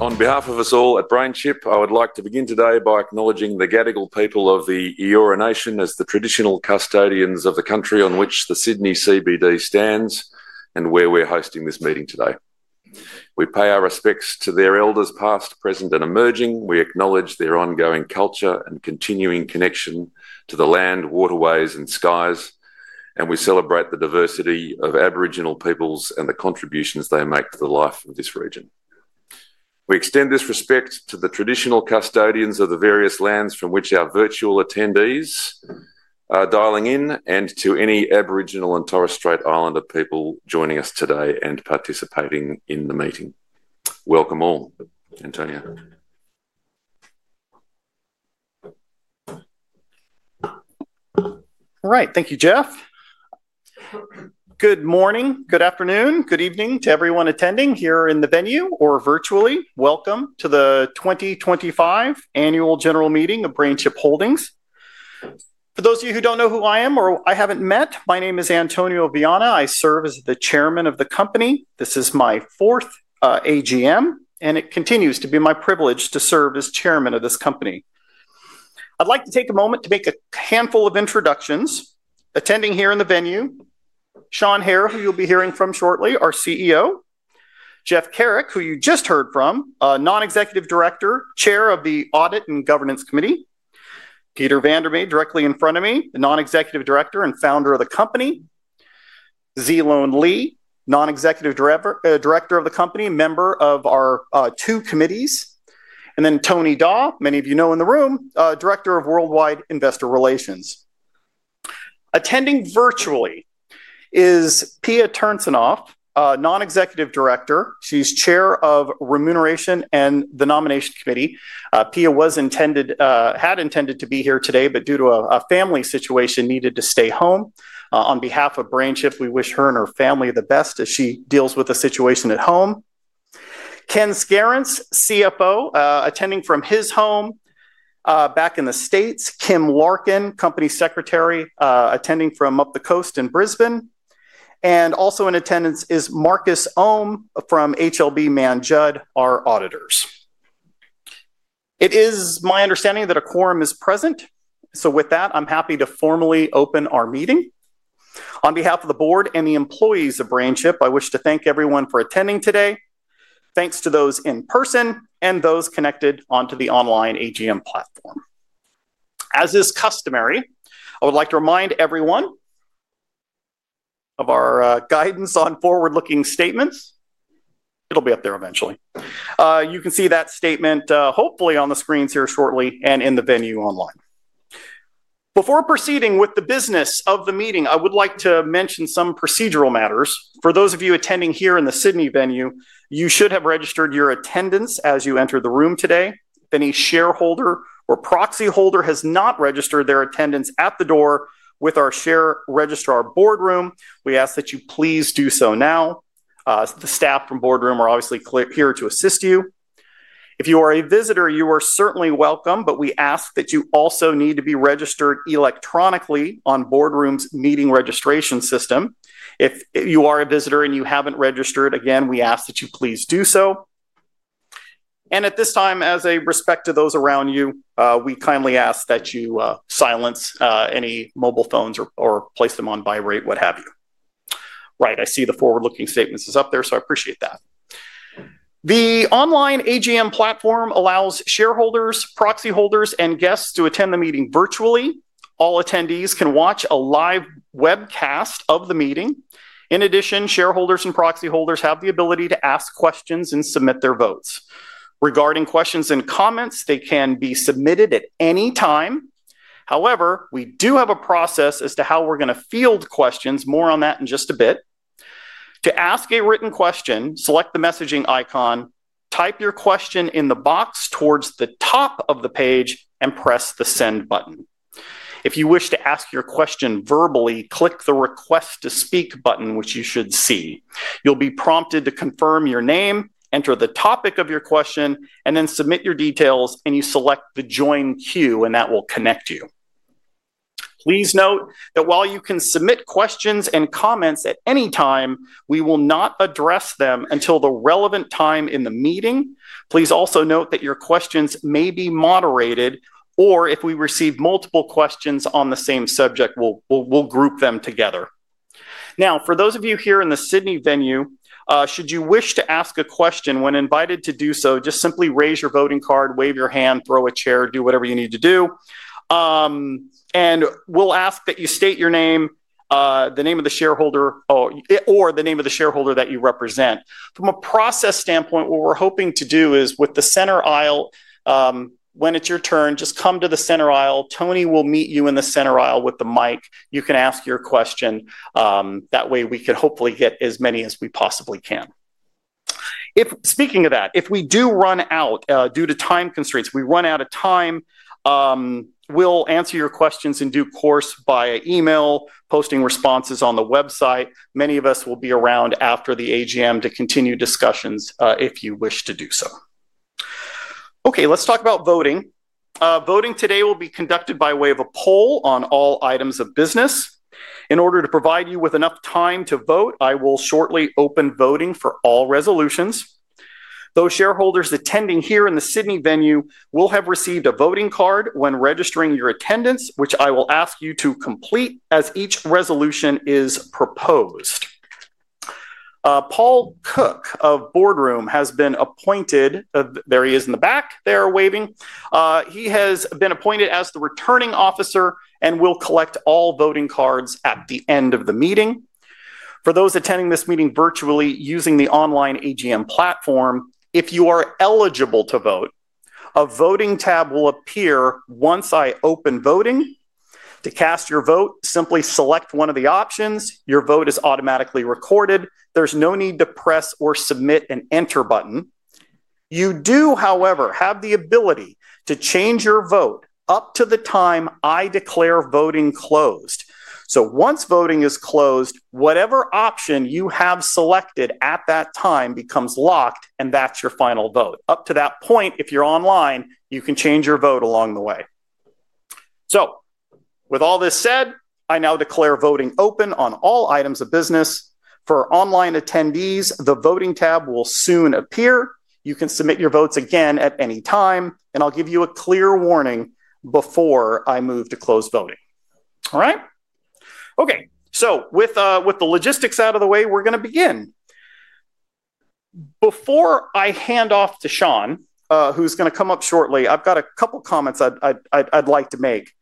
On behalf of us all at BrainChip, I would like to begin today by acknowledging the Gadigal people of the Eora Nation as the traditional custodians of the country on which the Sydney CBD stands and where we're hosting this meeting today. We pay our respects to their elders past, present, and emerging. We acknowledge their ongoing culture and continuing connection to the land, waterways, and skies, and we celebrate the diversity of Aboriginal peoples and the contributions they make to the life of this region. We extend this respect to the traditional custodians of the various lands from which our virtual attendees are dialing in, and to any Aboriginal and Torres Strait Islander people joining us today and participating in the meeting. Welcome all, Antonio. All right, thank you, Jeff. Good morning, good afternoon, good evening to everyone attending here in the venue or virtually. Welcome to the 2025 Annual General Meeting of BrainChip Holdings. For those of you who do not know who I am or I have not met, my name is Antonio Viana. I serve as the Chairman of the company. This is my fourth AGM, and it continues to be my privilege to serve as Chairman of this company. I would like to take a moment to make a handful of introductions. Attending here in the venue, Sean Hehir, who you'll be hearing from shortly, our CEO; Jeff Kerrick, who you just heard from, a non-executive director, chair of the Audit and Governance Committee; Peter Van der Made, directly in front of me, the non-executive director and founder of the company; Zelone Lee, non-executive director of the company, member of our two committees; and then Tony Daw, many of you know in the room, director of Worldwide Investor Relations. Attending virtually is Pia Turcinov, non-executive director. She's chair of Remuneration and the Nomination Committee. Pia had intended to be here today, but due to a family situation, needed to stay home. On behalf of BrainChip, we wish her and her family the best as she deals with the situation at home. Ken Scarince, CFO, attending from his home back in the States; Kim Larkin, Company Secretary, attending from up the coast in Brisbane; and also in attendance is Marcus Ohm from HLB Mann Judd, our auditors. It is my understanding that a quorum is present, so with that, I'm happy to formally open our meeting. On behalf of the board and the employees of BrainChip, I wish to thank everyone for attending today, thanks to those in person and those connected onto the online AGM platform. As is customary, I would like to remind everyone of our guidance on forward-looking statements. It'll be up there eventually. You can see that statement hopefully on the screens here shortly and in the venue online. Before proceeding with the business of the meeting, I would like to mention some procedural matters. For those of you attending here in the Sydney venue, you should have registered your attendance as you enter the room today. If any shareholder or proxy holder has not registered their attendance at the door with our share registrar Boardroom, we ask that you please do so now. The staff from Boardroom are obviously here to assist you. If you are a visitor, you are certainly welcome, but we ask that you also need to be registered electronically on Boardroom's meeting registration system. If you are a visitor and you haven't registered, again, we ask that you please do so. At this time, as a respect to those around you, we kindly ask that you silence any mobile phones or place them on vibrate, what have you. Right, I see the forward-l.ooking state..ments is up there, so I appreciate that. The online AGM platform allows sh.areholders, proxy holders, and guests to attend the meeting virtually. All attendees can watch a live webcast of the meeting. In addition, shareholders and proxy holders have the ability to ask questions and submit their votes. Regarding questions and comments, they can be submitted at any time. However, we do have a process as to how we're going to field questions, more on that in just a bit. To ask a written question, select the messaging icon, type your question in the box towards the top of the page, and press the send button. If you wish to ask your question verbally, click the request to speak button, which you should see. You'll be prompted to confirm your name, enter the topic of your question, and then submit your details, and you select the join queue, and that will connect you. Please note that while you can submit questions and comments at any time, we will not address them until the relevant time in the meeting. Please also note that your questions may be moderated, or if we receive multiple questions on the same subject, we'll group them together. Now, for those of you here in the Sydney venue, should you wish to ask a question when invited to do so, just simply raise your voting card, wave your hand, throw a chair, do whatever you need to do. We ask that you state your name, the name of the shareholder, or the name of the shareholder that you represent. From a process standpoint, what we're hoping to do is with the center aisle, when it's your turn, just come to the center aisle. Tony will meet you in the center aisle with the mic. You can ask your question. That way, we could hopefully get as many as we possibly can. Speaking of that, if we do run out due to time constraints, if we run out of time, we'll answer your questions in due course by email, posting responses on the website. Many of us will be around after the AGM to continue discussions if you wish to do so. Okay, let's talk about voting. Voting today will be conducted by way of a poll on all items of business. In order to provide you with enough time to vote, I will shortly open voting for all resolutions. Those shareholders attending here in the Sydney venue will have received a voting card when registering your attendance, which I will ask you to complete as each resolution is proposed. Paul Cook of Boardroom has been appointed. There he is in the back there waving. He has been appointed as the returning officer and will collect all voting cards at the end of the meeting. For those attending this meeting virtually using the online AGM platform, if you are eligible to vote, a voting tab will appear once I open voting. To cast your vote, simply select one of the options. Your vote is automatically recorded. There's no need to press or submit an enter button. You do, however, have the ability to change your vote up to the time I declare voting closed. Once voting is closed, whatever option you have selected at that time becomes locked, and that's your final vote. Up to that point, if you're online, you can change your vote along the way. With all this said, I now declare voting open on all items of business. For online attendees, the voting tab will soon appear. You can submit your votes again at any time, and I'll give you a clear warning before I move to close voting. All right? Okay, so with the logistics out of the way, we're going to begin. Before I hand off to Sean, who's going to come up shortly, I've got a couple of comments I'd like to make.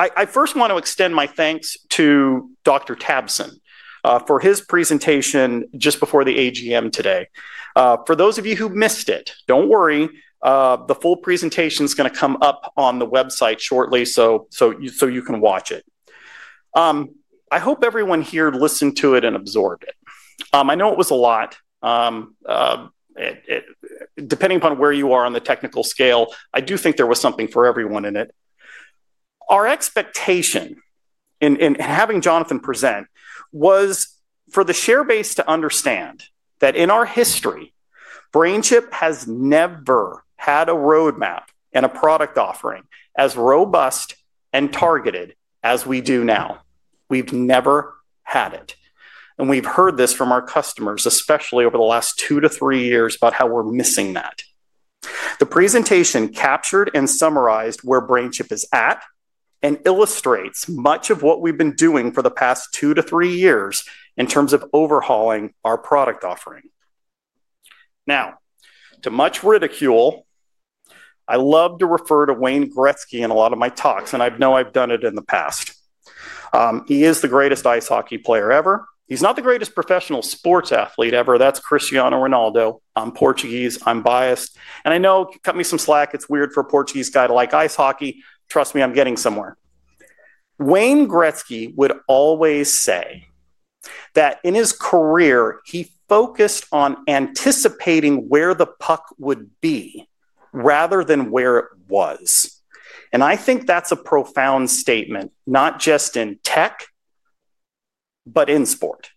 I first want to extend my thanks to Dr. Tapson for his presentation just before the AGM today. For those of you who missed it, don't worry. The full presentation is going to come up on the website shortly so you can watch it. I hope everyone here listened to it and absorbed it. I know it was a lot. Depending upon where you are on the technical scale, I do think there was something for everyone in it. Our expectation in having Jonathan present was for the share base to understand that in our history, BrainChip has never had a roadmap and a product offering as robust and targeted as we do now. We've never had it. We've heard this from our customers, especially over the last 2 to 3 years, about how we're missing that. The presentation captured and summarized where BrainChip is at and illustrates much of what we've been doing for the past two to three years in terms of overhauling our product offering. Now, to much ridicule, I love to refer to Wayne Gretzky in a lot of my talks, and I know I've done it in the past. He is the greatest ice hockey player ever. He's not the greatest professional sports athlete ever. That's Cristiano Ronaldo. I'm Portuguese. I'm biased. I know, cut me some slack, it's weird for a Portuguese guy to like ice hockey. Trust me, I'm getting somewhere. Wayne Gretzky would always say that in his career, he focused on anticipating where the puck would be rather than where it was. I think that's a profound statement, not just in tech, but in sport.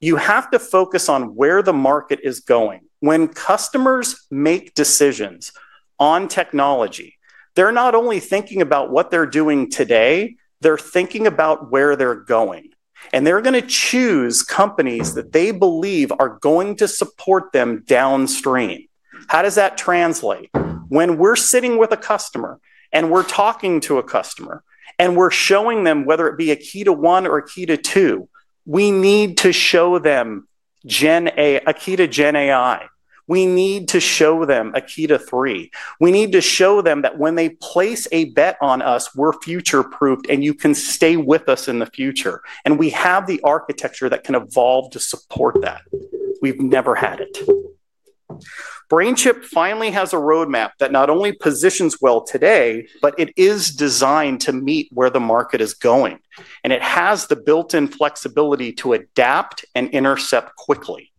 You have to focus on where the market is going. When customers make decisions on technology, they're not only thinking about what they're doing today, they're thinking about where they're going. They're going to choose companies that they believe are going to support them downstream. How does that translate? When we're sitting with a customer and we're talking to a customer and we're showing them, whether it be Akida 1 or Akida 2, we need to show them Akida Gen AI. We need to show them Akida 3. We need to show them that when they place a bet on us, we're future-proofed and you can stay with us in the future. We have the architecture that can evolve to support that. We've never had it. BrainChip finally has a roadmap that not only positions well today, but it is designed to meet where the market is going. It has the built-in flexibility to adapt and intercept quickly.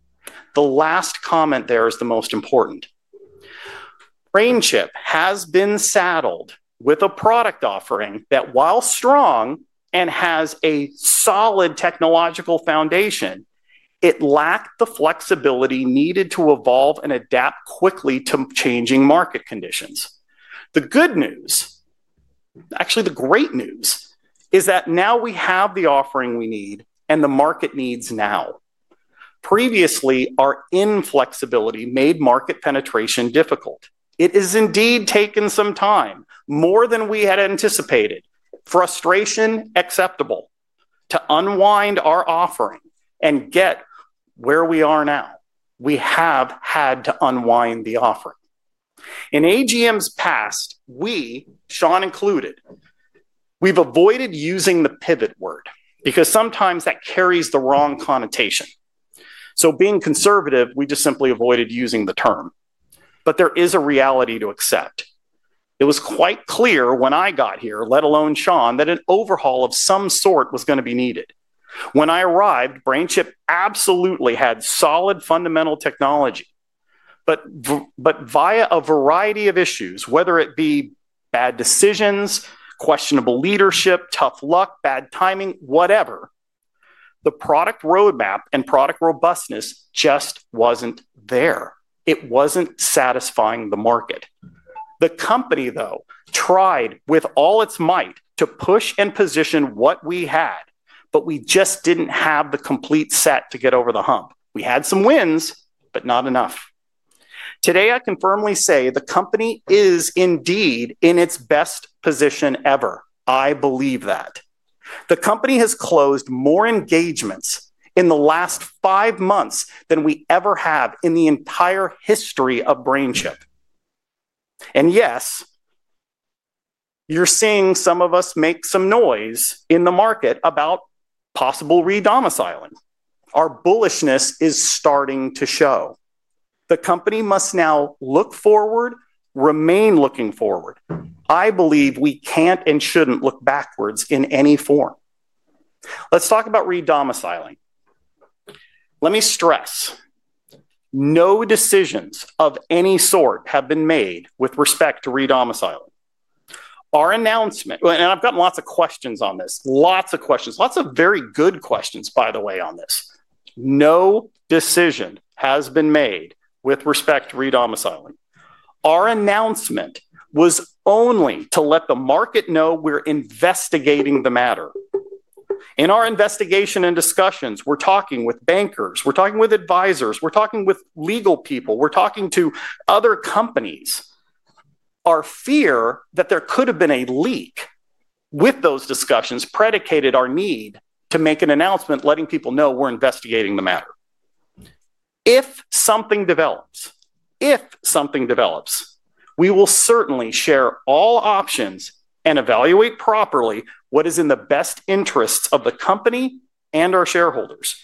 The last comment there is the most important. BrainChip has been saddled with a product offering that, while strong and has a solid technological foundation, lacked the flexibility needed to evolve and adapt quickly to changing market conditions. The good news, actually the great news, is that now we have the offering we need and the market needs now. Previously, our inflexibility made market penetration difficult. It has indeed taken some time, more than we had anticipated. Frustration acceptable to unwind our offering and get where we are now. We have had to unwind the offering. In AGMs past, we, Sean included, we've avoided using the pivot word because sometimes that carries the wrong connotation. Being conservative, we just simply avoided using the term. There is a reality to accept. It was quite clear when I got here, let alone Sean, that an overhaul of some sort was going to be needed. When I arrived, BrainChip absolutely had solid fundamental technology. Via a variety of issues, whether it be bad decisions, questionable leadership, tough luck, bad timing, whatever, the product roadmap and product robustness just wasn't there. It wasn't satisfying the market. The company, though, tried with all its might to push and position what we had, but we just didn't have the complete set to get over the hump. We had some wins, but not enough. Today, I can firmly say the company is indeed in its best position ever. I believe that. The company has closed more engagements in the last five months than we ever have in the entire history of BrainChip. Yes, you're seeing some of us make some noise in the market about possible redomiciling. Our bullishness is starting to show. The company must now look forward, remain looking forward. I believe we can't and shouldn't look backwards in any form. Let's talk about redomiciling. Let me stress, no decisions of any sort have been made with respect to redomiciling. Our announcement, and I've gotten lots of questions on this, lots of very good questions, by the way, on this. No decision has been made with respect to redomiciling. Our announcement was only to let the market know we're investigating the matter. In our investigation and discussions, we're talking with bankers, we're talking with advisors, we're talking with legal people, we're talking to other companies. Our fear that there could have been a leak with those discussions predicated our need to make an announcement letting people know we're investigating the matter. If something develops, we will certainly share all options and evaluate properly what is in the best interests of the company and our shareholders.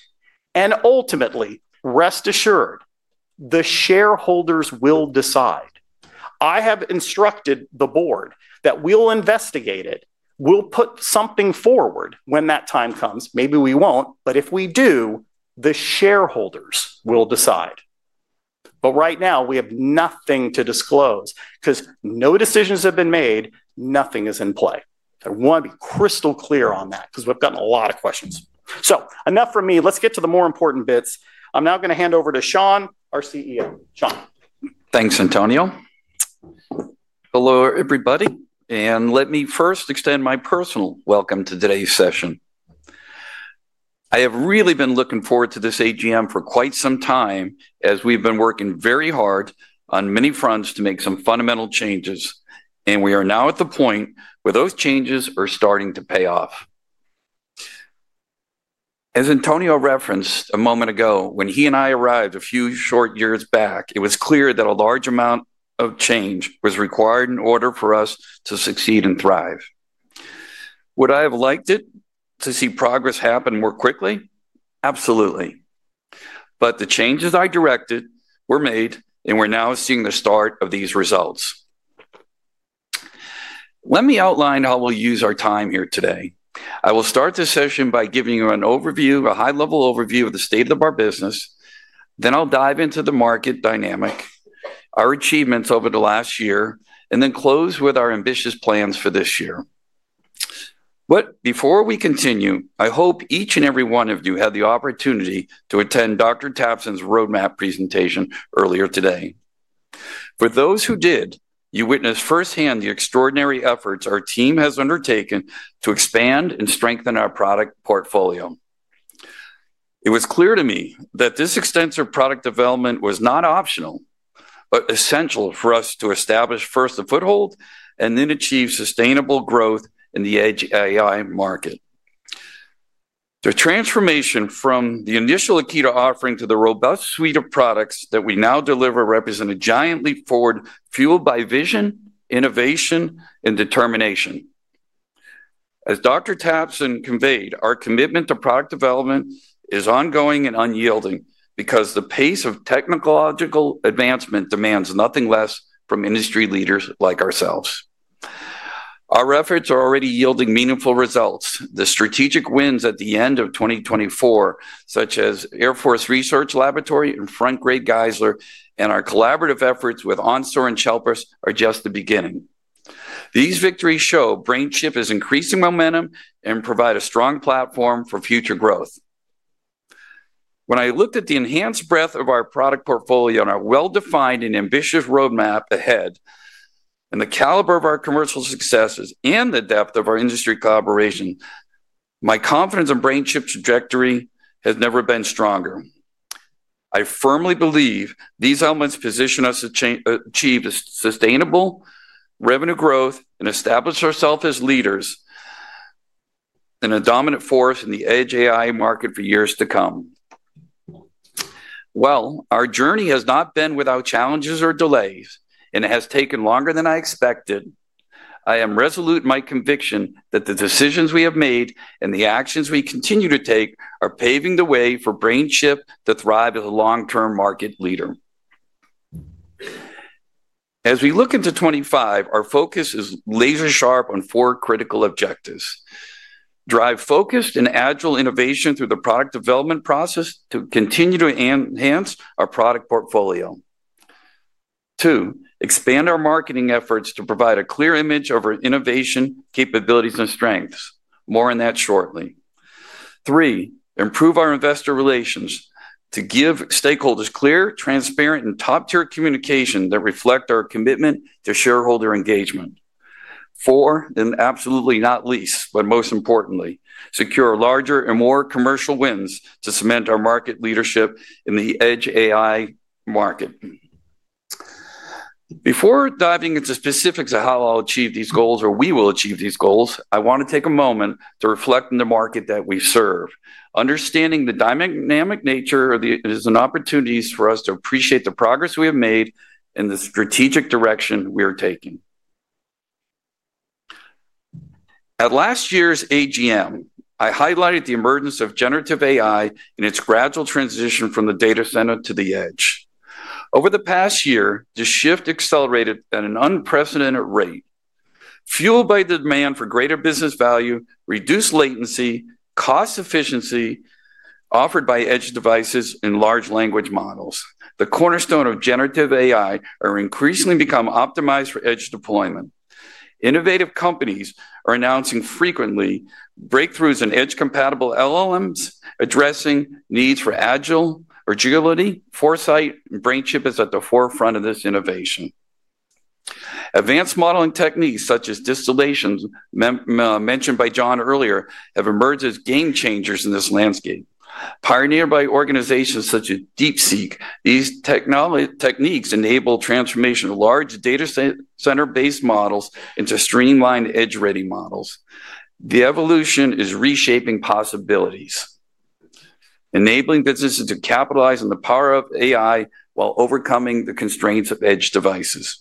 Ultimately, rest assured, the shareholders will decide. I have instructed the board that we'll investigate it, we'll put something forward when that time comes. Maybe we will not, but if we do, the shareholders will decide. Right now, we have nothing to disclose because no decisions have been made, nothing is in play. I want to be crystal clear on that because we have gotten a lot of questions. Enough from me. Let us get to the more important bits. I am now going to hand over to Sean, our CEO. Sean. Thanks, Antonio. Hello, everybody. Let me first extend my personal welcome to today's session. I have really been looking forward to this AGM for quite some time as we have been working very hard on many fronts to make some fundamental changes. We are now at the point where those changes are starting to pay off. As Antonio referenced a moment ago, when he and I arrived a few short years back, it was clear that a large amount of change was required in order for us to succeed and thrive. Would I have liked it to see progress happen more quickly? Absolutely. The changes I directed were made, and we're now seeing the start of these results. Let me outline how we'll use our time here today. I will start the session by giving you a high-level overview of the state of our business. Then I'll dive into the market dynamic, our achievements over the last year, and then close with our ambitious plans for this year. Before we continue, I hope each and every one of you had the opportunity to attend Dr. Tapson's roadmap presentation earlier today. For those who did, you witnessed firsthand the extraordinary efforts our team has undertaken to expand and strengthen our product portfolio. It was clear to me that this extensive product development was not optional, but essential for us to establish first a foothold and then achieve sustainable growth in the AI market. The transformation from the initial Akida offering to the robust suite of products that we now deliver represents a giant leap forward fueled by vision, innovation, and determination. As Dr. Tapson conveyed, our commitment to product development is ongoing and unyielding because the pace of technological advancement demands nothing less from industry leaders like ourselves. Our efforts are already yielding meaningful results. The strategic wins at the end of 2024, such as Air Force Research Laboratory and Frontgrade Gaisler, and our collaborative efforts with Onsor and Chelpis are just the beginning. These victories show BrainChip is increasing momentum and provide a strong platform for future growth. When I looked at the enhanced breadth of our product portfolio and our well-defined and ambitious roadmap ahead, and the caliber of our commercial successes and the depth of our industry collaboration, my confidence in BrainChip's trajectory has never been stronger. I firmly believe these elements position us to achieve sustainable revenue growth and establish ourselves as leaders and a dominant force in the Edge AI market for years to come. Our journey has not been without challenges or delays, and it has taken longer than I expected. I am resolute in my conviction that the decisions we have made and the actions we continue to take are paving the way for BrainChip to thrive as a long-term market leader. As we look into 2025, our focus is laser-sharp on four critical objectives. Drive focused and agile innovation through the product development process to continue to enhance our product portfolio. Two, expand our marketing efforts to provide a clear image of our innovation, capabilities, and strengths. More on that shortly. Three, improve our investor relations to give stakeholders clear, transparent, and top-tier communication that reflect our commitment to shareholder engagement. Four, and absolutely not least, but most importantly, secure larger and more commercial wins to cement our market leadership in the Edge AI market. Before diving into specifics of how I'll achieve these goals or we will achieve these goals, I want to take a moment to reflect on the market that we serve, understanding the dynamic nature of these opportunities for us to appreciate the progress we have made and the strategic direction we are taking. At last year's AGM, I highlighted the emergence of generative AI and its gradual transition from the data center to the edge. Over the past year, the shift accelerated at an unprecedented rate, fueled by the demand for greater business value, reduced latency, and cost efficiency offered by edge devices and large language models. The cornerstone of generative AI has increasingly become optimized for edge deployment. Innovative companies are announcing frequently breakthroughs in edge-compatible LLMs, addressing needs for agile agility, foresight, and BrainChip is at the forefront of this innovation. Advanced modeling techniques such as distillations mentioned by John earlier have emerged as game changers in this landscape. Pioneered by organizations such as DeepSeek, these techniques enable transformation of large data center-based models into streamlined edge-ready models. The evolution is reshaping possibilities, enabling businesses to capitalize on the power of AI while overcoming the constraints of edge devices.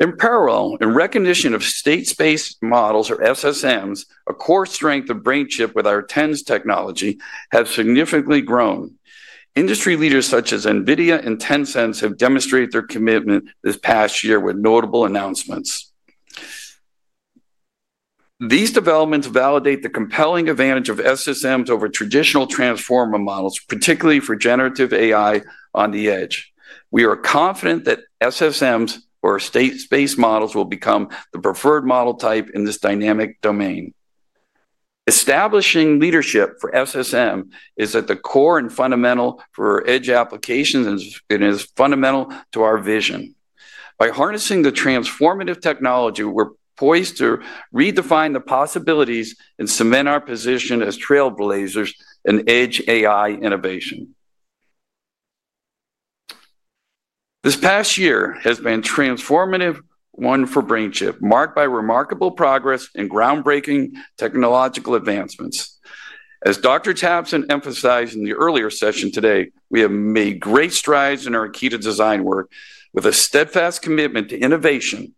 In parallel, in recognition of state-space models or SSMs, a core strength of BrainChip with our TENS technology has significantly grown. Industry leaders such as NVIDIA and Tencent have demonstrated their commitment this past year with notable announcements. These developments validate the compelling advantage of SSMs over traditional transformer models, particularly for generative AI on the edge. We are confident that SSMs or state-space models will become the preferred model type in this dynamic domain. Establishing leadership for SSM is at the core and fundamental for edge applications, and it is fundamental to our vision. By harnessing the transformative technology, we're poised to redefine the possibilities and cement our position as trailblazers in Edge AI innovation. This past year has been a transformative one for BrainChip, marked by remarkable progress and groundbreaking technological advancements. As Dr. Tapson emphasized in the earlier session today, we have made great strides in our Akida design work with a steadfast commitment to innovation.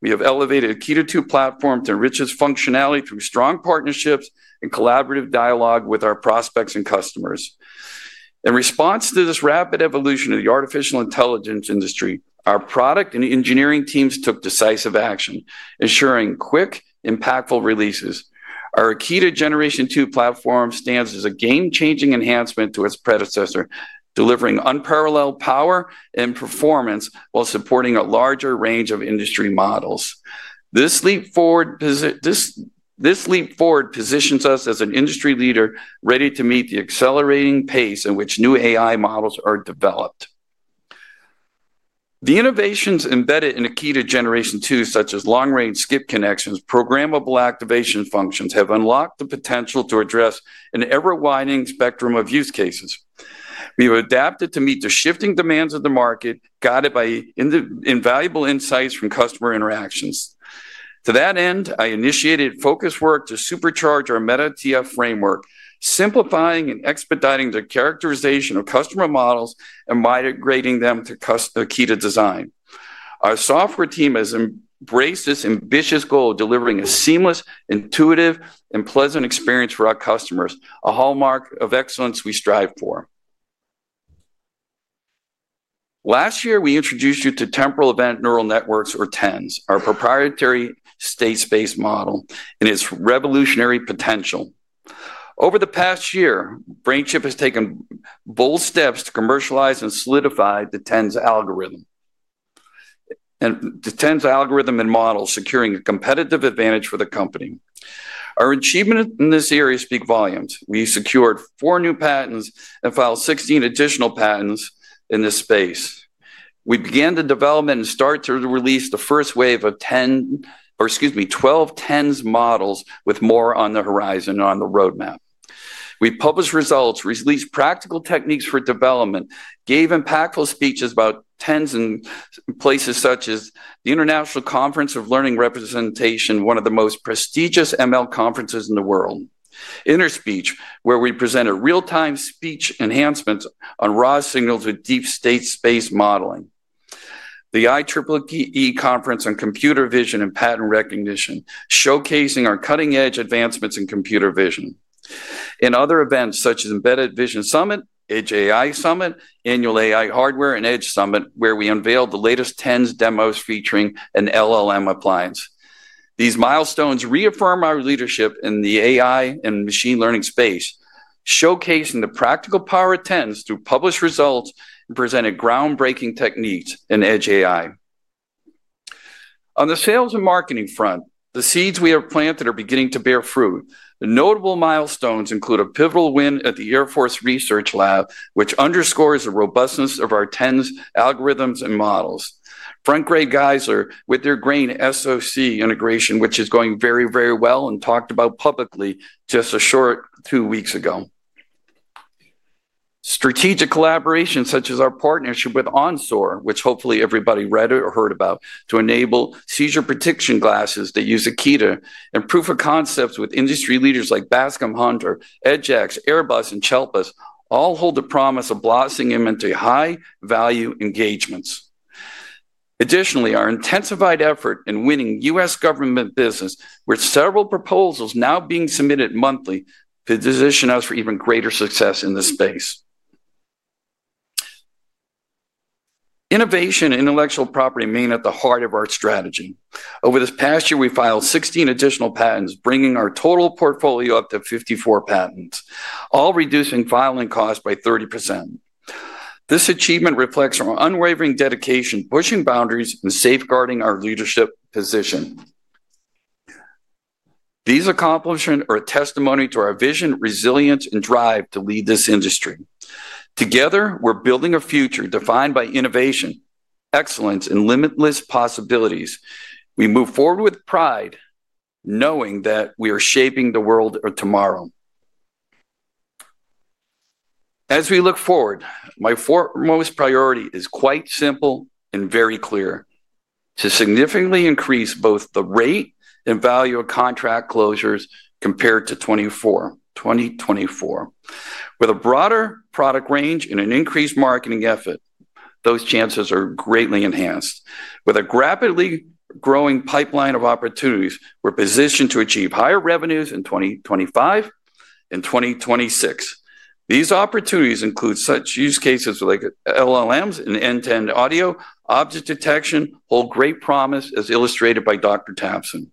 We have elevated Akida 2 platform to enrich its functionality through strong partnerships and collaborative dialogue with our prospects and customers. In response to this rapid evolution of the artificial intelligence industry, our product and engineering teams took decisive action, ensuring quick, impactful releases. Our Akida Generation 2 platform stands as a game-changing enhancement to its predecessor, delivering unparalleled power and performance while supporting a larger range of industry models. This leap forward positions us as an industry leader ready to meet the accelerating pace in which new AI models are developed. The innovations embedded in Akida Generation 2, such as long-range skip connections, programmable activation functions, have unlocked the potential to address an ever-widening spectrum of use cases. We have adapted to meet the shifting demands of the market, guided by invaluable insights from customer interactions. To that end, I initiated focused work to supercharge our MetaTF framework, simplifying and expediting the characterization of customer models and migrating them to Akida design. Our software team has embraced this ambitious goal of delivering a seamless, intuitive, and pleasant experience for our customers, a hallmark of excellence we strive for. Last year, we introduced you to Temporal Event Neural Networks, or TENNs, our proprietary state-space model and its revolutionary potential. Over the past year, BrainChip has taken bold steps to commercialize and solidify the TENNs algorithm and model, securing a competitive advantage for the company. Our achievements in this area speak volumes. We secured four new patents and filed 16 additional patents in this space. We began the development and started to release the first wave of 10, or excuse me, 12 TENNs models with more on the horizon and on the roadmap. We published results, released practical techniques for development, gave impactful speeches about TENNs in places such as the International Conference of Learning Representation, one of the most prestigious ML conferences in the world, Interspeech, where we presented real-time speech enhancements on raw signals with deep state-space modeling, the IEEE Conference on Computer Vision and Pattern Recognition, showcasing our cutting-edge advancements in computer vision. In other events such as Embedded Vision Summit, Edge AI Summit, Annual AI Hardware and Edge Summit, where we unveiled the latest TENNs demos featuring an LLM appliance. These milestones reaffirm our leadership in the AI and machine learning space, showcasing the practical power of TENNs through published results and presented groundbreaking techniques in Edge AI. On the sales and marketing front, the seeds we have planted are beginning to bear fruit. The notable milestones include a pivotal win at the Air Force Research Laboratory, which underscores the robustness of our TENNs algorithms and models. Frontgrade Gaisler, with their Gaisler SoC integration, which is going very, very well and talked about publicly just a short two weeks ago. Strategic collaborations such as our partnership with Onsor, which hopefully everybody read or heard about, to enable seizure prediction glasses that use Akida and proof of concepts with industry leaders like Bascom Hunter, EdgeX, Airbus, and Chelpis, all hold the promise of blossoming into high-value engagements. Additionally, our intensified effort in winning U.S. government business, with several proposals now being submitted monthly, positioned us for even greater success in this space. Innovation and intellectual property remain at the heart of our strategy. Over this past year, we filed 16 additional patents, bringing our total portfolio up to 54 patents, all reducing filing costs by 30%. This achievement reflects our unwavering dedication, pushing boundaries and safeguarding our leadership position. These accomplishments are a testimony to our vision, resilience, and drive to lead this industry. Together, we're building a future defined by innovation, excellence, and limitless possibilities. We move forward with pride, knowing that we are shaping the world of tomorrow. As we look forward, my foremost priority is quite simple and very clear: to significantly increase both the rate and value of contract closures compared to 2024. With a broader product range and an increased marketing effort, those chances are greatly enhanced. With a rapidly growing pipeline of opportunities, we're positioned to achieve higher revenues in 2025 and 2026. These opportunities include such use cases like LLMs and end-to-end audio, object detection, hold great promise, as illustrated by Dr. Tapson.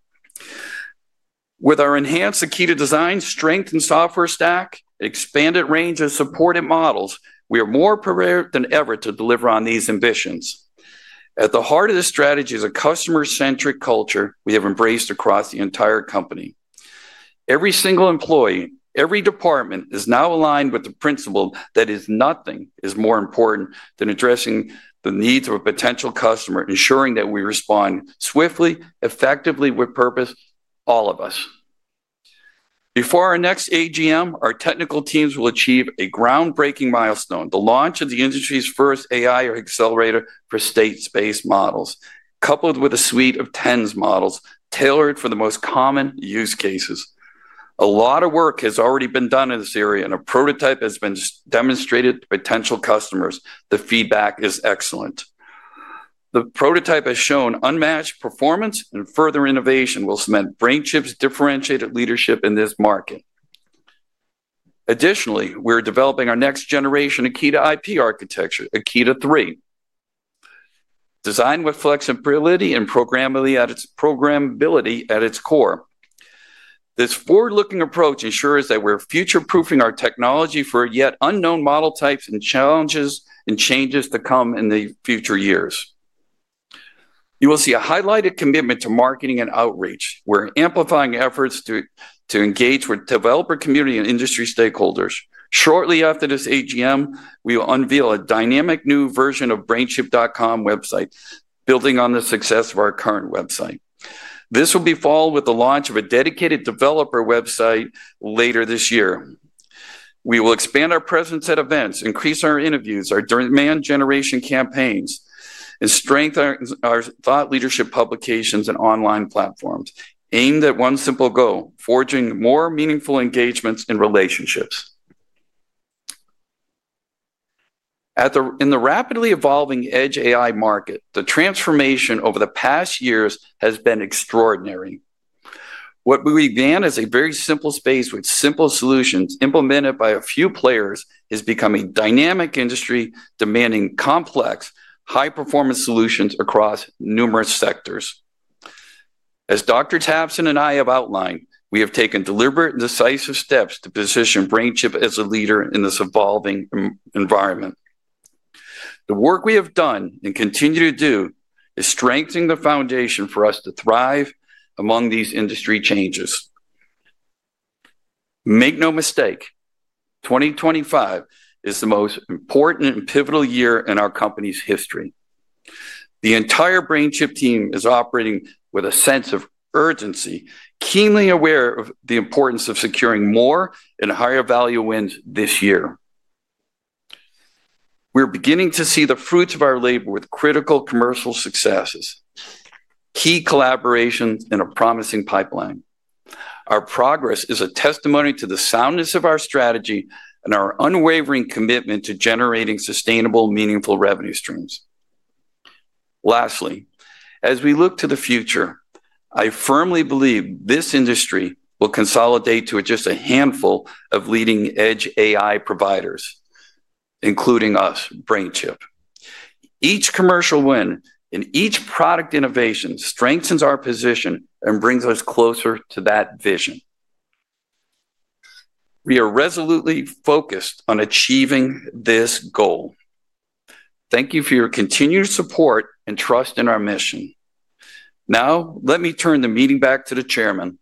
With our enhanced Akida design, strengthened software stack, and expanded range of supported models, we are more prepared than ever to deliver on these ambitions. At the heart of this strategy is a customer-centric culture we have embraced across the entire company. Every single employee, every department is now aligned with the principle that nothing is more important than addressing the needs of a potential customer, ensuring that we respond swiftly, effectively, with purpose, all of us. Before our next AGM, our technical teams will achieve a groundbreaking milestone: the launch of the industry's first AI accelerator for state-space models, coupled with a suite of TENNs models tailored for the most common use cases. A lot of work has already been done in this area, and a prototype has been demonstrated to potential customers. The feedback is excellent. The prototype has shown unmatched performance, and further innovation will cement BrainChip's differentiated leadership in this market. Additionally, we're developing our next-generation Akida IP architecture, Akida 3, designed with flexibility and programmability at its core. This forward-looking approach ensures that we're future-proofing our technology for yet unknown model types and challenges and changes to come in the future years. You will see a highlighted commitment to marketing and outreach. We're amplifying efforts to engage with the developer community and industry stakeholders. Shortly after this AGM, we will unveil a dynamic new version of the brainchip.com website, building on the success of our current website. This will be followed with the launch of a dedicated developer website later this year. We will expand our presence at events, increase our interviews, our demand-generation campaigns, and strengthen our thought leadership publications and online platforms, aimed at one simple goal: forging more meaningful engagements and relationships. In the rapidly evolving Edge AI market, the transformation over the past years has been extraordinary. What we began as a very simple space with simple solutions implemented by a few players is becoming a dynamic industry demanding complex, high-performance solutions across numerous sectors. As Dr. Tapson and I have outlined, we have taken deliberate and decisive steps to position BrainChip as a leader in this evolving environment. The work we have done and continue to do is strengthening the foundation for us to thrive among these industry changes. Make no mistake, 2025 is the most important and pivotal year in our company's history. The entire BrainChip team is operating with a sense of urgency, keenly aware of the importance of securing more and higher value wins this year. We're beginning to see the fruits of our labor with critical commercial successes, key collaborations, and a promising pipeline. Our progress is a testimony to the soundness of our strategy and our unwavering commitment to generating sustainable, meaningful revenue streams. Lastly, as we look to the future, I firmly believe this industry will consolidate to just a handful of leading Edge AI providers, including us, BrainChip. Each commercial win and each product innovation strengthens our position and brings us closer to that vision. We are resolutely focused on achieving this goal. Thank you for your continued support and trust in our mission. Now, let me turn the meeting back to the Chairman.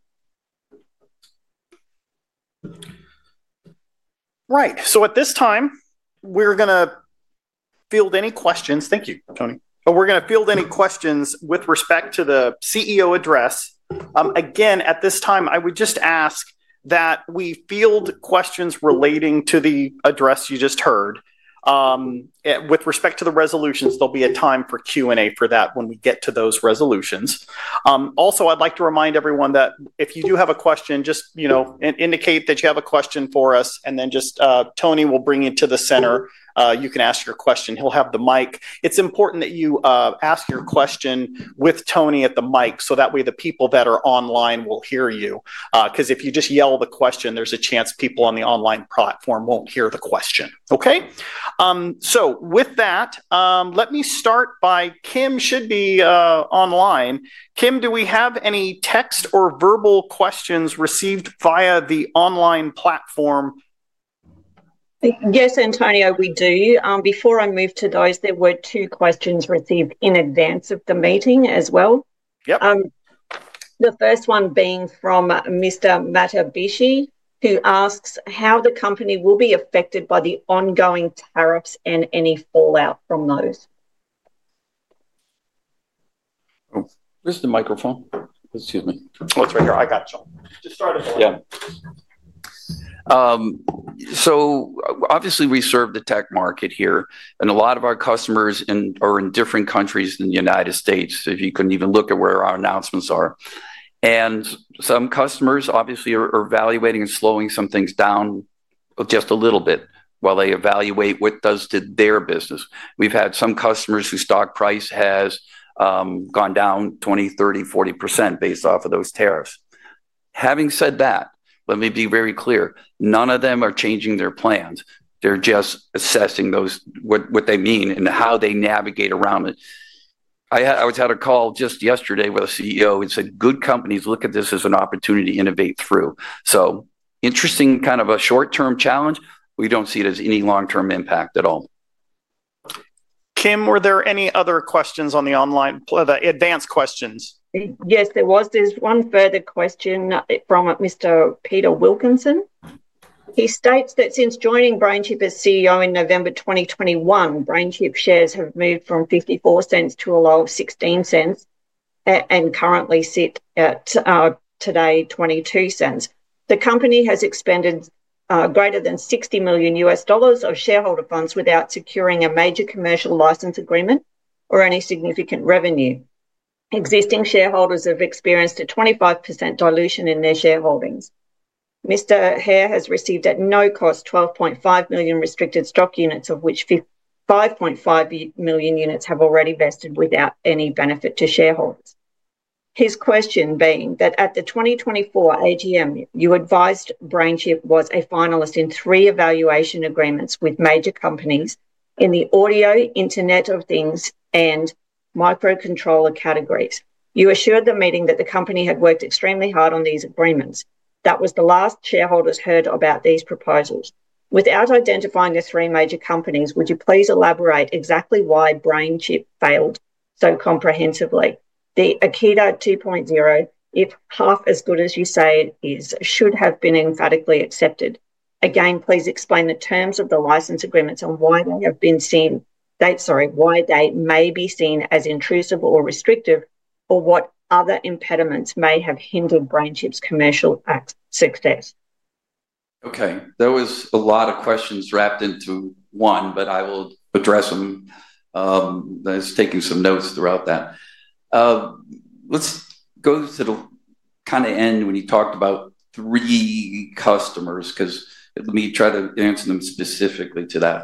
Right. At this time, we're going to field any questions. Thank you, Tony. We're going to field any questions with respect to the CEO address. Again, at this time, I would just ask that we field questions relating to the address you just heard. With respect to the resolutions, there'll be a time for Q&A for that when we get to those resolutions. Also, I'd like to remind everyone that if you do have a question, just indicate that you have a question for us, and then just Tony will bring it to the center. You can ask your question. He'll have the mic. It's important that you ask your question with Tony at the mic so that way the people that are online will hear you. Because if you just yell the question, there's a chance people on the online platform won't hear the question. Okay? So with that, let me start by Kim should be online. Kim, do we have any text or verbal questions received via the online platform? Yes, Antonio, we do. Before I move to those, there were two questions received in advance of the meeting as well. The first one being from Mr. Matabishi, who asks how the company will be affected by the ongoing tariffs and any fallout from those. Where's the microphone? Excuse me. Oh, it's right here. I got you. Just start it. Yeah. Obviously, we serve the tech market here, and a lot of our customers are in different countries than the U.S., so you could even look at where our announcements are. Some customers obviously are evaluating and slowing some things down just a little bit while they evaluate what it does to their business. We've had some customers whose stock price has gone down 20%, 30%, 40% based off of those tariffs. Having said that, let me be very clear. None of them are changing their plans. They're just assessing what they mean and how they navigate around it. I was at a call just yesterday with a CEO who said, "Good companies look at this as an opportunity to innovate through." Interesting, kind of a short-term challenge. We do not see it as any long-term impact at all. Kim, were there any other questions on the online advanced questions? Yes, there was this one further question from Mr. Peter Wilkinson. He states that since joining BrainChip as CEO in November 2021, BrainChip shares have moved from $0.54 to a low of $0.16 and currently sit at today $0.22. The company has expended greater than $60 million of shareholder funds without securing a major commercial license agreement or any significant revenue. Existing shareholders have experienced a 25% dilution in their shareholdings. Mr. Hehir has received at no cost 12.5 million restricted stock units, of which 5.5 million units have already vested without any benefit to shareholders. His question being that at the 2024 AGM, you advised BrainChip was a finalist in three evaluation agreements with major companies in the audio, internet of things, and microcontroller categories. You assured the meeting that the company had worked extremely hard on these agreements. That was the last shareholders heard about these proposals. Without identifying the three major companies, would you please elaborate exactly why BrainChip failed so comprehensively? The Akida 2.0, if half as good as you say it is, should have been emphatically accepted. Again, please explain the terms of the license agreements and why they have been seen—sorry, why they may be seen as intrusive or restrictive or what other impediments may have hindered BrainChip's commercial success. Okay. There was a lot of questions wrapped into one, but I will address them. I was taking some notes throughout that. Let's go to the kind of end when you talked about three customers because let me try to answer them specifically to that.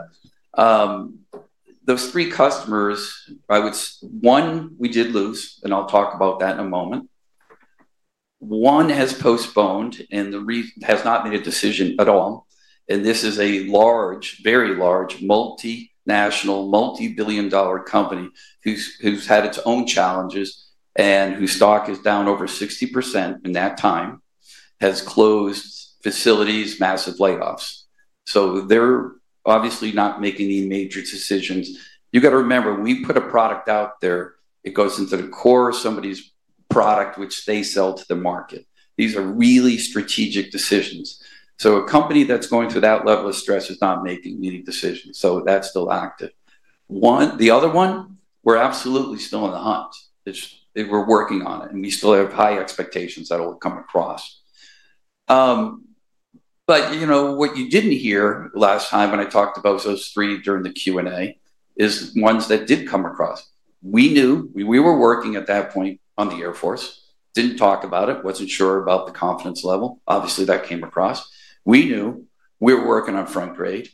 Those three customers, I would say one, we did lose, and I'll talk about that in a moment. One has postponed and has not made a decision at all. And this is a large, very large multinational, multi-billion dollar company who's had its own challenges and whose stock is down over 60% in that time, has closed facilities, massive layoffs. They are obviously not making any major decisions. You got to remember, when we put a product out there, it goes into the core of somebody's product, which they sell to the market. These are really strategic decisions. A company that's going through that level of stress is not making any decisions. That is still active. The other one, we're absolutely still in the hunt. We're working on it, and we still have high expectations that will come across. What you did not hear last time when I talked about those three during the Q&A is ones that did come across. We knew we were working at that point on the Air Force. Did not talk about it, was not sure about the confidence level. Obviously, that came across. We knew we were working on Frontgrade.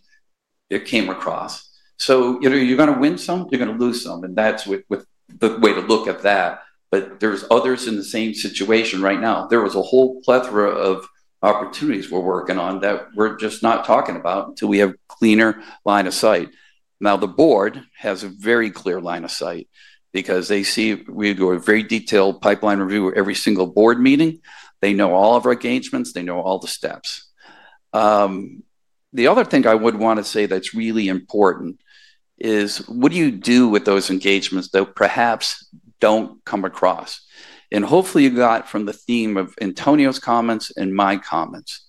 It came across. You are going to win some, you are going to lose some, and that is the way to look at that. There are others in the same situation right now. There was a whole plethora of opportunities we're working on that we're just not talking about until we have a cleaner line of sight. Now, the board has a very clear line of sight because they see we do a very detailed pipeline review at every single board meeting. They know all of our engagements. They know all the steps. The other thing I would want to say that's really important is what do you do with those engagements that perhaps don't come across? Hopefully, you got from the theme of Antonio's comments and my comments,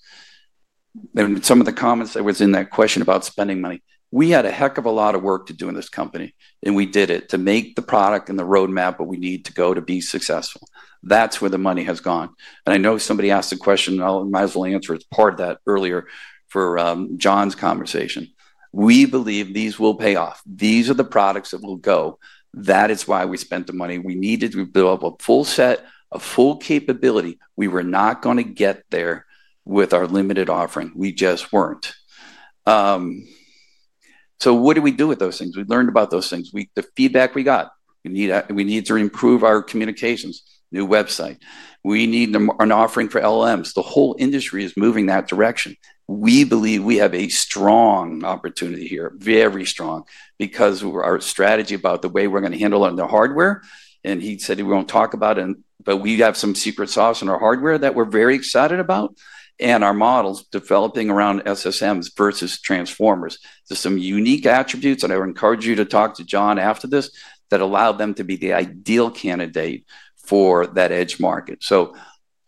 and some of the comments that were in that question about spending money. We had a heck of a lot of work to do in this company, and we did it to make the product and the roadmap that we need to go to be successful. That is where the money has gone. I know somebody asked the question, and I might as well answer it. It is part of that earlier for John's conversation. We believe these will pay off. These are the products that will go. That is why we spent the money. We needed to build up a full set, a full capability. We were not going to get there with our limited offering. We just were not. What do we do with those things? We learned about those things. The feedback we got. We need to improve our communications, new website. We need an offering for LLMs. The whole industry is moving that direction. We believe we have a strong opportunity here, very strong, because of our strategy about the way we're going to handle on the hardware. He said we won't talk about it, but we have some secret sauce in our hardware that we're very excited about and our models developing around SSMs versus transformers. There are some unique attributes that I would encourage you to talk to John after this that allow them to be the ideal candidate for that edge market.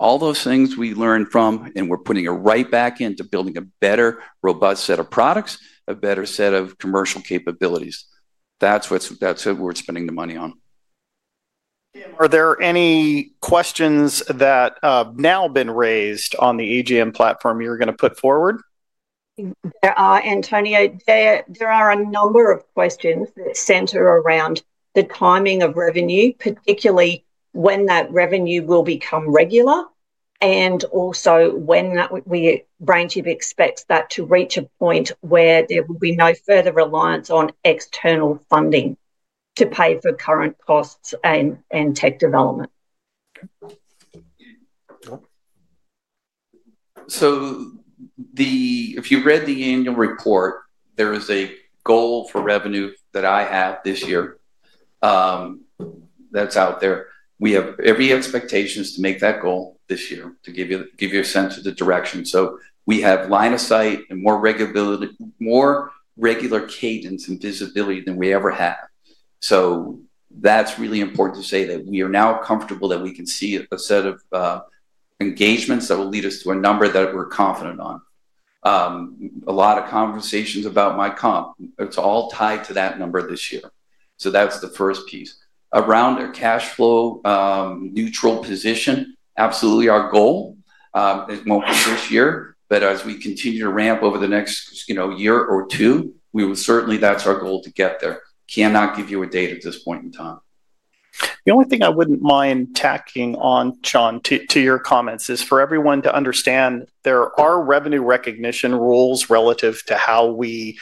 All those things we learned from, and we're putting it right back into building a better, robust set of products, a better set of commercial capabilities. That's what we're spending the money on. Are there any questions that have now been raised on the AGM platform you're going to put forward? There are, Antonio. There are a number of questions that center around the timing of revenue, particularly when that revenue will become regular and also when BrainChip expects that to reach a point where there will be no further reliance on external funding to pay for current costs and tech development. If you read the annual report, there is a goal for revenue that I have this year that's out there. We have every expectation to make that goal this year to give you a sense of the direction. We have line of sight and more regular cadence and visibility than we ever have. That's really important to say that we are now comfortable that we can see a set of engagements that will lead us to a number that we're confident on. A lot of conversations about my comp. It's all tied to that number this year. That's the first piece. Around a cash flow neutral position, absolutely our goal will not be this year, but as we continue to ramp over the next year or 2, certainly that's our goal to get there. Cannot give you a date at this point in time. The only thing I would not mind tacking on, John, to your comments is for everyone to understand there are revenue recognition rules relative to how we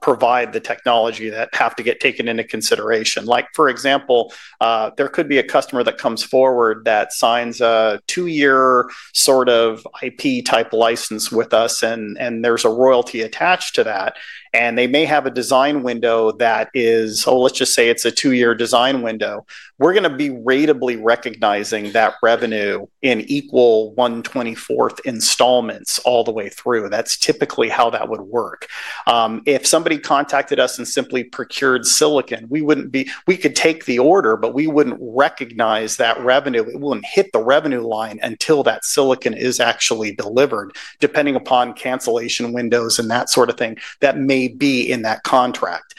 provide the technology that have to get taken into consideration. For example, there could be a customer that comes forward that signs a two-year sort of IP-type license with us, and there is a royalty attached to that. They may have a design window that is, oh, let's just say it is a two-year design window. We are going to be ratably recognizing that revenue in equal 1/24 installments all the way through. That is typically how that would work. If somebody contacted us and simply procured silicon, we could take the order, but we would not recognize that revenue. It would not hit the revenue line until that silicon is actually delivered, depending upon cancellation windows and that sort of thing that may be in that contract.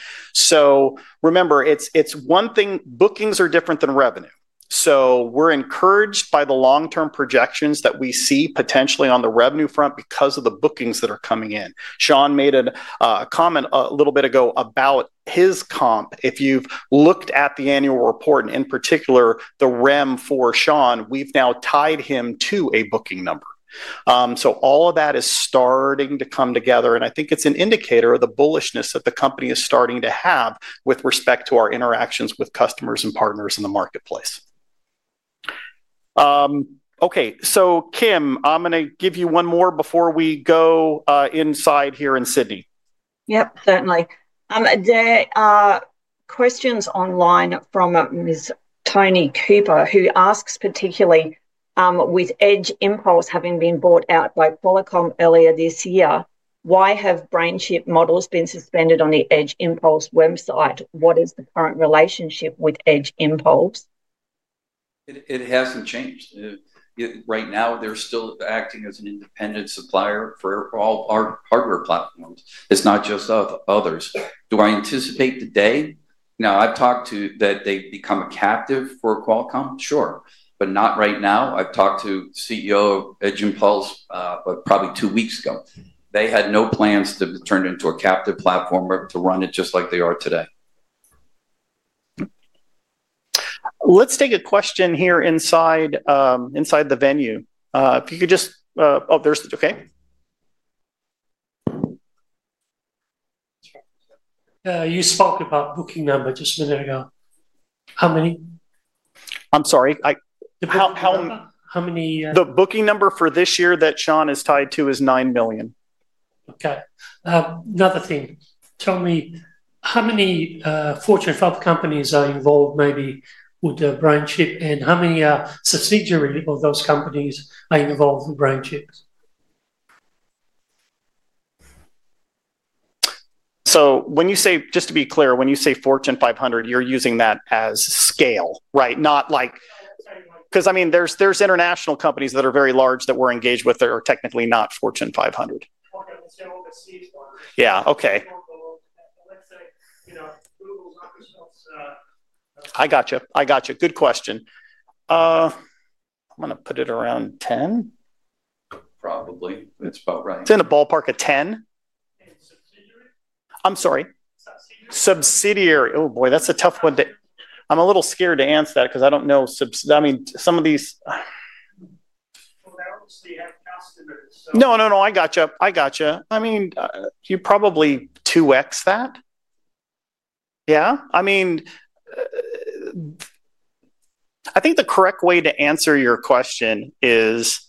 Remember, bookings are different than revenue. We are encouraged by the long-term projections that we see potentially on the revenue front because of the bookings that are coming in. Sean made a comment a little bit ago about his comp. If you have looked at the annual report, and in particular, the REM for Sean, we have now tied him to a booking number. All of that is starting to come together, and I think it is an indicator of the bullishness that the company is starting to have with respect to our interactions with customers and partners in the marketplace. Okay. Kim, I'm going to give you one more before we go inside here in Sydney. Yep, certainly. There are questions online from Tony Cooper, who asks particularly, with Edge Impulse having been bought out by Qualcomm earlier this year, why have BrainChip models been suspended on the Edge Impulse website? What is the current relationship with Edge Impulse? It hasn't changed. Right now, they're still acting as an independent supplier for all our hardware platforms. It's not just others. Do I anticipate today? Now, I've talked to that they've become a captive for Qualcomm, sure, but not right now. I've talked to CEO of Edge Impulse, probably two weeks ago. They had no plans to turn it into a captive platform or to run it just like they are today. Let's take a question here inside the venue. If you could just—oh, there's the—okay. You spoke about booking number just a minute ago. How many? I'm sorry. How many? The booking number for this year that Sean is tied to is $9 million. Okay. Another thing. Tell me how many Fortune 5 companies are involved maybe with BrainChip, and how many subsidiaries of those companies are involved with BrainChip? So when you say—just to be clear—when you say Fortune 500, you're using that as scale, right? Because, I mean, there's international companies that are very large that we're engaged with that are technically not Fortune 500. Yeah. Okay. I gotcha. I gotcha. Good question. I'm going to put it around 10. Probably. It's about right. It's in the ballpark of 10. And subsidiary? I'm sorry? Subsidiary. Subsidiary. Oh boy, that's a tough one to—I'm a little scared to answer that because I don't know—I mean, some of these— No, no, no. I gotcha. I gotcha. I mean, you probably 2x that. Yeah. I mean, I think the correct way to answer your question is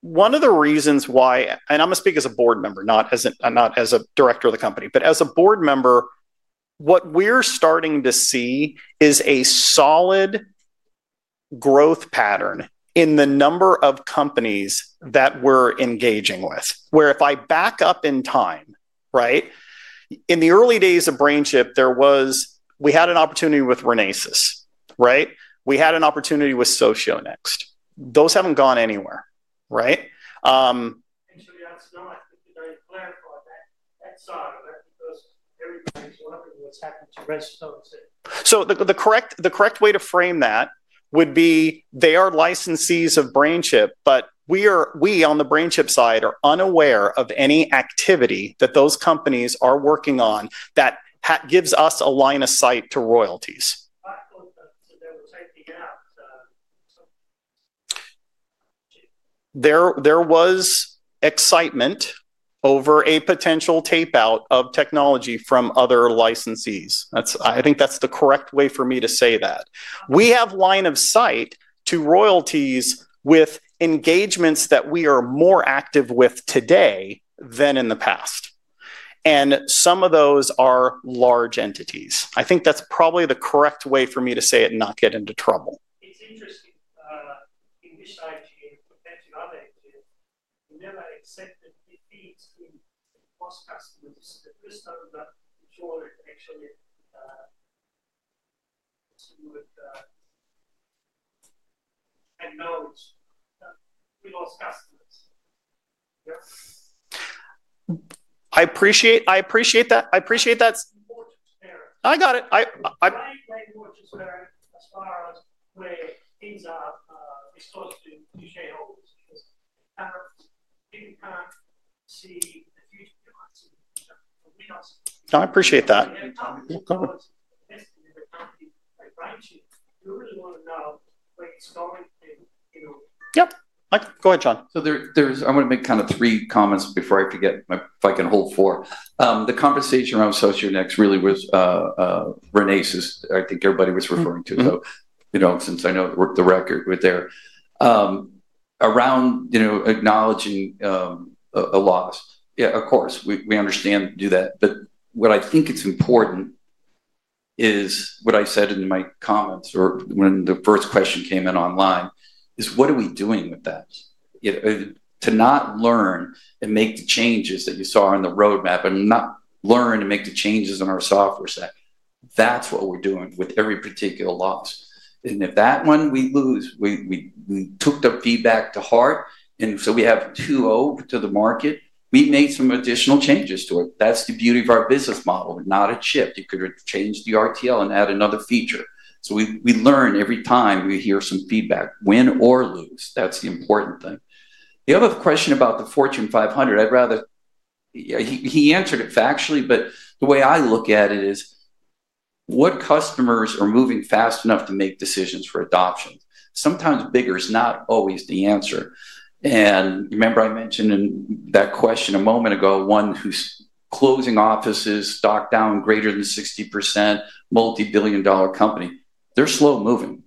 one of the reasons why—I am going to speak as a board member, not as a director of the company—but as a board member, what we're starting to see is a solid growth pattern in the number of companies that we're engaging with. Where if I back up in time, right? In the early days of BrainChip, we had an opportunity with Renesas, right? We had an opportunity with Socionext. Those haven't gone anywhere, right? And you have to know, I think, to clarify that side of that because everybody's wondering what's happened to Restones. The correct way to frame that would be they are licensees of BrainChip, but we on the BrainChip side are unaware of any activity that those companies are working on that gives us a line of sight to royalties. They were taping out. There was excitement over a potential tape-out of technology from other licensees. I think that's the correct way for me to say that. We have line of sight to royalties with engagements that we are more active with today than in the past. Some of those are large entities. I think that's probably the correct way for me to say it and not get into trouble. It's interesting. In this [AGM] compared to other [AGM], we never accepted defeats in cross-customers. It's just over the joy of actually acknowledging we lost customers. I appreciate that. I appreciate that. I got it. I play more to where as far as where things are exposed to shareholders because people can't see the future. I appreciate that. I want to make kind of three comments before I forget if I can hold four. The conversation around Socionext really was Renesas, I think everybody was referring to, though, since I know the record with there, around acknowledging a loss. Yeah, of course, we understand and do that. What I think is important is what I said in my comments or when the first question came in online is, what are we doing with that? To not learn and make the changes that you saw in the roadmap and not learn and make the changes in our software stack, that's what we're doing with every particular loss. If that one we lose, we took the feedback to heart. We have 2-0 to the market. We made some additional changes to it. That is the beauty of our business model, not a chip. You could have changed the RTL and added another feature. We learn every time we hear some feedback, win or lose. That is the important thing. The other question about the Fortune 500, I would rather he answered it factually, but the way I look at it is what customers are moving fast enough to make decisions for adoption. Sometimes bigger is not always the answer. Remember I mentioned in that question a moment ago, one who is closing offices, stock down greater than 60%, multi-billion dollar company. They are slow moving.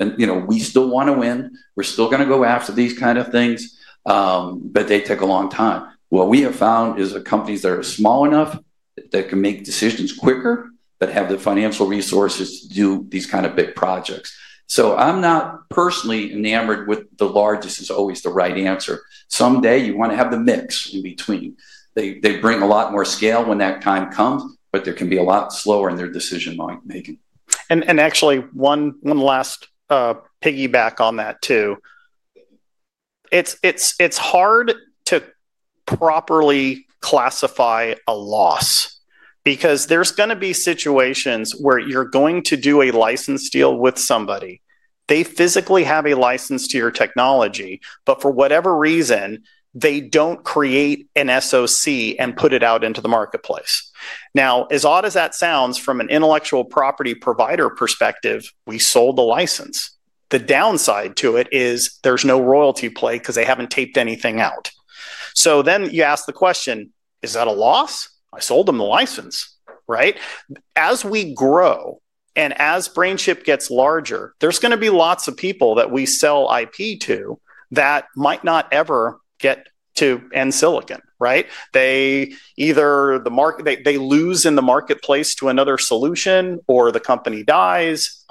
We still want to win. We are still going to go after these kinds of things, but they take a long time. What we have found is companies that are small enough that can make decisions quicker but have the financial resources to do these kinds of big projects. I'm not personally enamored with the largest is always the right answer. Someday you want to have the mix in between. They bring a lot more scale when that time comes, but they can be a lot slower in their decision-making. Actually, one last piggyback on that too. It's hard to properly classify a loss because there's going to be situations where you're going to do a license deal with somebody. They physically have a license to your technology, but for whatever reason, they don't create an SoC and put it out into the marketplace. Now, as odd as that sounds, from an intellectual property provider perspective, we sold the license. The downside to it is there's no royalty play because they haven't taped anything out. You ask the question, is that a loss? I sold them the license, right? As we grow and as BrainChip gets larger, there's going to be lots of people that we sell IP to that might not ever get to end silicon, right? They either lose in the marketplace to another solution or the company dies.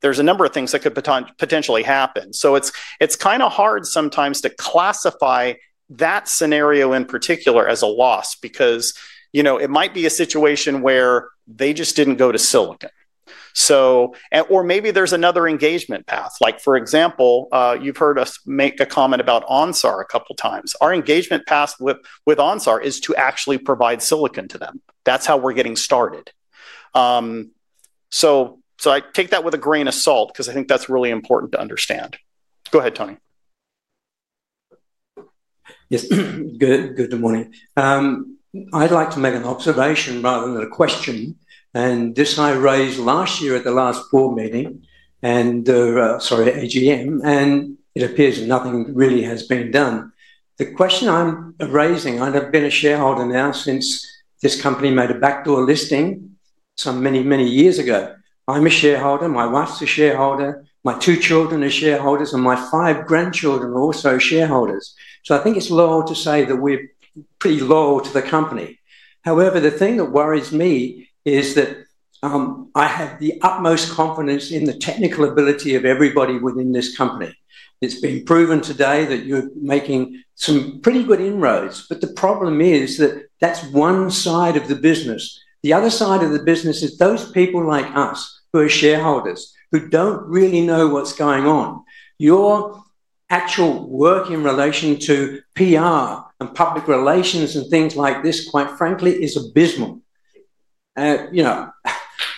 There's a number of things that could potentially happen. It's kind of hard sometimes to classify that scenario in particular as a loss because it might be a situation where they just didn't go to silicon. Or maybe there's another engagement path. For example, you've heard us make a comment about Onsor a couple of times. Our engagement path with Onsor is to actually provide silicon to them. That's how we're getting started. I take that with a grain of salt because I think that's really important to understand. Go ahead, Tony. Yes. Good morning. I'd like to make an observation rather than a question. This I raised last year at the last board meeting, sorry, AGM, and it appears nothing really has been done. The question I'm raising, I've been a shareholder now since this company made a backdoor listing many, many years ago. I'm a shareholder. My wife's a shareholder. My two children are shareholders, and my five grandchildren are also shareholders. I think it's loyal to say that we're pretty loyal to the company. However, the thing that worries me is that I have the utmost confidence in the technical ability of everybody within this company. It's been proven today that you're making some pretty good inroads. The problem is that that's one side of the business. The other side of the business is those people like us who are shareholders who don't really know what's going on. Your actual work in relation to PR and public relations and things like this, quite frankly, is abysmal.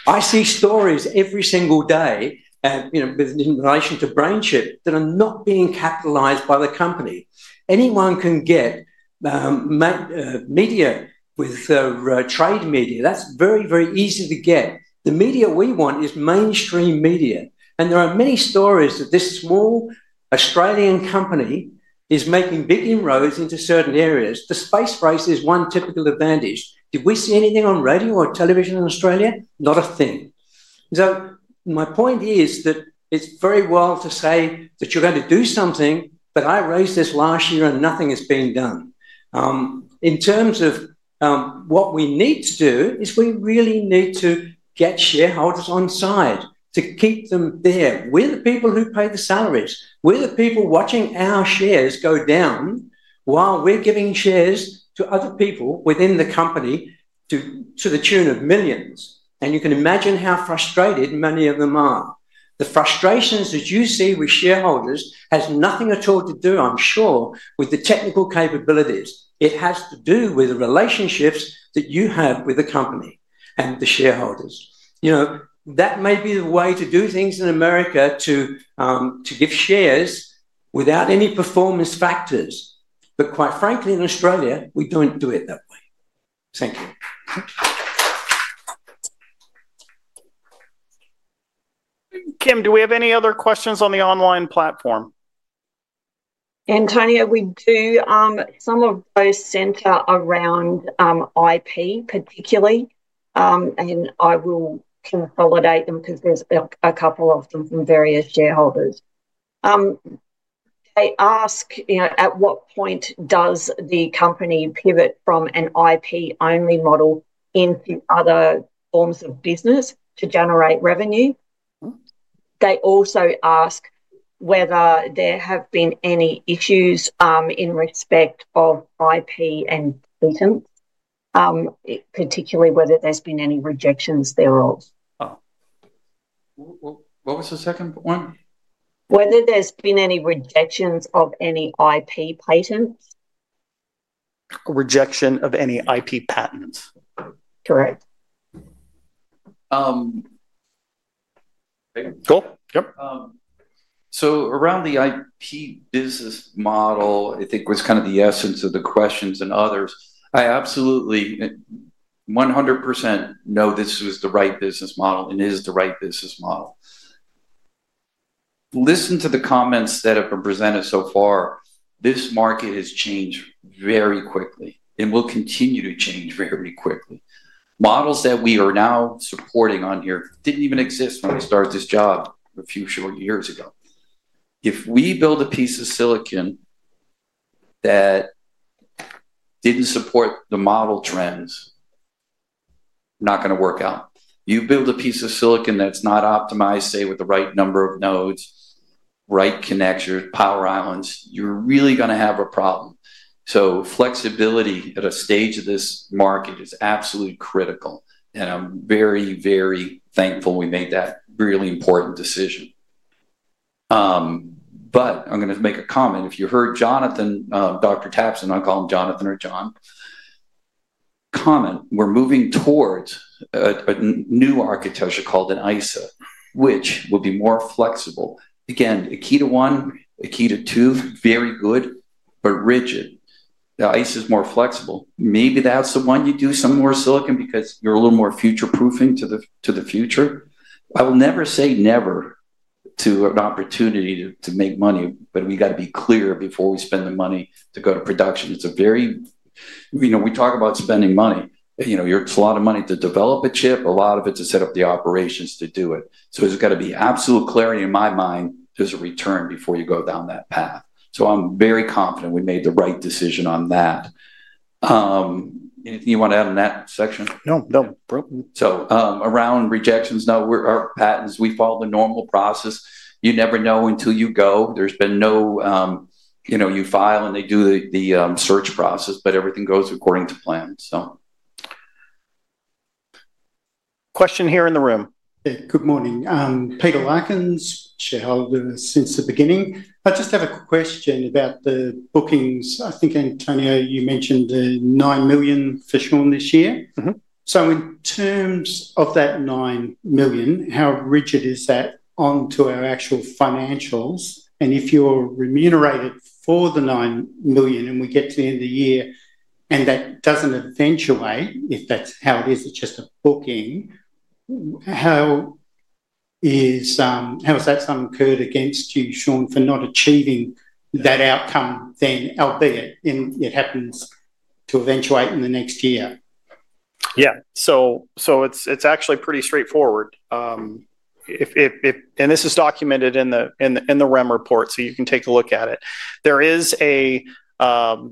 I see stories every single day in relation to BrainChip that are not being capitalized by the company. Anyone can get media with trade media. That's very, very easy to get. The media we want is mainstream media. There are many stories that this small Australian company is making big inroads into certain areas. The space race is one typical advantage. Did we see anything on radio or television in Australia? Not a thing. My point is that it's very well to say that you're going to do something, but I raised this last year and nothing has been done. In terms of what we need to do is we really need to get shareholders on side to keep them there. We're the people who pay the salaries. We're the people watching our shares go down while we're giving shares to other people within the company to the tune of millions. You can imagine how frustrated many of them are. The frustrations that you see with shareholders has nothing at all to do, I'm sure, with the technical capabilities. It has to do with the relationships that you have with the company and the shareholders. That may be the way to do things in America to give shares without any performance factors. Quite frankly, in Australia, we do not do it that way. Thank you. Kim, do we have any other questions on the online platform? Tony, we do. Some of those center around IP, particularly, and I will consolidate them because there are a couple of them from various shareholders. They ask at what point does the company pivot from an IP-only model into other forms of business to generate revenue. They also ask whether there have been any issues in respect of IP and patents, particularly whether there have been any rejections thereof. What was the second point? Whether there have been any rejections of any IP patents. Rejection of any IP patents. Correct. Cool. Yep. Around the IP business model, I think that was kind of the essence of the questions and others. I absolutely 100% know this was the right business model and is the right business model. Listen to the comments that have been presented so far. This market has changed very quickly and will continue to change very quickly. Models that we are now supporting on here did not even exist when we started this job a few short years ago. If we build a piece of silicon that did not support the model trends, not going to work out. You build a piece of silicon that is not optimized, say, with the right number of nodes, right connectors, power islands, you are really going to have a problem. Flexibility at a stage of this market is absolutely critical. I am very, very thankful we made that really important decision. I am going to make a comment. If you heard Jonathan, Dr. Tapson, I will call him Jonathan or John, comment, we are moving towards a new architecture called an ISA, which will be more flexible. Again, Akida 1, Akida 2, very good, but rigid. The ISA is more flexible. Maybe that's the one you do some more silicon because you're a little more future-proofing to the future. I will never say never to an opportunity to make money, but we got to be clear before we spend the money to go to production. We talk about spending money. It's a lot of money to develop a chip, a lot of it to set up the operations to do it. There's got to be absolute clarity in my mind there's a return before you go down that path. I'm very confident we made the right decision on that. Anything you want to add on that section? No, no. Around rejections, no, we're patents. We follow the normal process. You never know until you go. There's been no you file and they do the search process, but everything goes according to plan, so. Question here in the room. Good morning. Peter Larkins, shareholder since the beginning. I just have a question about the bookings. I think, Antonio, you mentioned the 9 million for Sean this year. In terms of that 9 million, how rigid is that onto our actual financials? And if you're remunerated for the 9 million and we get to the end of the year and that doesn't eventuate if that's how it is, it's just a booking, how has that some occurred against you, Sean, for not achieving that outcome then, albeit it happens to eventuate in the next year? Yeah. It's actually pretty straightforward. This is documented in the REM report, so you can take a look at it. There is a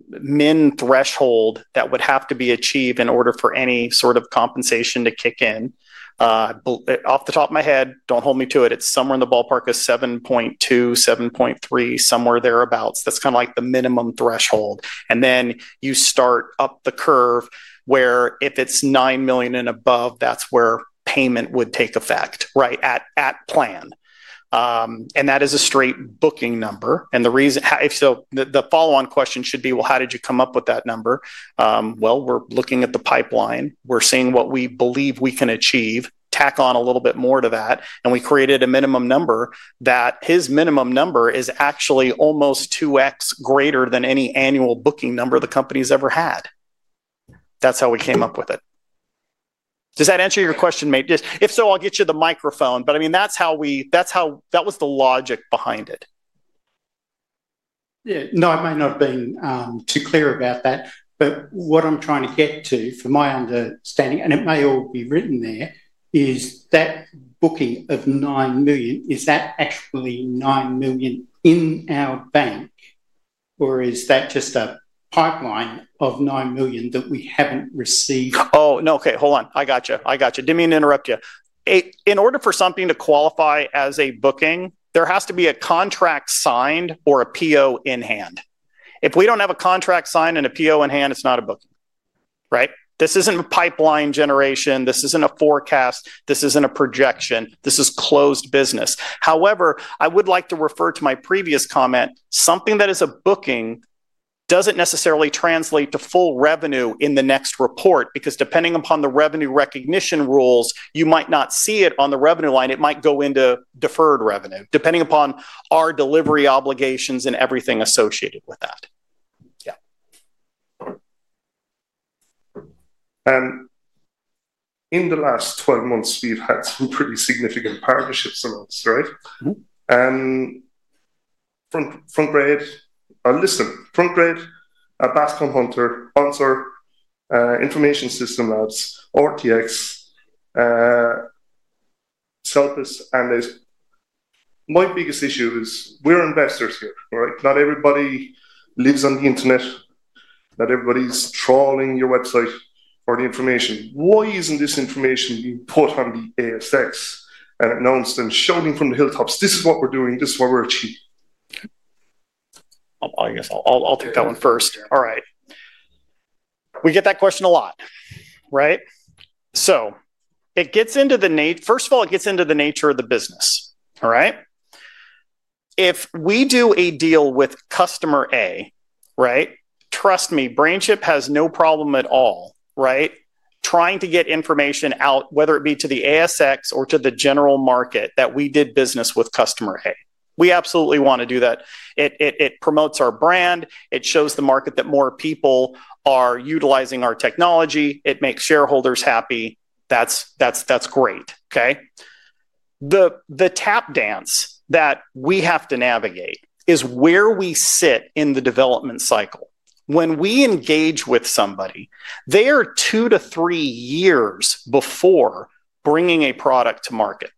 min threshold that would have to be achieved in order for any sort of compensation to kick in. Off the top of my head, do not hold me to it. It is somewhere in the ballpark of 7.2, 7.3, somewhere thereabouts. That is kind of like the minimum threshold. Then you start up the curve where if it is $9 million and above, that is where payment would take effect, right, at plan. That is a straight booking number. The follow-on question should be, how did you come up with that number? We are looking at the pipeline. We are seeing what we believe we can achieve, tack on a little bit more to that. We created a minimum number that his minimum number is actually almost 2x greater than any annual booking number the company has ever had. That is how we came up with it. Does that answer your question, mate? If so, I'll get you the microphone. I mean, that was the logic behind it. Yeah. No, I might not have been too clear about that. What I'm trying to get to, from my understanding, and it may all be written there, is that booking of $9 million, is that actually $9 million in our bank, or is that just a pipeline of $9 million that we haven't received? Oh, no. Okay. Hold on. I got you. I got you. Didn't mean to interrupt you. In order for something to qualify as a booking, there has to be a contract signed or a PO in hand. If we don't have a contract signed and a PO in hand, it's not a booking, right? This isn't a pipeline generation. This isn't a forecast. This isn't a projection. This is closed business. However, I would like to refer to my previous comment. Something that is a booking doesn't necessarily translate to full revenue in the next report because depending upon the revenue recognition rules, you might not see it on the revenue line. It might go into deferred revenue, depending upon our delivery obligations and everything associated with that. Yeah. In the last 12 months, we've had some pretty significant partnerships announced, right? Frontgrade Gaisler, Bascom Hunter, Onsor, Information System Laboratories, RTX, Chelpis, and. My biggest issue is we're investors here, right? Not everybody lives on the internet. Not everybody's trawling your website for the information. Why isn't this information being put on the ASX and announced and shouting from the hilltops? This is what we're doing. This is what we're achieving. I guess I'll take that one first. All right. We get that question a lot, right? It gets into, first of all, it gets into the nature of the business, all right? If we do a deal with customer A, right, trust me, BrainChip has no problem at all, right, trying to get information out, whether it be to the ASX or to the general market, that we did business with customer A. We absolutely want to do that. It promotes our brand. It shows the market that more people are utilizing our technology. It makes shareholders happy. That's great, okay? The tap dance that we have to navigate is where we sit in the development cycle. When we engage with somebody, they are two to three years before bringing a product to market,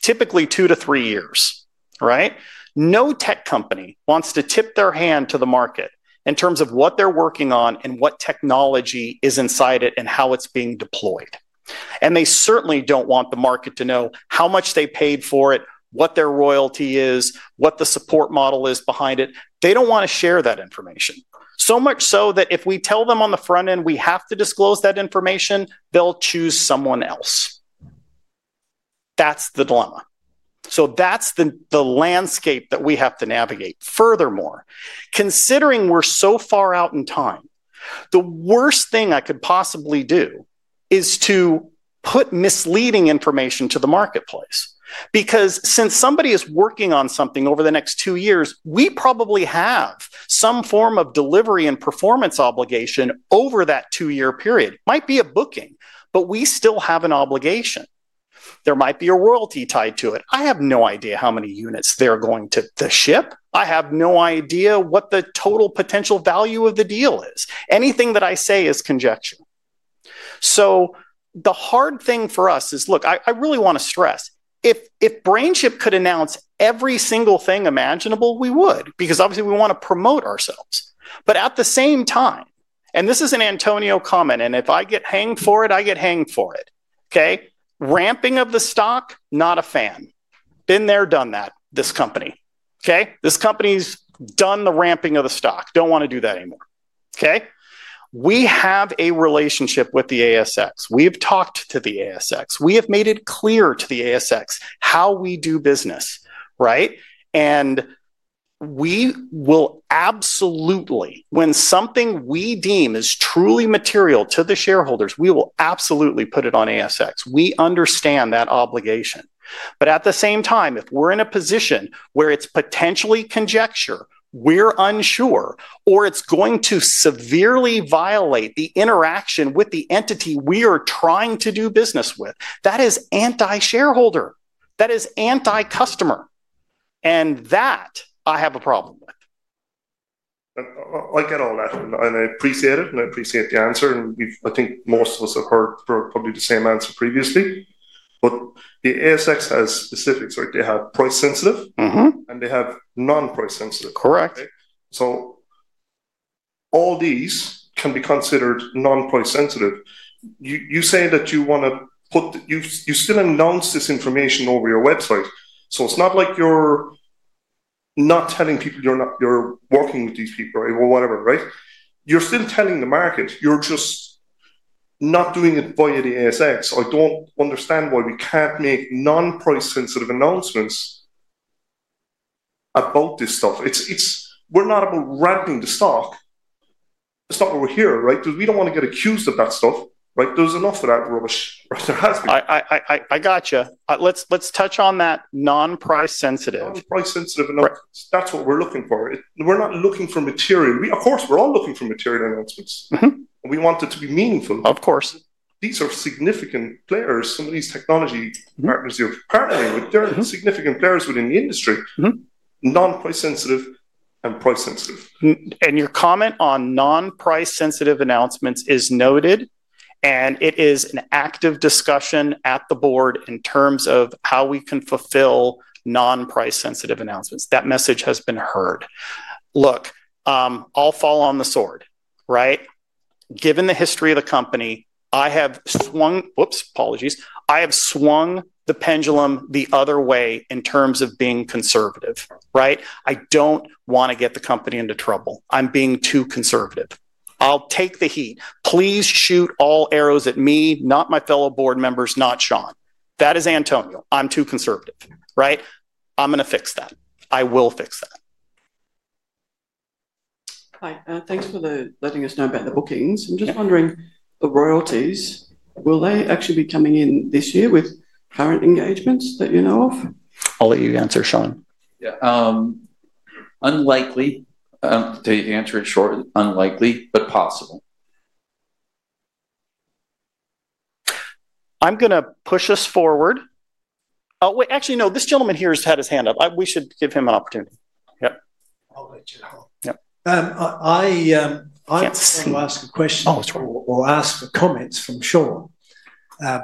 typically two to three years, right? No tech company wants to tip their hand to the market in terms of what they're working on and what technology is inside it and how it's being deployed. They certainly don't want the market to know how much they paid for it, what their royalty is, what the support model is behind it. They don't want to share that information. So much so that if we tell them on the front end we have to disclose that information, they'll choose someone else. That's the dilemma. That's the landscape that we have to navigate. Furthermore, considering we're so far out in time, the worst thing I could possibly do is to put misleading information to the marketplace. Because since somebody is working on something over the next two years, we probably have some form of delivery and performance obligation over that two-year period. It might be a booking, but we still have an obligation. There might be a royalty tied to it. I have no idea how many units they're going to ship. I have no idea what the total potential value of the deal is. Anything that I say is conjecture. The hard thing for us is, look, I really want to stress, if BrainChip could announce every single thing imaginable, we would, because obviously we want to promote ourselves. At the same time, and this is an Antonio comment, and if I get hanged for it, I get hanged for it, okay? Ramping of the stock, not a fan. Been there, done that, this company. This company's done the ramping of the stock. Do not want to do that anymore. We have a relationship with the ASX. We have talked to the ASX. We have made it clear to the ASX how we do business, right? We will absolutely, when something we deem is truly material to the shareholders, we will absolutely put it on ASX. We understand that obligation. At the same time, if we're in a position where it's potentially conjecture, we're unsure, or it's going to severely violate the interaction with the entity we are trying to do business with, that is anti-shareholder. That is anti-customer. That I have a problem with. Like it or not, and I appreciate it, and I appreciate the answer. I think most of us have heard probably the same answer previously. The ASX has specifics, right? They have price sensitive, and they have non-price sensitive. Correct. All these can be considered non-price sensitive. You say that you want to put, you still announce this information over your website. It is not like you are not telling people you are working with these people, right, or whatever, right? You are still telling the market. You are just not doing it via the ASX. I do not understand why we cannot make non-price sensitive announcements about this stuff. We are not about ramping the stock. It is not why we are here, right? Because we do not want to get accused of that stuff, right? There is enough of that rubbish, right? There has been. I got you. Let us touch on that non-price sensitive. Non-price sensitive, and that is what we are looking for. We are not looking for material. Of course, we are all looking for material announcements. We want it to be meaningful. Of course. These are significant players. Some of these technology partners you are partnering with, they are significant players within the industry. Non-price sensitive and price sensitive. Your comment on non-price sensitive announcements is noted, and it is an active discussion at the board in terms of how we can fulfill non-price sensitive announcements. That message has been heard. Look, I'll fall on the sword, right? Given the history of the company, I have swung—whoops, apologies. I have swung the pendulum the other way in terms of being conservative, right? I do not want to get the company into trouble. I am being too conservative. I'll take the heat. Please shoot all arrows at me, not my fellow board members, not Sean. That is Antonio. I am too conservative, right? I am going to fix that. I will fix that. Hi. Thanks for letting us know about the bookings. I'm just wondering, the royalties, will they actually be coming in this year with current engagements that you know of? I'll let you answer, Sean. Yeah. Unlikely. To answer it shortly, unlikely, but possible. I'm going to push us forward. Oh, wait. Actually, no. This gentleman here has had his hand up. We should give him an opportunity. Yep. I'll let you talk. I'll ask a question or ask for comments from Sean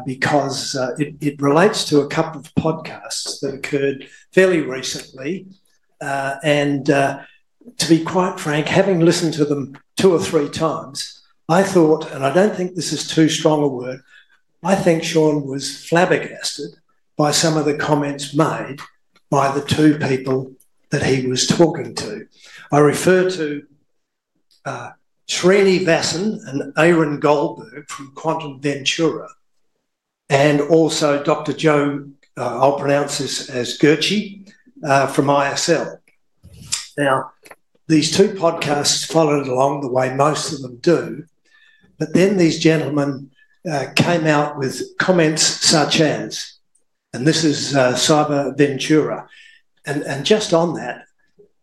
because it relates to a couple of podcasts that occurred fairly recently. And to be quite frank, having listened to them two or three times, I thought, and I don't think this is too strong a word, I think Sean was flabbergasted by some of the comments made by the two people that he was talking to. I refer to Srini Vassan and Aaron Goldberg from Quantum Ventura, and also Dr. Jonathan Tapson from Information System Laboratories. Now, these two podcasts followed along the way, most of them do. These gentlemen came out with comments such as, and this is Quantum Ventura. Just on that,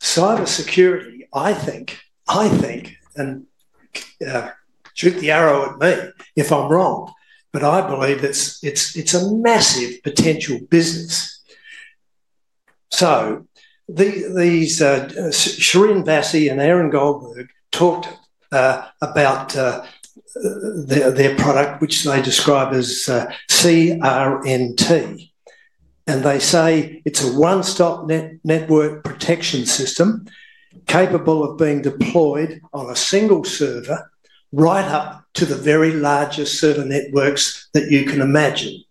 cybersecurity, I think, I think, and shoot the arrow at me if I'm wrong, but I believe it's a massive potential business. Srini Vassan and Aaron Goldberg talked about their product, which they describe as CRNT. They say it's a one-stop network protection system capable of being deployed on a single server right up to the very largest server networks that you can imagine.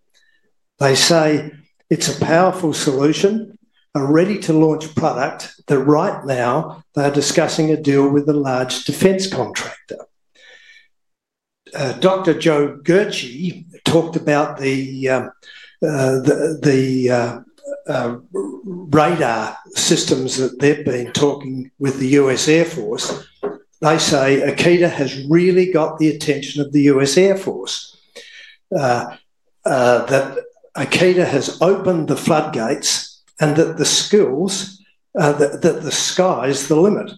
They say it's a powerful solution, a ready-to-launch product that right now they're discussing a deal with a large defense contractor. Dr. Joe Gurchiek talked about the radar systems that they've been talking with the U.S. Air Force. They say Akida has really got the attention of the US Air Force, that Akida has opened the floodgates and that the sky is the limit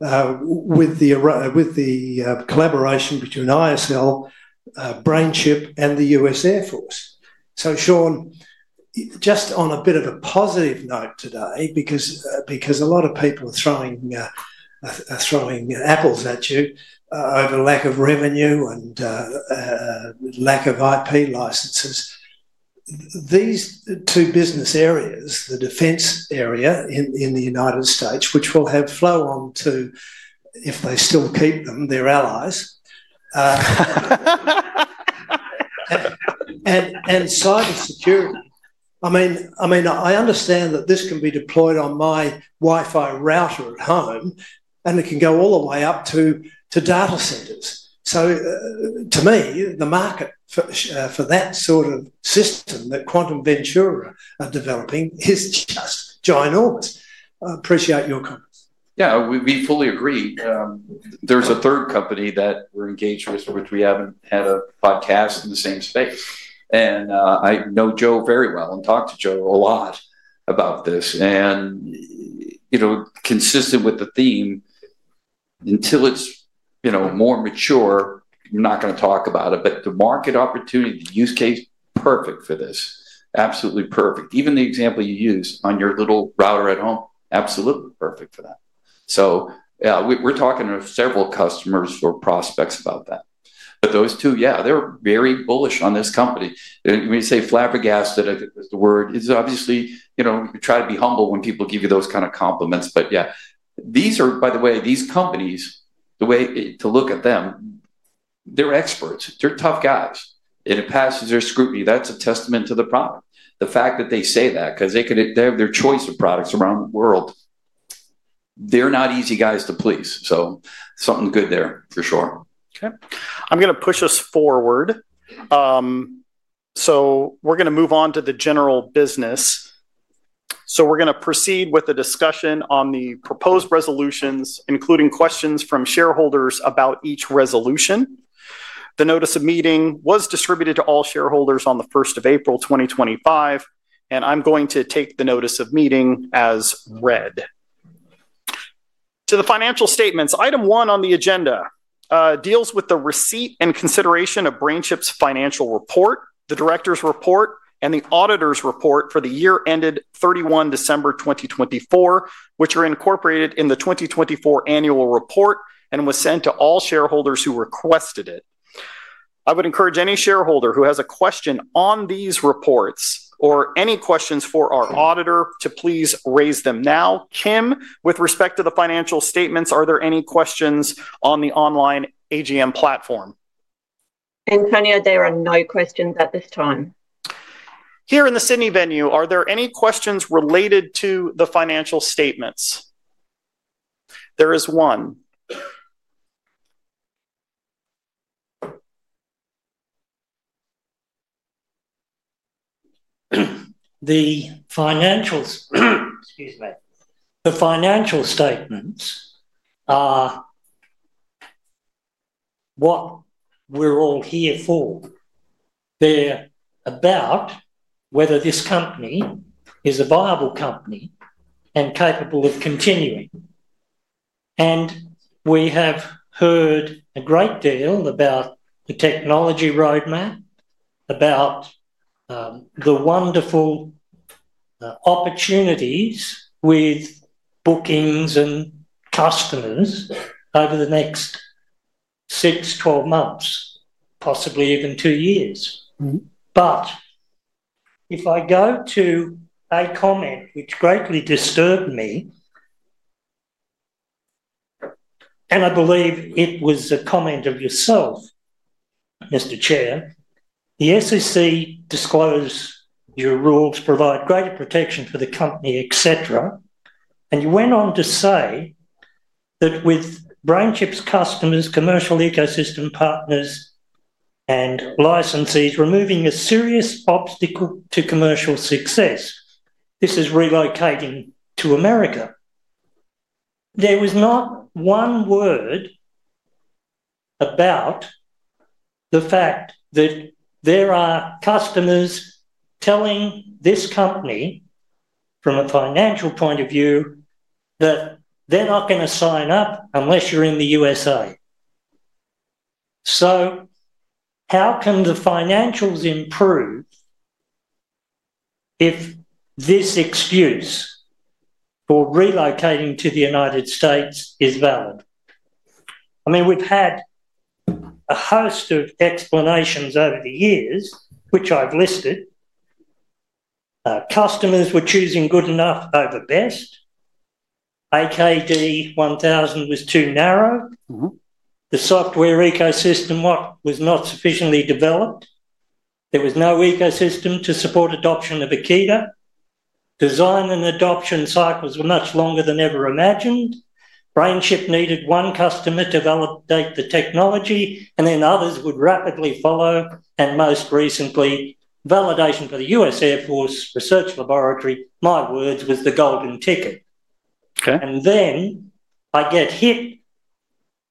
with the collaboration between ISL, BrainChip, and the US Air Force. Sean, just on a bit of a positive note today, because a lot of people are throwing apples at you over lack of revenue and lack of IP licenses, these two business areas, the defense area in the U.S., which will have flow on to, if they still keep them, their allies, and cybersecurity. I mean, I understand that this can be deployed on my Wi-Fi router at home, and it can go all the way up to data centers. To me, the market for that sort of system that Quantum Ventura are developing is just ginormous. I appreciate your comments. Yeah. We fully agree. There's a third company that we're engaged with, which we haven't had a podcast in the same space. I know Joe very well and talked to Joe a lot about this. Consistent with the theme, until it's more mature, we're not going to talk about it. The market opportunity, the use case, perfect for this. Absolutely perfect. Even the example you used on your little router at home, absolutely perfect for that. We're talking to several customers or prospects about that. Those two, yeah, they're very bullish on this company. When you say flabbergasted, I think it was the word. Obviously you try to be humble when people give you those kind of compliments. Yeah, these are, by the way, these companies, the way to look at them, they're experts. They're tough guys. It passes their scrutiny. That's a testament to the product. The fact that they say that, because they have their choice of products around the world, they're not easy guys to please. So something good there, for sure. Okay. I'm going to push us forward. We're going to move on to the general business. We're going to proceed with a discussion on the proposed resolutions, including questions from shareholders about each resolution. The notice of meeting was distributed to all shareholders on the 1st of April, 2025. I'm going to take the notice of meeting as read. To the financial statements, item one on the agenda deals with the receipt and consideration of BrainChip's financial report, the director's report, and the auditor's report for the year ended 31 December 2024, which are incorporated in the 2024 annual report and was sent to all shareholders who requested it. I would encourage any shareholder who has a question on these reports or any questions for our auditor to please raise them now. Kim, with respect to the financial statements, are there any questions on the online AGM platform? Antonio, there are no questions at this time. Here in the Sydney venue, are there any questions related to the financial statements? There is one. The financials, excuse me, the financial statements are what we're all here for. They're about whether this company is a viable company and capable of continuing. We have heard a great deal about the technology roadmap, about the wonderful opportunities with bookings and customers over the next 6, 12 months, possibly even 2 years. If I go to a comment which greatly disturbed me, and I believe it was a comment of yourself, Mr. Chair, the SEC disclosed your rules provide greater protection for the company, etc. You went on to say that with BrainChip's customers, commercial ecosystem partners, and licenses removing a serious obstacle to commercial success, this is relocating to America. There was not one word about the fact that there are customers telling this company from a financial point of view that they're not going to sign up unless you're in the U.S. How can the financials improve if this excuse for relocating to the U.S. is valid? I mean, we've had a host of explanations over the years, which I've listed. Customers were choosing good enough over best. AKD 1000 was too narrow. The software ecosystem, what, was not sufficiently developed. There was no ecosystem to support adoption of Akida. Design and adoption cycles were much longer than ever imagined. BrainChip needed one customer to validate the technology, and then others would rapidly follow. Most recently, validation for the U.S. Air Force Research Laboratory, my words, was the golden ticket. I get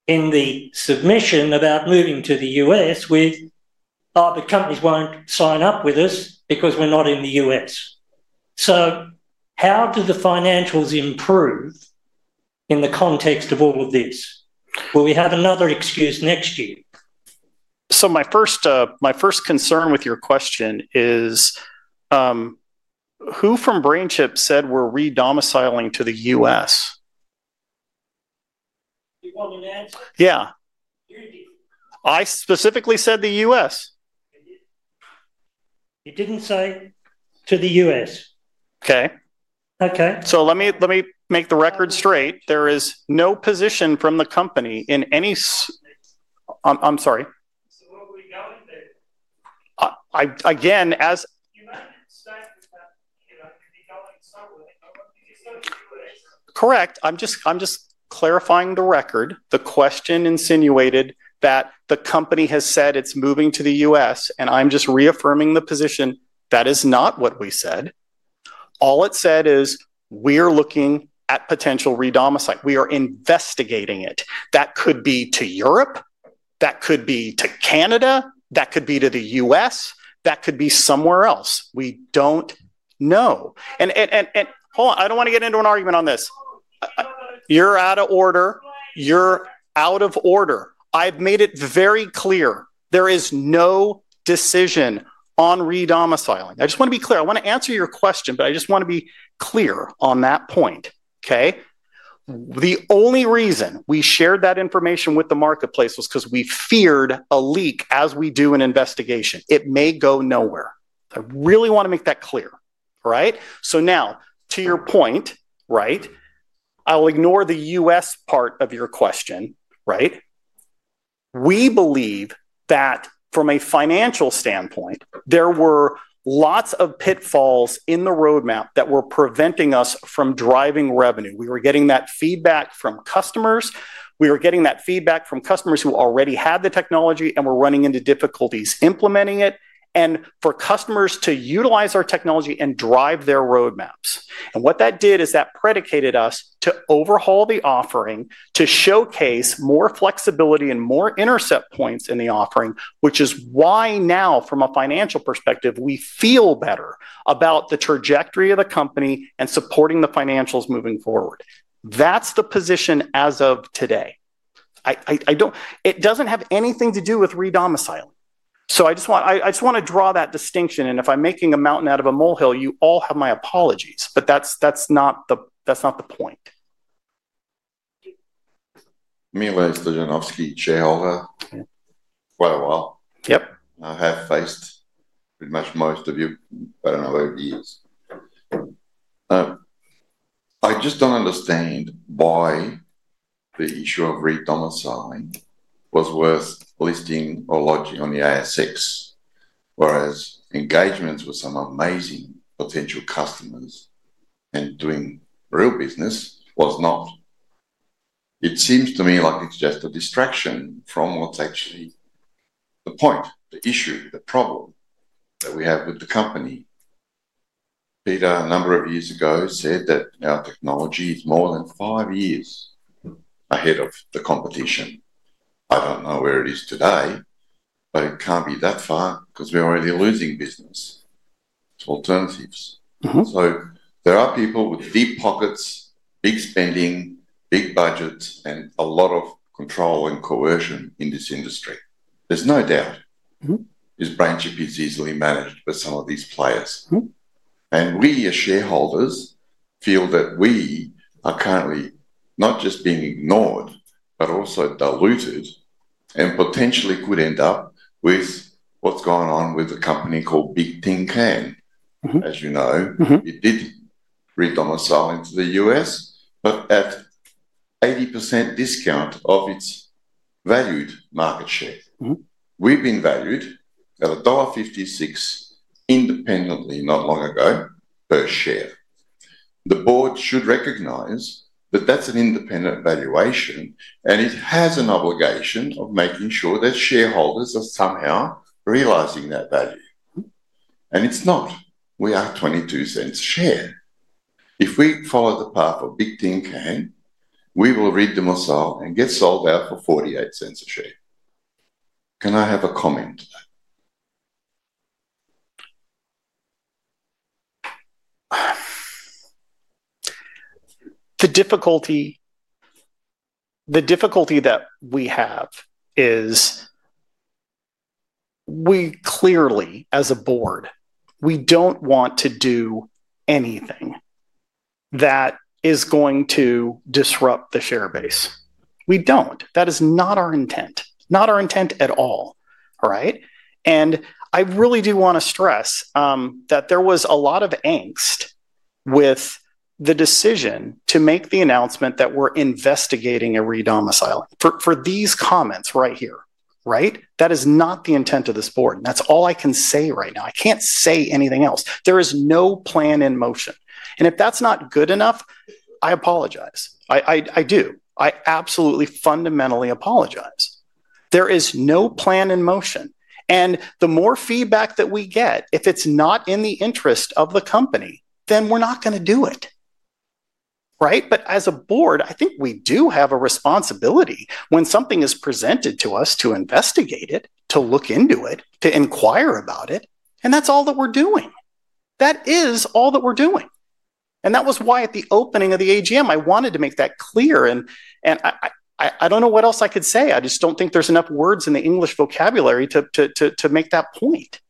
hit in the submission about moving to the U.S. with, "Oh, but companies won't sign up with us because we're not in the U.S." How do the financials improve in the context of all of this? Will we have another excuse next year? My first concern with your question is who from BrainChip said we're re-domiciling to the U.S.? You want an answer? Yeah. You did. I specifically said the U.S. You didn't say to the U.S. Okay. Let me make the record straight. There is no position from the company in any I'm sorry. Where are we going then? Again, as you mentioned statement that you'd be going somewhere, you just don't do it. Correct. I'm just clarifying the record. The question insinuated that the company has said it's moving to the U.S., and I'm just reaffirming the position that is not what we said. All it said is, "We're looking at potential re-domicile. We are investigating it." That could be to Europe. That could be to Canada. That could be to the U.S. That could be somewhere else. We don't know. Hold on. I don't want to get into an argument on this. You're out of order. You're out of order. I've made it very clear. There is no decision on re-domiciling. I just want to be clear. I want to answer your question, but I just want to be clear on that point. Okay? The only reason we shared that information with the marketplace was because we feared a leak as we do an investigation. It may go nowhere. I really want to make that clear. All right? Now, to your point, right, I'll ignore the U.S. part of your question, right? We believe that from a financial standpoint, there were lots of pitfalls in the roadmap that were preventing us from driving revenue. We were getting that feedback from customers. We were getting that feedback from customers who already had the technology and were running into difficulties implementing it, and for customers to utilize our technology and drive their roadmaps. What that did is that predicated us to overhaul the offering to showcase more flexibility and more intercept points in the offering, which is why now, from a financial perspective, we feel better about the trajectory of the company and supporting the financials moving forward. That is the position as of today. It does not have anything to do with re-domiciling. I just want to draw that distinction. If I am making a mountain out of a molehill, you all have my apologies. That is not the point. Me and Lance Stojanovski, chair of her, quite a while. I have faced pretty much most of you for over the years. I just do not understand why the issue of re-domiciling was worth listing or lodging on the ASX, whereas engagements with some amazing potential customers and doing real business was not. It seems to me like it's just a distraction from what's actually the point, the issue, the problem that we have with the company. Peter, a number of years ago, said that our technology is more than five years ahead of the competition. I don't know where it is today, but it can't be that far because we're already losing business to alternatives. There are people with deep pockets, big spending, big budgets, and a lot of control and coercion in this industry. There is no doubt BrainChip is easily managed by some of these players. We, as shareholders, feel that we are currently not just being ignored, but also diluted and potentially could end up with what's going on with a company called Bigtincan. As you know, it did re-domicile into the U.S, but at 80% discount of its valued market share. We've been valued at $1.56 independently not long ago per share. The board should recognize that that's an independent valuation, and it has an obligation of making sure that shareholders are somehow realizing that value. It's not. We are $0.22 a share. If we follow the path of Bigtincan, we will re-domicile and get sold out for $0.48 a share. Can I have a comment? The difficulty that we have is we clearly, as a board, we don't want to do anything that is going to disrupt the share base. We don't. That is not our intent. Not our intent at all. All right? I really do want to stress that there was a lot of angst with the decision to make the announcement that we're investigating a re-domiciling for these comments right here. That is not the intent of this board. That is all I can say right now. I cannot say anything else. There is no plan in motion. If that is not good enough, I apologize. I do. I absolutely fundamentally apologize. There is no plan in motion. The more feedback that we get, if it is not in the interest of the company, then we are not going to do it. As a board, I think we do have a responsibility when something is presented to us to investigate it, to look into it, to inquire about it. That is all that we are doing. That is all that we are doing. That was why at the opening of the AGM, I wanted to make that clear. I do not know what else I could say. I just do not think there are enough words in the English vocabulary to make that point.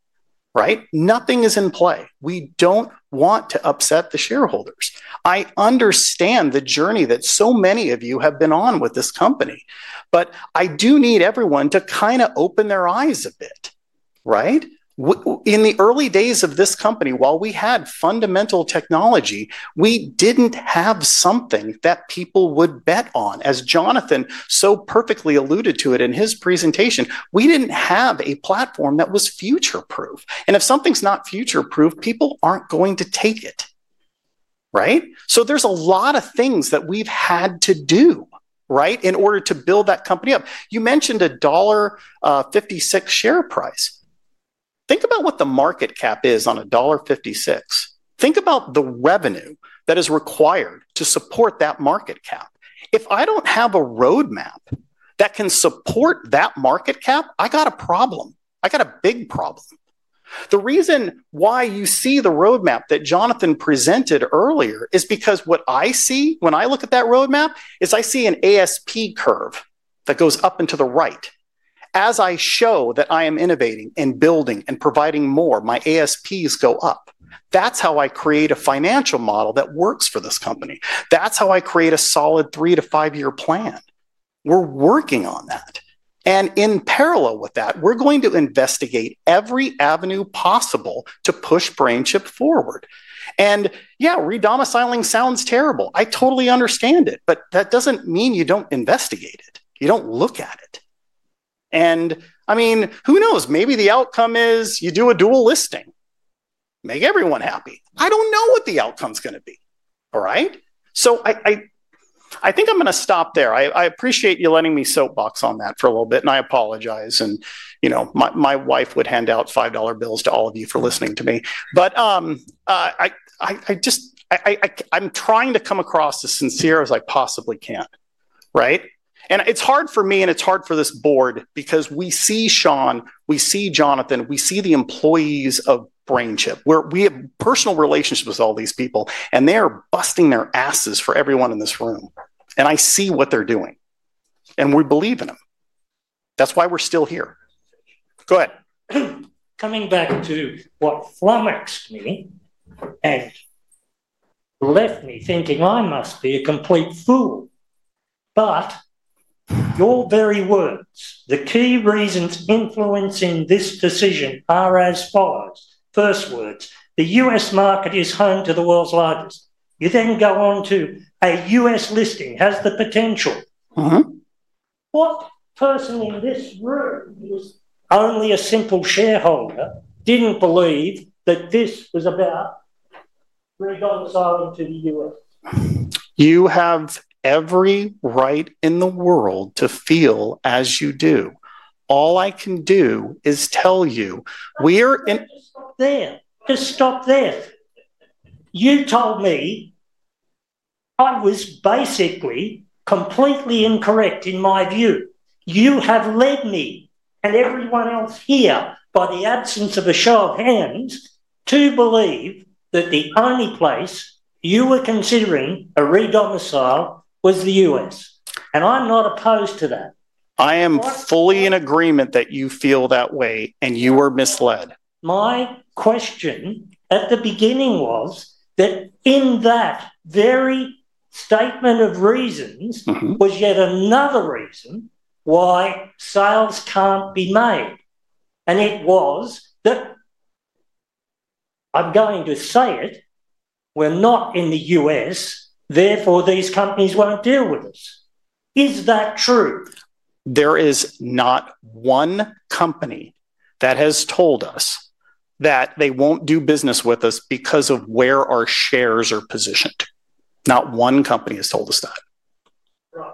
Nothing is in play. We don't want to upset the shareholders. I understand the journey that so many of you have been on with this company. I do need everyone to kind of open their eyes a bit. Right? In the early days of this company, while we had fundamental technology, we didn't have something that people would bet on. As Jonathan so perfectly alluded to in his presentation, we didn't have a platform that was future-proof. If something's not future-proof, people aren't going to take it. Right? There are a lot of things that we've had to do, right, in order to build that company up. You mentioned a dollar 1.56 share price. Think about what the market cap is on a dollar 1.56. Think about the revenue that is required to support that market cap. If I don't have a roadmap that can support that market cap, I got a problem. I got a big problem. The reason why you see the roadmap that Jonathan presented earlier is because what I see when I look at that roadmap is I see an ASP curve that goes up and to the right. As I show that I am innovating and building and providing more, my ASPs go up. That's how I create a financial model that works for this company. That's how I create a solid three to five-year plan. We're working on that. In parallel with that, we're going to investigate every avenue possible to push BrainChip forward. Yeah, re-domiciling sounds terrible. I totally understand it. That doesn't mean you don't investigate it. You don't look at it. I mean, who knows? Maybe the outcome is you do a dual listing. Make everyone happy. I don't know what the outcome's going to be. All right? I think I'm going to stop there. I appreciate you letting me soapbox on that for a little bit. I apologize. My wife would hand out $5 bills to all of you for listening to me. I'm trying to come across as sincere as I possibly can. Right? It's hard for me, and it's hard for this board because we see Sean, we see Jonathan, we see the employees of BrainChip. We have personal relationships with all these people, and they are busting their asses for everyone in this room. I see what they're doing. We believe in them. That's why we're still here. Go ahead. Coming back to what flummoxed me and left me thinking I must be a complete fool. Your very words, the key reasons influencing this decision are as follows. First words, the U.S. market is home to the world's largest. You then go on to a U.S. listing has the potential. What person in this room who was only a simple shareholder didn't believe that this was about re-domiciling to the U.S.? You have every right in the world to feel as you do. All I can do is tell you, "We're in." Just stop there. Just stop there. You told me I was basically completely incorrect in my view. You have led me and everyone else here by the absence of a show of hands to believe that the only place you were considering a re-domicile was the U.S. I am not opposed to that. I am fully in agreement that you feel that way, and you were misled. My question at the beginning was that in that very statement of reasons was yet another reason why sales cannot be made. It was that, I am going to say it, we are not in the U.S., therefore these companies will not deal with us. Is that true? There is not one company that has told us that they will not do business with us because of where our shares are positioned. Not one company has told us that. Right.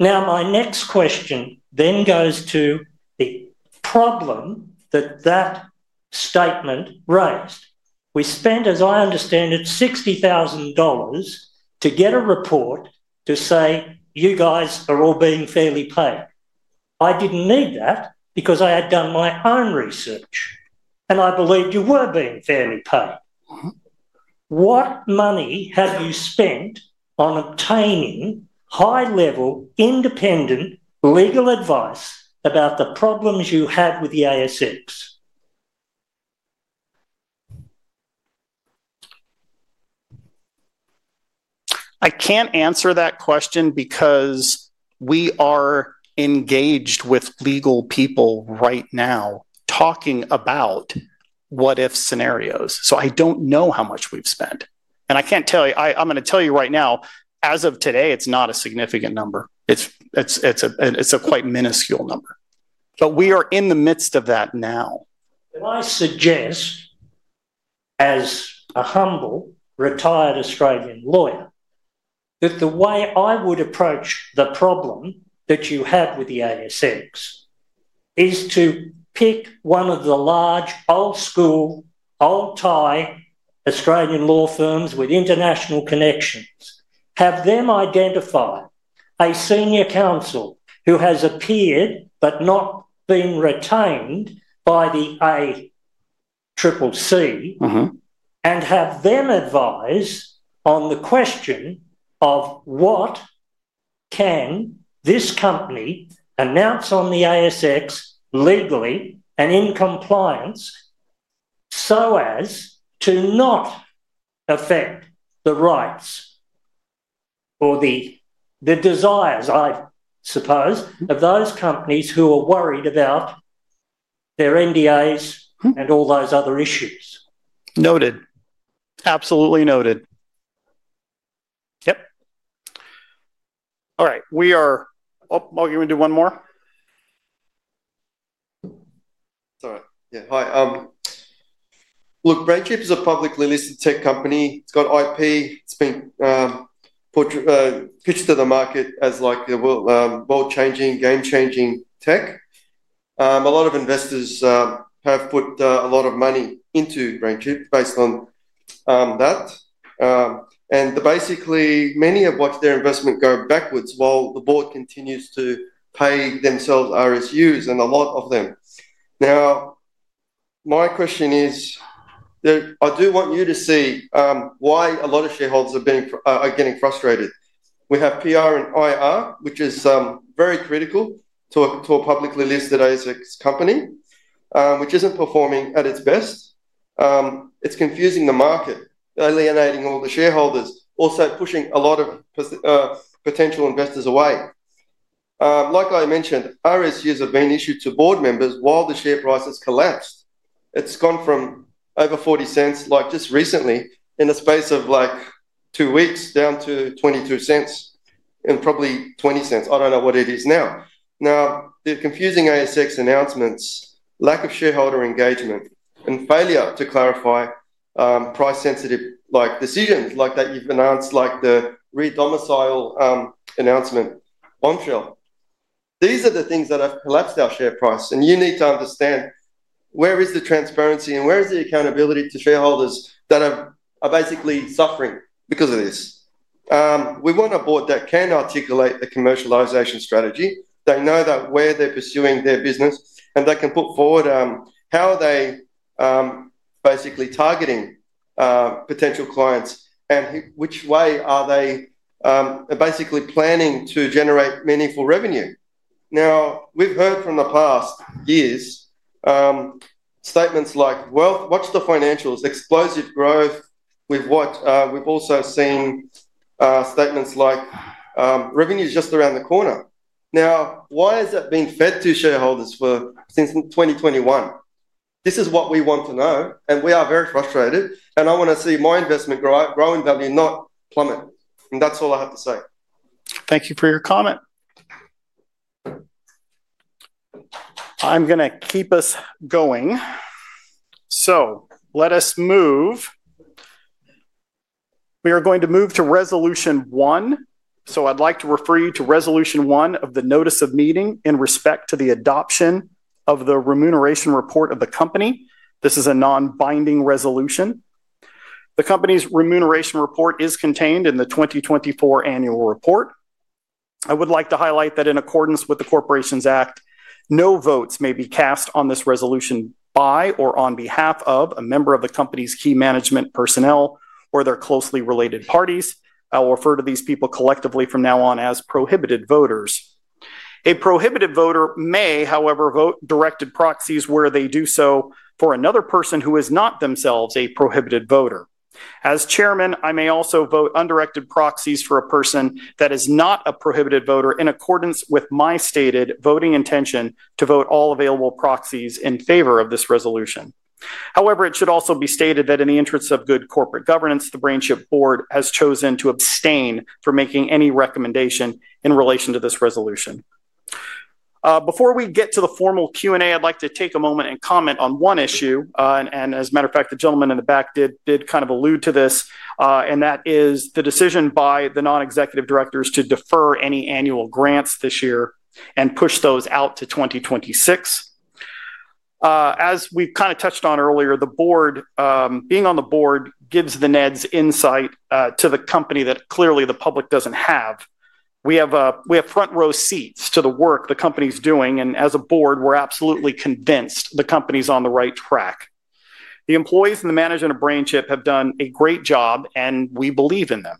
Now, my next question then goes to the problem that that statement raised. We spent, as I understand it, $60,000 to get a report to say you guys are all being fairly paid. I did not need that because I had done my own research, and I believed you were being fairly paid. What money have you spent on obtaining high-level independent legal advice about the problems you have with the ASX? I can't answer that question because we are engaged with legal people right now talking about what-if scenarios. I don't know how much we've spent. I can't tell you. I'm going to tell you right now, as of today, it's not a significant number. It's a quite minuscule number. We are in the midst of that now. I suggest, as a humble retired Australian lawyer, that the way I would approach the problem that you had with the ASX is to pick one of the large old-school, old-tier Australian law firms with international connections, have them identify a senior counsel who has appeared but not been retained by the ACCC, and have them advise on the question of what can this company announce on the ASX legally and in compliance so as to not affect the rights or the desires, I suppose, of those companies who are worried about their NDAs and all those other issues. Noted. Absolutely noted. Yep. All right. Are you going to do one more? Sorry. Yeah. Hi. Look, BrainChip is a publicly listed tech company. It's got IP. It's been pitched to the market as like a world-changing, game-changing tech. A lot of investors have put a lot of money into BrainChip based on that. Basically, many have watched their investment go backwards while the board continues to pay themselves RSUs and a lot of them. Now, my question is, I do want you to see why a lot of shareholders are getting frustrated. We have PR and IR, which is very critical to a publicly listed ASX company, which is not performing at its best. It is confusing the market, alienating all the shareholders, also pushing a lot of potential investors away. Like I mentioned, RSUs have been issued to board members while the share price has collapsed. It has gone from over 0.40, like just recently, in the space of like two weeks, down to 0.22 and probably 0.20. I do not know what it is now. Now, the confusing ASX announcements, lack of shareholder engagement, and failure to clarify price-sensitive decisions like that you've announced, like the re-domicile announcement on Shell. These are the things that have collapsed our share price. You need to understand where is the transparency and where is the accountability to shareholders that are basically suffering because of this. We want a board that can articulate the commercialization strategy. They know where they're pursuing their business, and they can put forward how they are basically targeting potential clients and which way are they basically planning to generate meaningful revenue. We've heard from the past years statements like, "Watch the financials. Explosive growth." We've also seen statements like, "Revenue's just around the corner." Why has it been fed to shareholders since 2021? This is what we want to know, and we are very frustrated. I want to see my investment grow in value, not plummet. That's all I have to say. Thank you for your comment. I'm going to keep us going. Let us move. We are going to move to resolution one. I'd like to refer you to resolution one of the notice of meeting in respect to the adoption of the remuneration report of the company. This is a non-binding resolution. The company's remuneration report is contained in the 2024 annual report. I would like to highlight that in accordance with the Corporations Act, no votes may be cast on this resolution by or on behalf of a member of the company's key management personnel or their closely related parties. I'll refer to these people collectively from now on as prohibited voters. A prohibited voter may, however, vote directed proxies where they do so for another person who is not themselves a prohibited voter. As Chairman, I may also vote undirected proxies for a person that is not a prohibited voter in accordance with my stated voting intention to vote all available proxies in favor of this resolution. However, it should also be stated that in the interests of good corporate governance, the BrainChip board has chosen to abstain from making any recommendation in relation to this resolution. Before we get to the formal Q&A, I'd like to take a moment and comment on one issue. As a matter of fact, the gentleman in the back did kind of allude to this. That is the decision by the non-executive directors to defer any annual grants this year and push those out to 2026. As we kind of touched on earlier, being on the board gives the NEDs insight to the company that clearly the public does not have. We have front-row seats to the work the company is doing. As a board, we are absolutely convinced the company is on the right track. The employees and the management of BrainChip have done a great job, and we believe in them.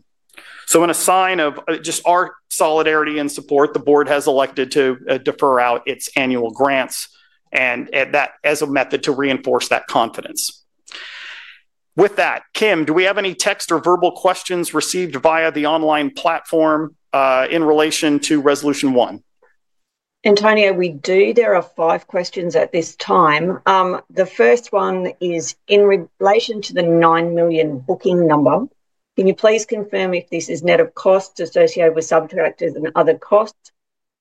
In a sign of just our solidarity and support, the board has elected to defer out its annual grants as a method to reinforce that confidence. With that, Kim, do we have any text or verbal questions received via the online platform in relation to resolution one? Antonio, we do. There are five questions at this time. The first one is in relation to the $9 million booking number. Can you please confirm if this is net of costs associated with subtractors and other costs?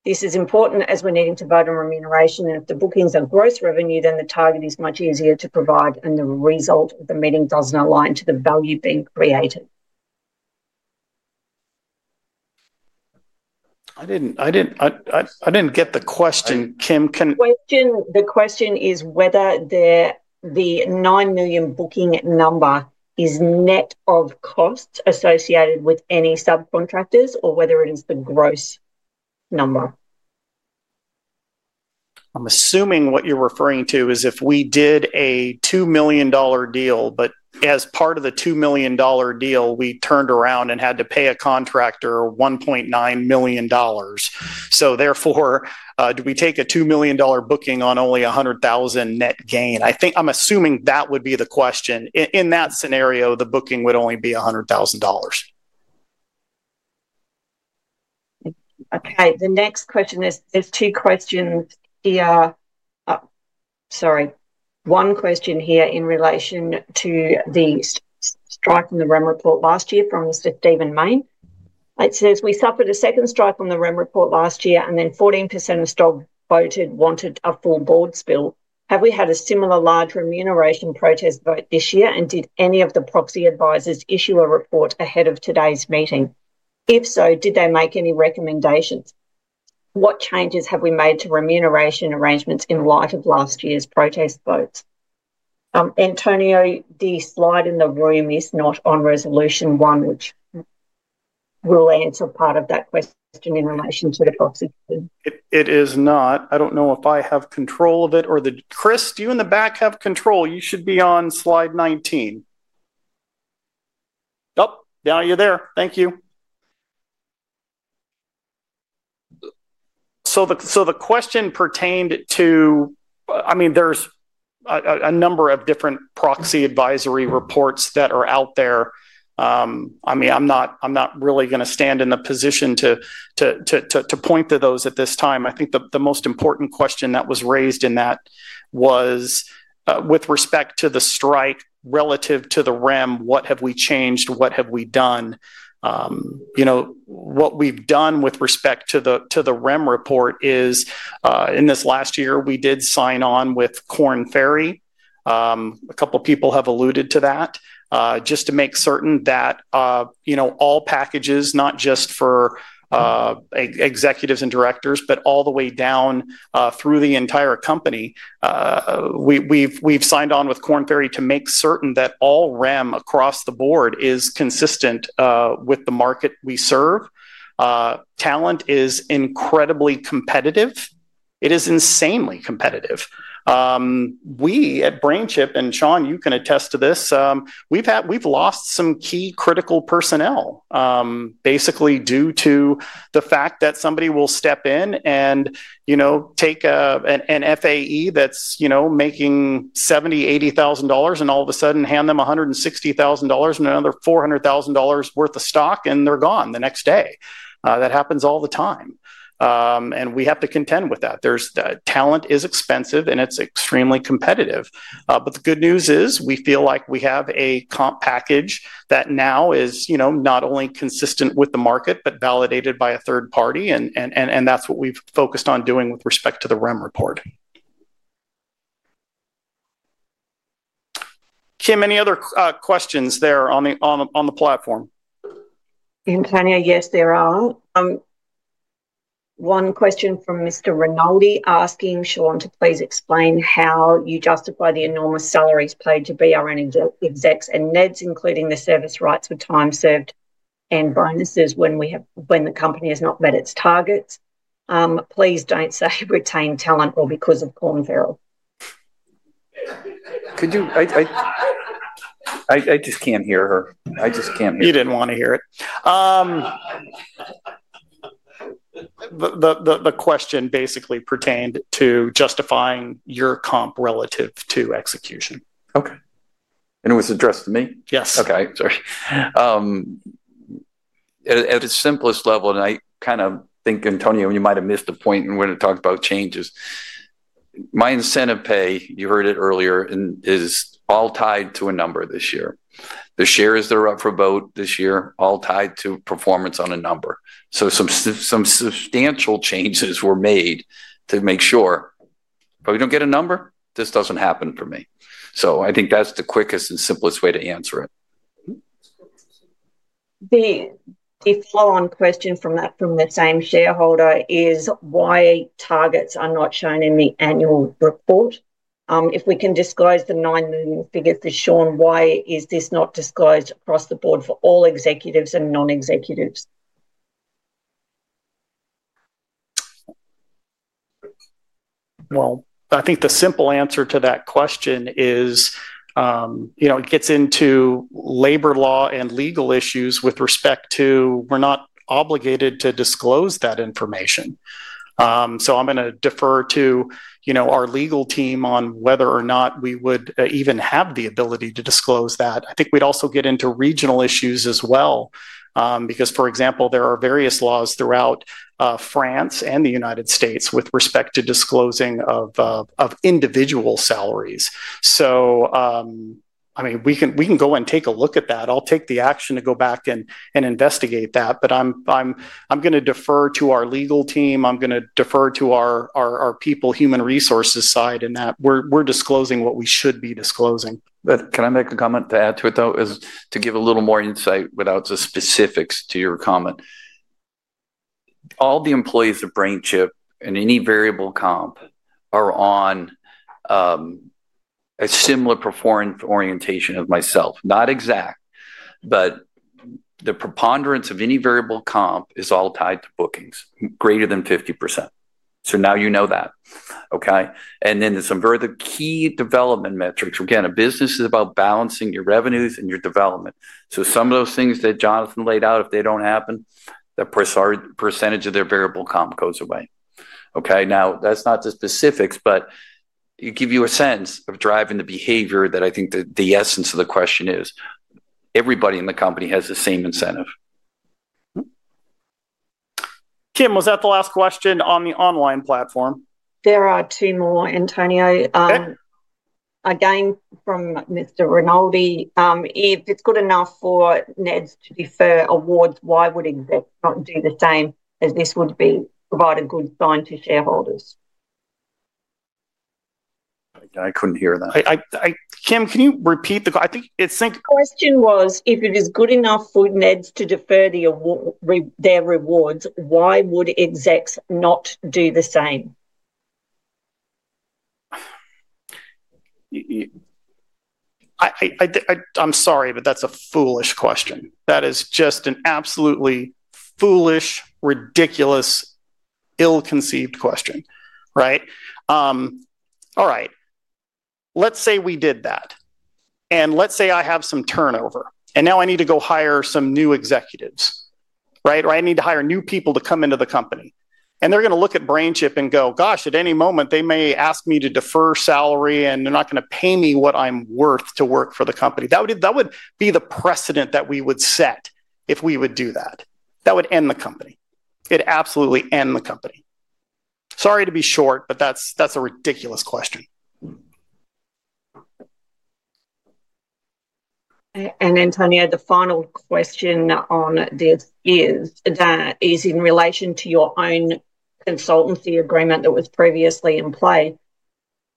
This is important as we're needing to vote on remuneration. If the bookings are gross revenue, then the target is much easier to provide, and the result of the meeting does not align to the value being created. I did not get the question, Kim. The question is whether the $9 million booking number is net of costs associated with any subcontractors or whether it is the gross number. I'm assuming what you're referring to is if we did a $2 million deal, but as part of the $2 million deal, we turned around and had to pay a contractor $1.9 million. Therefore, do we take a $2 million booking or only $100,000 net gain? I'm assuming that would be the question. In that scenario, the booking would only be $100,000. Okay. The next question is there are 2 questions here. Sorry. One question here in relation to the strike on the REM report last year from Mr. Steven Mayne. It says, "We suffered a second strike on the REM report last year, and then 14% of stock voted wanted a full board spill. Have we had a similar large remuneration protest vote this year, and did any of the proxy advisors issue a report ahead of today's meeting? If so, did they make any recommendations? What changes have we made to remuneration arrangements in light of last year's protest votes?" Antonio, the slide in the room is not on resolution one, which will answer part of that question in relation to the proxy voting. It is not. I do not know if I have control of it or Chris, do you in the back have control? You should be on slide 19. Yep. Now you are there. Thank you. The question pertained to, I mean, there's a number of different proxy advisory reports that are out there. I mean, I'm not really going to stand in the position to point to those at this time. I think the most important question that was raised in that was with respect to the strike relative to the REM, what have we changed? What have we done? What we've done with respect to the REM report is in this last year, we did sign on with Korn Ferry. A couple of people have alluded to that. Just to make certain that all packages, not just for executives and directors, but all the way down through the entire company, we've signed on with Korn Ferry to make certain that all REM across the board is consistent with the market we serve. Talent is incredibly competitive. It is insanely competitive. We at BrainChip, and Sean, you can attest to this, we've lost some key critical personnel basically due to the fact that somebody will step in and take an FAE that's making $70,000-$80,000, and all of a sudden hand them $160,000 and another $400,000 worth of stock, and they're gone the next day. That happens all the time. We have to contend with that. Talent is expensive, and it's extremely competitive. The good news is we feel like we have a comp package that now is not only consistent with the market, but validated by a third party. That's what we've focused on doing with respect to the REM report. Kim, any other questions there on the platform? Antonio, yes, there are. One question from Mr. Rinaldi asking, "Sean, please explain how you justify the enormous salaries paid to BRN execs and NEDs, including the service rights for time served and bonuses when the company has not met its targets. Please do not say retain talent or because of Korn Ferry." I just cannot hear her. I just cannot hear her. You did not want to hear it. The question basically pertained to justifying your comp relative to execution. Okay. And it was addressed to me? Yes. Okay. Sorry. At its simplest level, and I kind of think, Antonio, you might have missed the point when we are going to talk about changes. My incentive pay, you heard it earlier, is all tied to a number this year. The shares that are up for a vote this year are all tied to performance on a number. Some substantial changes were made to make sure. If we don't get a number, this doesn't happen for me. I think that's the quickest and simplest way to answer it. The follow-on question from the same shareholder is why targets are not shown in the annual report. If we can disclose the $9 million figure for Sean, why is this not disclosed across the board for all executives and non-executives? I think the simple answer to that question is it gets into labor law and legal issues with respect to we're not obligated to disclose that information. I'm going to defer to our legal team on whether or not we would even have the ability to disclose that. I think we'd also get into regional issues as well because, for example, there are various laws throughout France and the U.S. with respect to disclosing of individual salaries. I mean, we can go and take a look at that. I'll take the action to go back and investigate that. I'm going to defer to our legal team. I'm going to defer to our people, human resources side, in that we're disclosing what we should be disclosing. Can I make a comment to add to it, though, is to give a little more insight without the specifics to your comment. All the employees of BrainChip and any variable comp are on a similar performance orientation as myself. Not exact, but the preponderance of any variable comp is all tied to bookings, greater than 50%. Now you know that. Okay? And then some further key development metrics. Again, a business is about balancing your revenues and your development. Some of those things that Jonathan laid out, if they do not happen, the percentage of their variable comp goes away. Okay? That is not the specifics, but it gives you a sense of driving the behavior that I think the essence of the question is. Everybody in the company has the same incentive. Kim, was that the last question on the online platform? There are two more, Antonio. Again, from Mr. Rinaldi, if it is good enough for NEDs to defer awards, why would execs not do the same as this would provide a good sign to shareholders? I could not hear that. Kim, can you repeat the question? I think it is the same question, was if it is good enough for NEDs to defer their rewards, why would execs not do the same? I am sorry, but that is a foolish question. That is just an absolutely foolish, ridiculous, ill-conceived question. Right? All right. Let's say we did that. Let's say I have some turnover. Now I need to go hire some new executives, right? Or I need to hire new people to come into the company. They're going to look at BrainChip and go, "Gosh, at any moment, they may ask me to defer salary, and they're not going to pay me what I'm worth to work for the company." That would be the precedent that we would set if we would do that. That would end the company. It absolutely ends the company. Sorry to be short, but that's a ridiculous question. Antonio, the final question on this is in relation to your own consultancy agreement that was previously in play.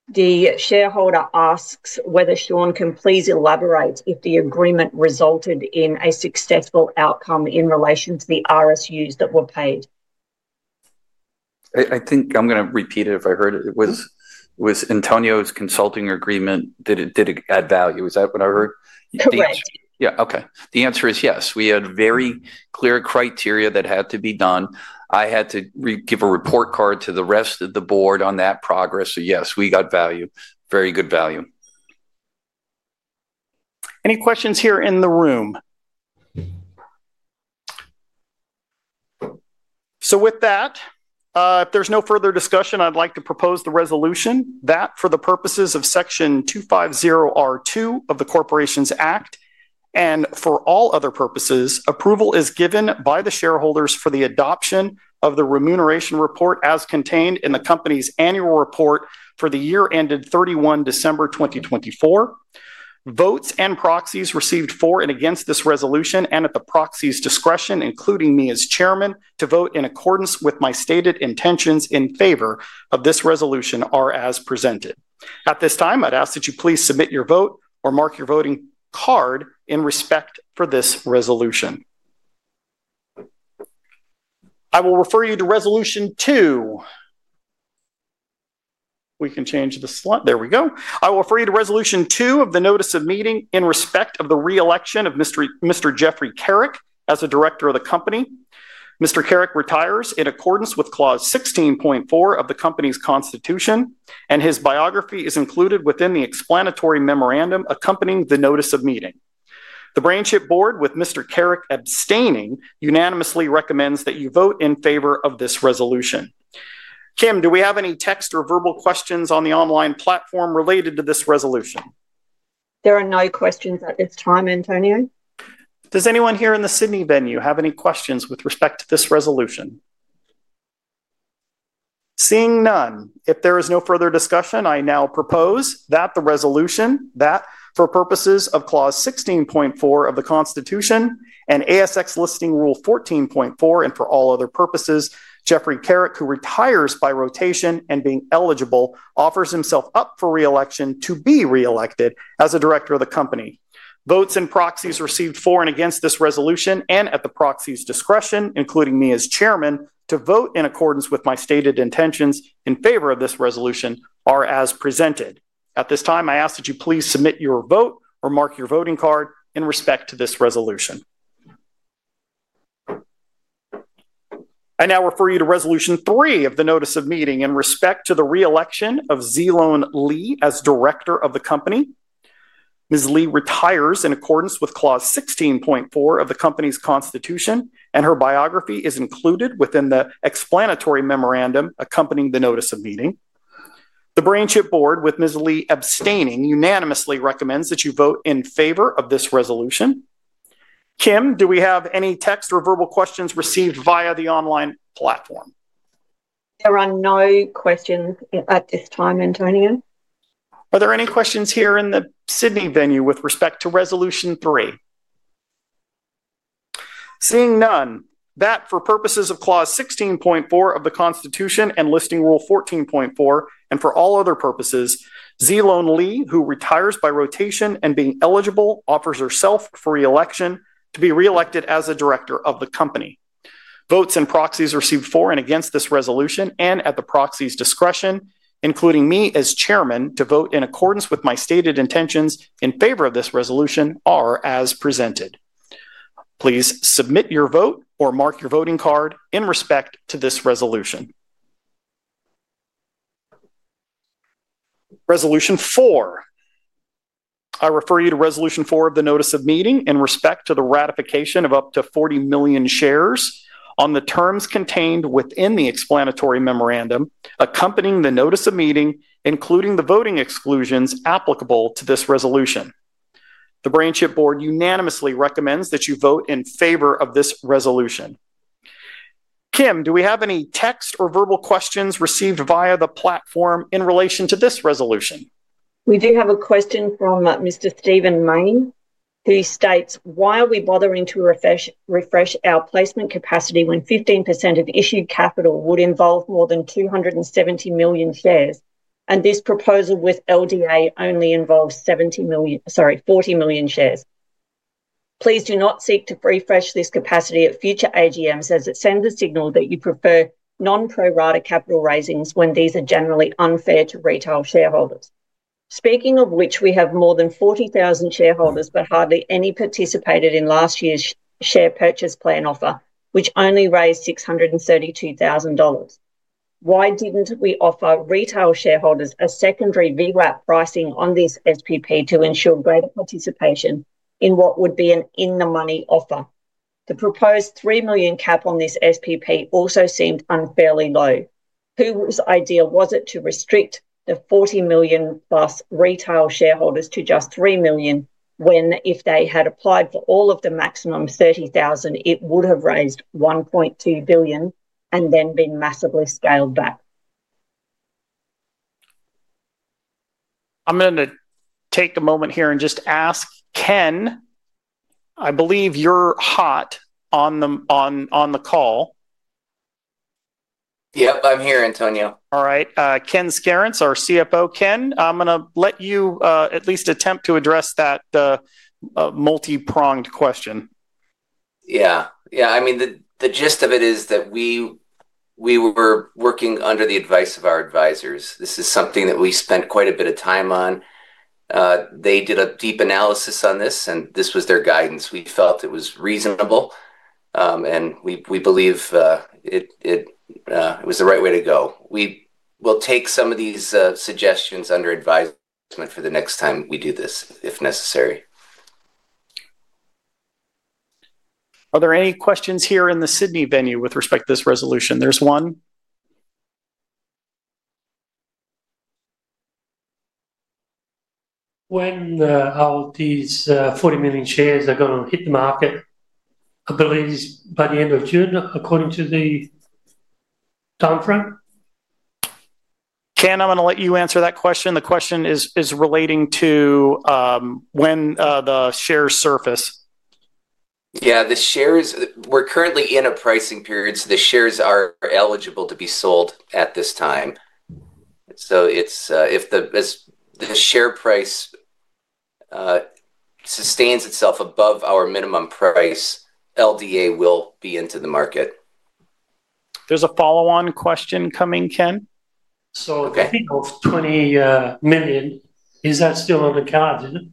The shareholder asks whether Sean can please elaborate if the agreement resulted in a successful outcome in relation to the RSUs that were paid. I think I'm going to repeat it if I heard it. It was Antonio's consulting agreement that did add value. Is that what I heard? Correct. Yeah. Okay. The answer is yes. We had very clear criteria that had to be done. I had to give a report card to the rest of the board on that progress. Yes, we got value. Very good value. Any questions here in the room? If there's no further discussion, I'd like to propose the resolution that for the purposes of Section 250(r)(2) of the Corporations Act and for all other purposes, approval is given by the shareholders for the adoption of the remuneration report as contained in the company's annual report for the year ended 31 December 2024. Votes and proxies received for and against this resolution and at the proxy's discretion, including me as Chairman, to vote in accordance with my stated intentions in favor of this resolution are as presented. At this time, I'd ask that you please submit your vote or mark your voting card in respect for this resolution. I will refer you to resolution two. We can change the slide. There we go. I will refer you to resolution two of the notice of meeting in respect of the reelection of Mr. Jeff Kerrick as a director of the company. Mr. Kerrick retires in accordance with clause 16.4 of the company's constitution, and his biography is included within the explanatory memorandum accompanying the notice of meeting. The BrainChip board, with Mr. Kerrick abstaining, unanimously recommends that you vote in favor of this resolution. Kim, do we have any text or verbal questions on the online platform related to this resolution? There are no questions at this time, Antonio. Does anyone here in the Sydney venue have any questions with respect to this resolution? Seeing none, if there is no further discussion, I now propose that the resolution that for purposes of clause 16.4 of the constitution and ASX listing rule 14.4 and for all other purposes, Jeffrey Kerrick, who retires by rotation and being eligible, offers himself up for reelection to be reelected as a director of the company. Votes and proxies received for and against this resolution and at the proxy's discretion, including me as chairman, to vote in accordance with my stated intentions in favor of this resolution are as presented. At this time, I ask that you please submit your vote or mark your voting card in respect to this resolution. I now refer you to resolution three of the notice of meeting in respect to the reelection of Zelone Lee as director of the company. Ms. Lee retires in accordance with clause 16.4 of the company's constitution, and her biography is included within the explanatory memorandum accompanying the notice of meeting. The BrainChip board, with Ms. Lee abstaining, unanimously recommends that you vote in favor of this resolution. Kim, do we have any text or verbal questions received via the online platform? There are no questions at this time, Antonio. Are there any questions here in the Sydney venue with respect to resolution three? Seeing none, that for purposes of clause 16.4 of the constitution and listing rule 14.4 and for all other purposes, Zelone Lee, who retires by rotation and being eligible, offers herself for reelection to be reelected as a director of the company. Votes and proxies received for and against this resolution and at the proxy's discretion, including me as Chairman, to vote in accordance with my stated intentions in favor of this resolution are as presented. Please submit your vote or mark your voting card in respect to this resolution. Resolution four. I refer you to resolution four of the notice of meeting in respect to the ratification of up to $40 million shares on the terms contained within the explanatory memorandum accompanying the notice of meeting, including the voting exclusions applicable to this resolution. The BrainChip board unanimously recommends that you vote in favor of this resolution. Kim, do we have any text or verbal questions received via the platform in relation to this resolution? We do have a question from Mr. Steven Mayne. He states, "Why are we bothering to refresh our placement capacity when 15% of issued capital would involve more than 270 million shares? And this proposal with LDA only involve40 million shares. Please do not seek to refresh this capacity at future AGMs as it sends a signal that you prefer non-pro-rata capital raisings when these are generally unfair to retail shareholders. Speaking of which, we have more than 40,000 shareholders, but hardly any participated in last year's share purchase plan offer, which only raised 632,000 dollars. Why didn't we offer retail shareholders a secondary VWAP pricing on this SPP to ensure greater participation in what would be an in-the-money offer? The proposed 3 million cap on this SPP also seemed unfairly low. Whose idea was it to restrict the 40 million-plus retail shareholders to just 3 million when, if they had applied for all of the maximum 30,000, it would have raised 1.2 billion and then been massively scaled back? I'm going to take a moment here and just ask Ken. I believe you're hot on the call. Yep. I'm here, Antonio. All right. Ken Skarenc, our CFO, Ken, I'm going to let you at least attempt to address that multi-pronged question. Yeah. I mean, the gist of it is that we were working under the advice of our advisors. This is something that we spent quite a bit of time on. They did a deep analysis on this, and this was their guidance. We felt it was reasonable, and we believe it was the right way to go. We will take some of these suggestions under advisement for the next time we do this, if necessary. Are there any questions here in the Sydney venue with respect to this resolution? There's one. When are these 40 million shares going to hit the market? I believe it's by the end of June, according to the timeframe. Ken, I'm going to let you answer that question. The question is relating to when the shares surface. Yeah. We're currently in a pricing period, so the shares are eligible to be sold at this time. If the share price sustains itself above our minimum price, LDA will be into the market. There's a follow-on question coming, Ken. The thing of 20 million, is that still on the card?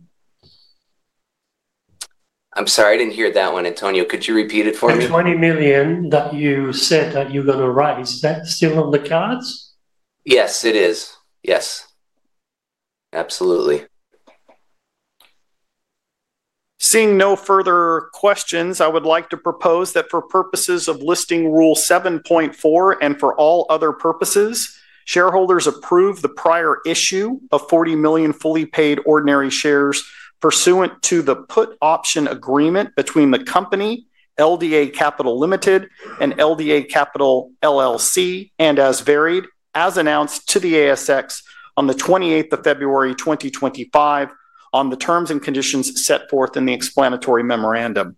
I'm sorry. I didn't hear that one, Antonio. Could you repeat it for me? The 20 million that you said that you're going to raise, is that still on the cards? Yes, it is. Yes. Absolutely. Seeing no further questions, I would like to propose that for purposes of Listing Rule 7.4 and for all other purposes, shareholders approve the prior issue of 40 million fully paid ordinary shares pursuant to the put option agreement between the company, LDA Capital Limited, and LDA Capital LLC, and as varied, as announced to the ASX on the 28th of February 2025, on the terms and conditions set forth in the explanatory memorandum.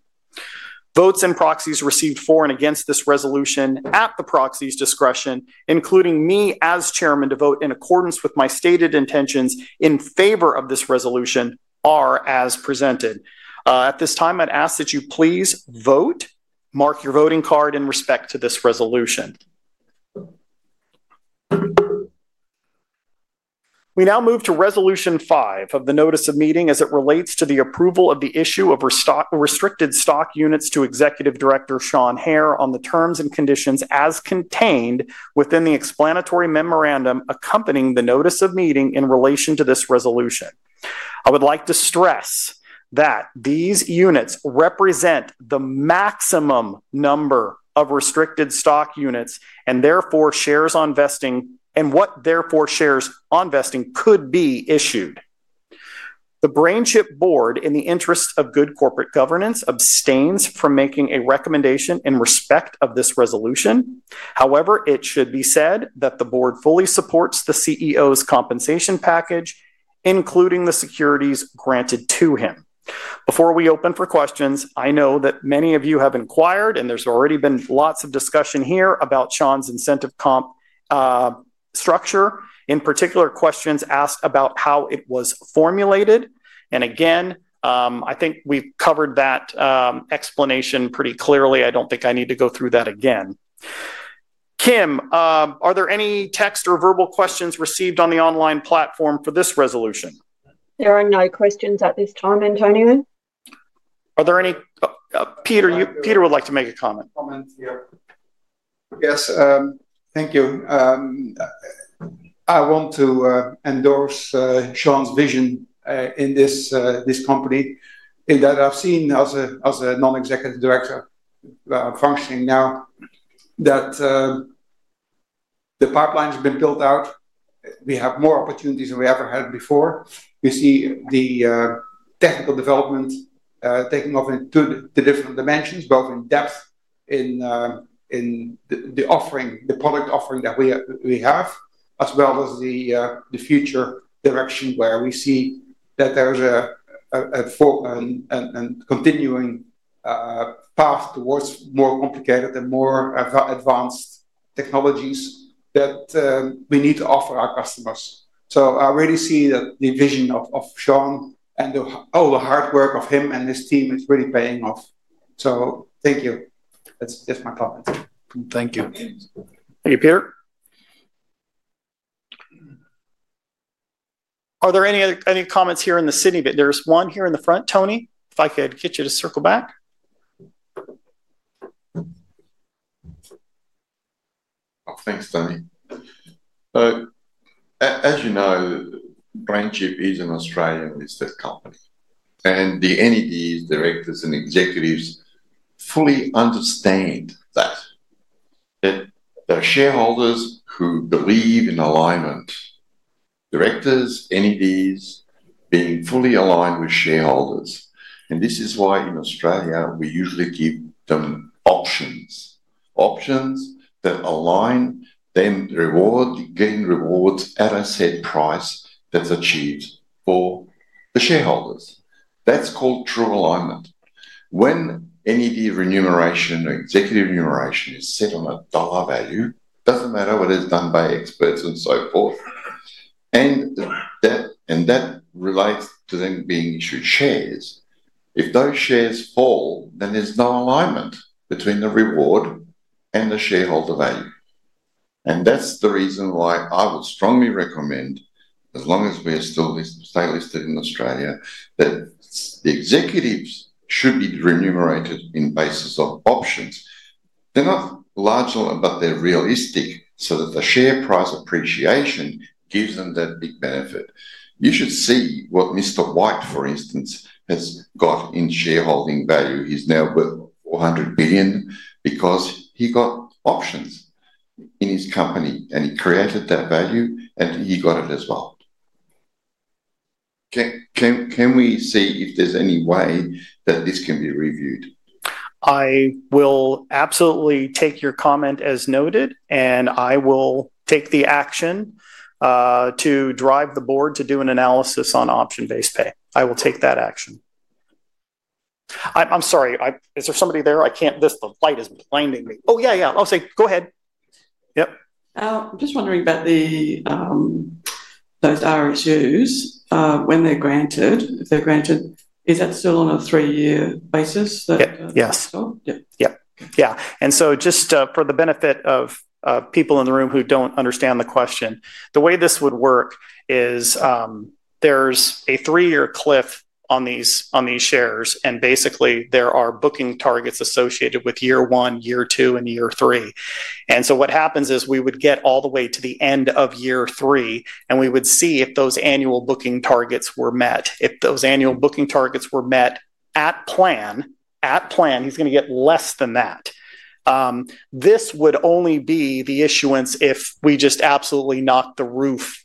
Votes and proxies received for and against this resolution at the proxy's discretion, including me as Chairman, to vote in accordance with my stated intentions in favor of this resolution are as presented. At this time, I'd ask that you please vote, mark your voting card in respect to this resolution. We now move to resolution five of the notice of meeting as it relates to the approval of the issue of restricted stock units to Executive Director Sean Hehir on the terms and conditions as contained within the explanatory memorandum accompanying the notice of meeting in relation to this resolution. I would like to stress that these units represent the maximum number of restricted stock units and therefore shares on vesting and what shares on vesting could be issued. The BrainChip board, in the interest of good corporate governance, abstains from making a recommendation in respect of this resolution. However, it should be said that the board fully supports the CEO's compensation package, including the securities granted to him. Before we open for questions, I know that many of you have inquired, and there's already been lots of discussion here about Sean's incentive comp structure, in particular questions asked about how it was formulated. I think we've covered that explanation pretty clearly. I don't think I need to go through that again. Kim, are there any text or verbal questions received on the online platform for this resolution? There are no questions at this time, Antonio. Are there any? Peter would like to make a comment. Yes. Thank you. I want to endorse Sean's vision in this company in that I've seen as a non-executive director functioning now that the pipeline has been built out. We have more opportunities than we ever had before. We see the technical development taking off into the different dimensions, both in depth, in the product offering that we have, as well as the future direction where we see that there's a continuing path towards more complicated and more advanced technologies that we need to offer our customers. I really see that the vision of Sean and all the hard work of him and his team is really paying off. Thank you. That's my comment. Thank you. Thank you, Peter. Are there any comments here in the Sydney? There's one here in the front, Tony, if I could get you to circle back. Thanks, Tony. As you know, BrainChip is an Australian listed company, and the NEDs, directors, and executives fully understand that there are shareholders who believe in alignment, directors, NEDs being fully aligned with shareholders. This is why in Australia, we usually give them options, options that align them to reward, gain rewards at a set price that's achieved for the shareholders. That's called true alignment. When NED remuneration or executive remuneration is set on a dollar value, it doesn't matter what is done by experts and so forth. That relates to them being issued shares. If those shares fall, then there's no alignment between the reward and the shareholder value. That's the reason why I would strongly recommend, as long as we stay listed in Australia, that the executives should be remunerated on basis of options. They're not large, but they're realistic so that the share price appreciation gives them that big benefit. You should see what Mr. White, for instance, has got in shareholding value. He's now worth $400 million because he got options in his company, and he created that value, and he got it as well. Can we see if there's any way that this can be reviewed? I will absolutely take your comment as noted, and I will take the action to drive the board to do an analysis on option-based pay. I will take that action. I'm sorry. Is there somebody there? The light is blinding me. Oh, yeah, yeah. I'll say, "Go ahead." Yep. I'm just wondering about those RSUs. When they're granted, if they're granted, is that still on a three-year basis? Yes. Yep. Yeah. And just for the benefit of people in the room who don't understand the question, the way this would work is there's a three-year cliff on these shares, and basically, there are booking targets associated with year one, year two, and year three. What happens is we would get all the way to the end of year three, and we would see if those annual booking targets were met. If those annual booking targets were met at plan, he's going to get less than that. This would only be the issuance if we just absolutely knocked the roof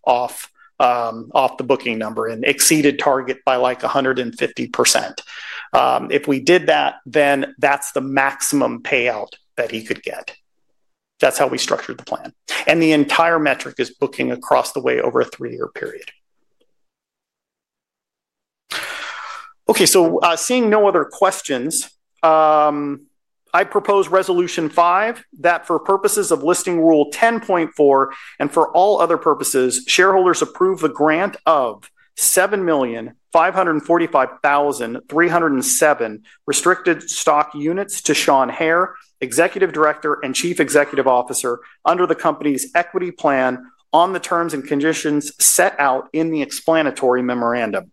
off the booking number and exceeded target by like 150%. If we did that, then that's the maximum payout that he could get. That's how we structured the plan. The entire metric is booking across the way over a three-year period. Okay. Seeing no other questions, I propose resolution five that for purposes of Listing Rule 10.4 and for all other purposes, shareholders approve the grant of 7,545,307 restricted stock units to Sean Hehir, Executive Director and Chief Executive Officer, under the company's equity plan on the terms and conditions set out in the explanatory memorandum.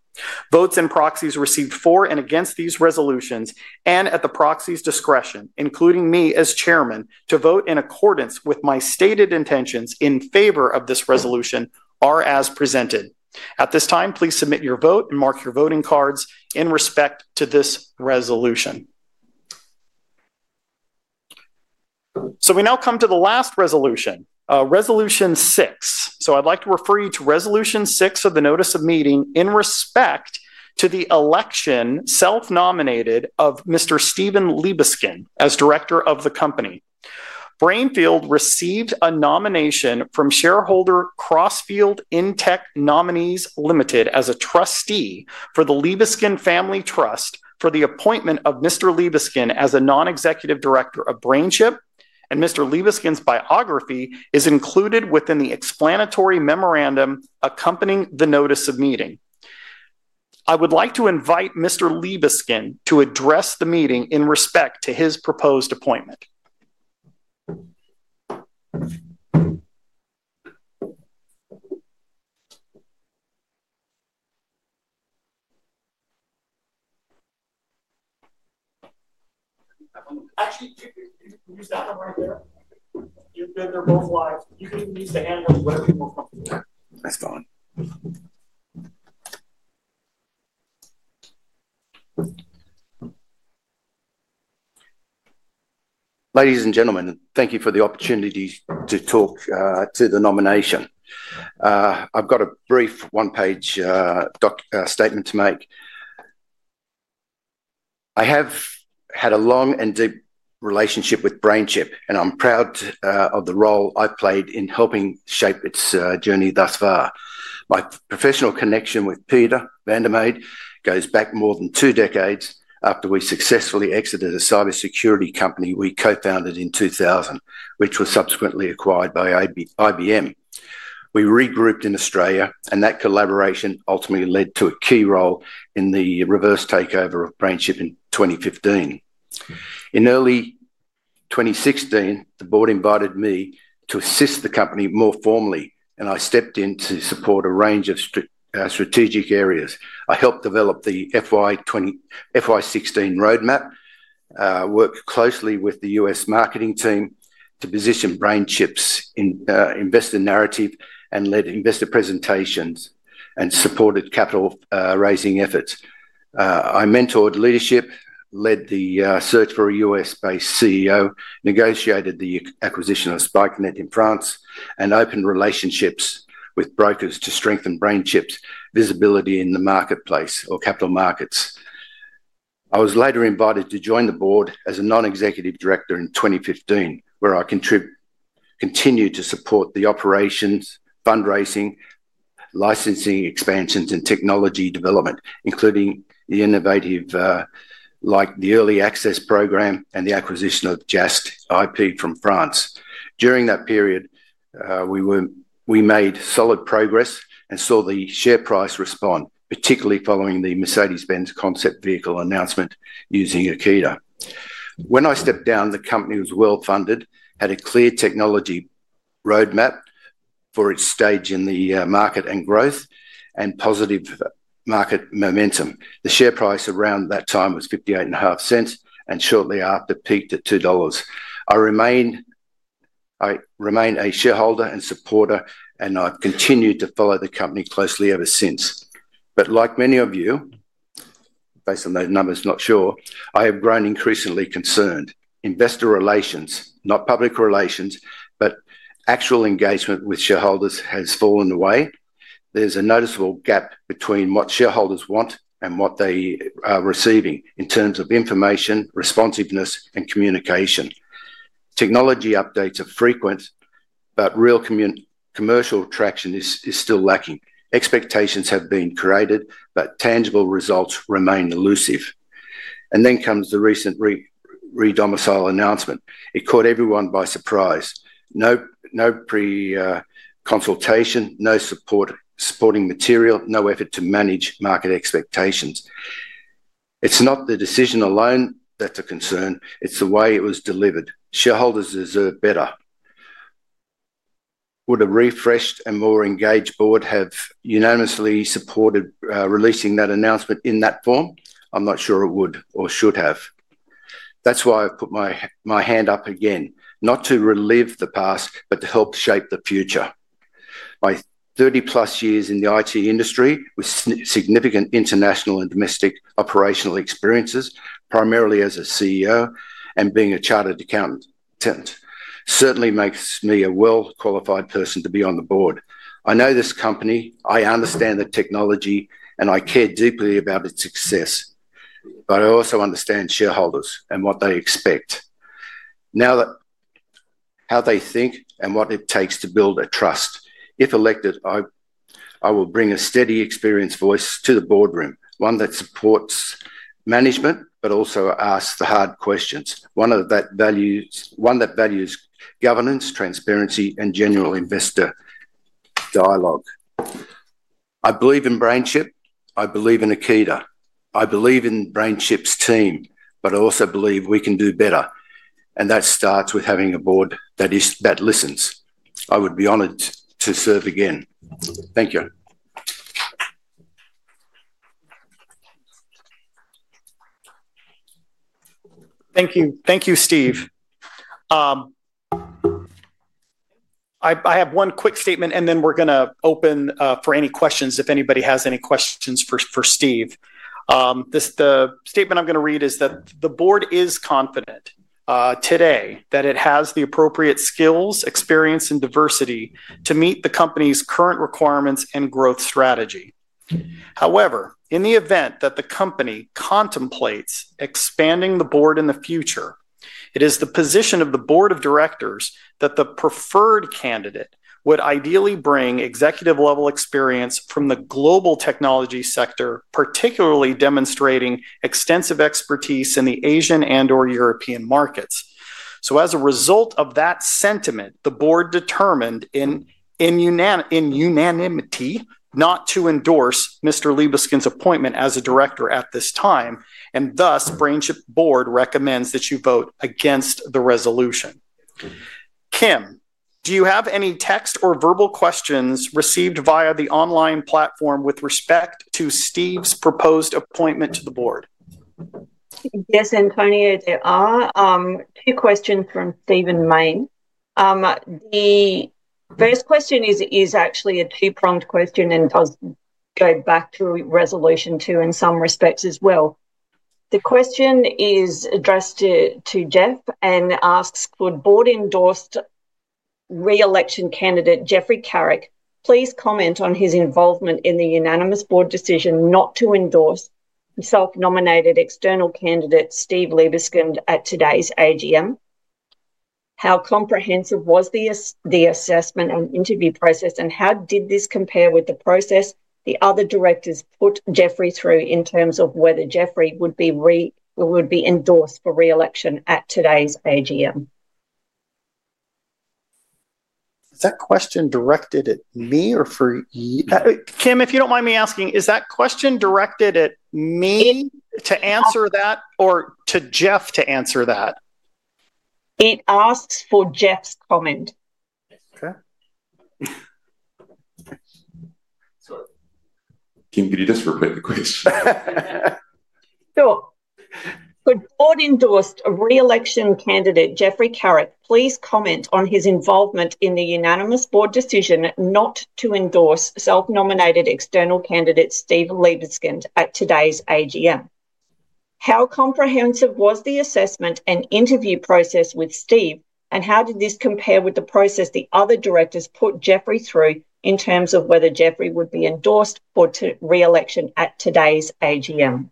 Votes and proxies received for and against these resolutions and at the proxy's discretion, including me as Chairman, to vote in accordance with my stated intentions in favor of this resolution are as presented. At this time, please submit your vote and mark your voting cards in respect to this resolution. We now come to the last resolution, resolution six. I would like to refer you to resolution 6 of the notice of meeting in respect to the election, self-nominated, of Mr. Steven Liebeskind as Director of the company. BrainChip received a nomination from shareholder Crossfield InTech Nominees Limited as a trustee for the Libiskin Family Trust for the appointment of Mr. Libiskin as a non-executive director of BrainChip, and Mr. Libiskin's biography is included within the explanatory memorandum accompanying the notice of meeting. I would like to invite Mr. Libiskin to address the meeting in respect to his proposed appointment. Actually, you can use that one right there. You've been there both lives. You can even use the hand up wherever you want from here. That's fine. Ladies and gentlemen, thank you for the opportunity to talk to the nomination. I've got a brief one-page statement to make. I have had a long and deep relationship with BrainChip, and I'm proud of the role I've played in helping shape its journey thus far. My professional connection with Peter Van der Made goes back more than two decades after we successfully exited a cybersecurity company we co-founded in 2000, which was subsequently acquired by IBM. We regrouped in Australia, and that collaboration ultimately led to a key role in the reverse takeover of BrainChip in 2015. In early 2016, the board invited me to assist the company more formally, and I stepped in to support a range of strategic areas. I helped develop the FY16 roadmap, worked closely with the U.S. marketing team to position BrainChip's investor narrative and led investor presentations, and supported capital-raising efforts. I mentored leadership, led the search for a U.S.-based CEO, negotiated the acquisition of Spikenet in France, and opened relationships with brokers to strengthen BrainChip's visibility in the marketplace or capital markets. I was later invited to join the board as a non-executive director in 2015, where I continue to support the operations, fundraising, licensing expansions, and technology development, including the innovative early access program and the acquisition of JAST IP from France. During that period, we made solid progress and saw the share price respond, particularly following the Mercedes-Benz concept vehicle announcement using Akida. When I stepped down, the company was well-funded, had a clear technology roadmap for its stage in the market and growth and positive market momentum. The share price around that time was 0.585, and shortly after, peaked at $2. I remain a shareholder and supporter, and I've continued to follow the company closely ever since. Like many of you, based on those numbers, not sure, I have grown increasingly concerned. Investor relations, not public relations, but actual engagement with shareholders has fallen away. There is a noticeable gap between what shareholders want and what they are receiving in terms of information, responsiveness, and communication. Technology updates are frequent, but real commercial traction is still lacking. Expectations have been created, but tangible results remain elusive. Then comes the recent re-domicile announcement. It caught everyone by surprise. No pre-consultation, no supporting material, no effort to manage market expectations. It is not the decision alone that is a concern. It is the way it was delivered. Shareholders deserve better. Would a refreshed and more engaged board have unanimously supported releasing that announcement in that form? I am not sure it would or should have. That is why I put my hand up again, not to relive the past, but to help shape the future. My 30-plus years in the IT industry with significant international and domestic operational experiences, primarily as a CEO and being a chartered accountant, certainly makes me a well-qualified person to be on the board. I know this company. I understand the technology, and I care deeply about its success. I also understand shareholders and what they expect, how they think, and what it takes to build a trust. If elected, I will bring a steady experience voice to the boardroom, one that supports management, but also asks the hard questions, one that values governance, transparency, and general investor dialogue. I believe in BrainChip. I believe in Akida. I believe in BrainChip's team, but I also believe we can do better. That starts with having a board that listens. I would be honored to serve again. Thank you. Thank you. Thank you, Steve. I have one quick statement, and then we're going to open for any questions if anybody has any questions for Steve. The statement I'm going to read is that the board is confident today that it has the appropriate skills, experience, and diversity to meet the company's current requirements and growth strategy. However, in the event that the company contemplates expanding the board in the future, it is the position of the board of directors that the preferred candidate would ideally bring executive-level experience from the global technology sector, particularly demonstrating extensive expertise in the Asian and/or European markets. As a result of that sentiment, the board determined in unanimity not to endorse Mr. Libiskin's appointment as a director at this time, and thus, BrainChip board recommends that you vote against the resolution. Kim, do you have any text or verbal questions received via the online platform with respect to Steve's proposed appointment to the board? Yes, Antonio. There are two questions from Steven Mayne. The first question is actually a two-pronged question and does go back to resolution two in some respects as well. The question is addressed to Jeff and asks, "For board-endorsed re-election candidate Jeff Kerrick, please comment on his involvement in the unanimous board decision not to endorse self-nominated external candidate Steven Liebeskind at today's AGM. How comprehensive was the assessment and interview process, and how did this compare with the process the other directors put Jeff through in terms of whether Jeff would be endorsed for re-election at today's AGM?" Is that question directed at me or for you? Kim, if you do not mind me asking, is that question directed at me to answer that or to Jeff to answer that? It asks for Jeff's comment. Okay. Kim, can you just repeat the question? Sure. "For board-endorsed re-election candidate Jeff Kerrick, please comment on his involvement in the unanimous board decision not to endorse self-nominated external candidate Steven Liebeskind at today's AGM. How comprehensive was the assessment and interview process with Steven, and how did this compare with the process the other directors put Jeff through in terms of whether Jeff would be endorsed for re-election at today's AGM?"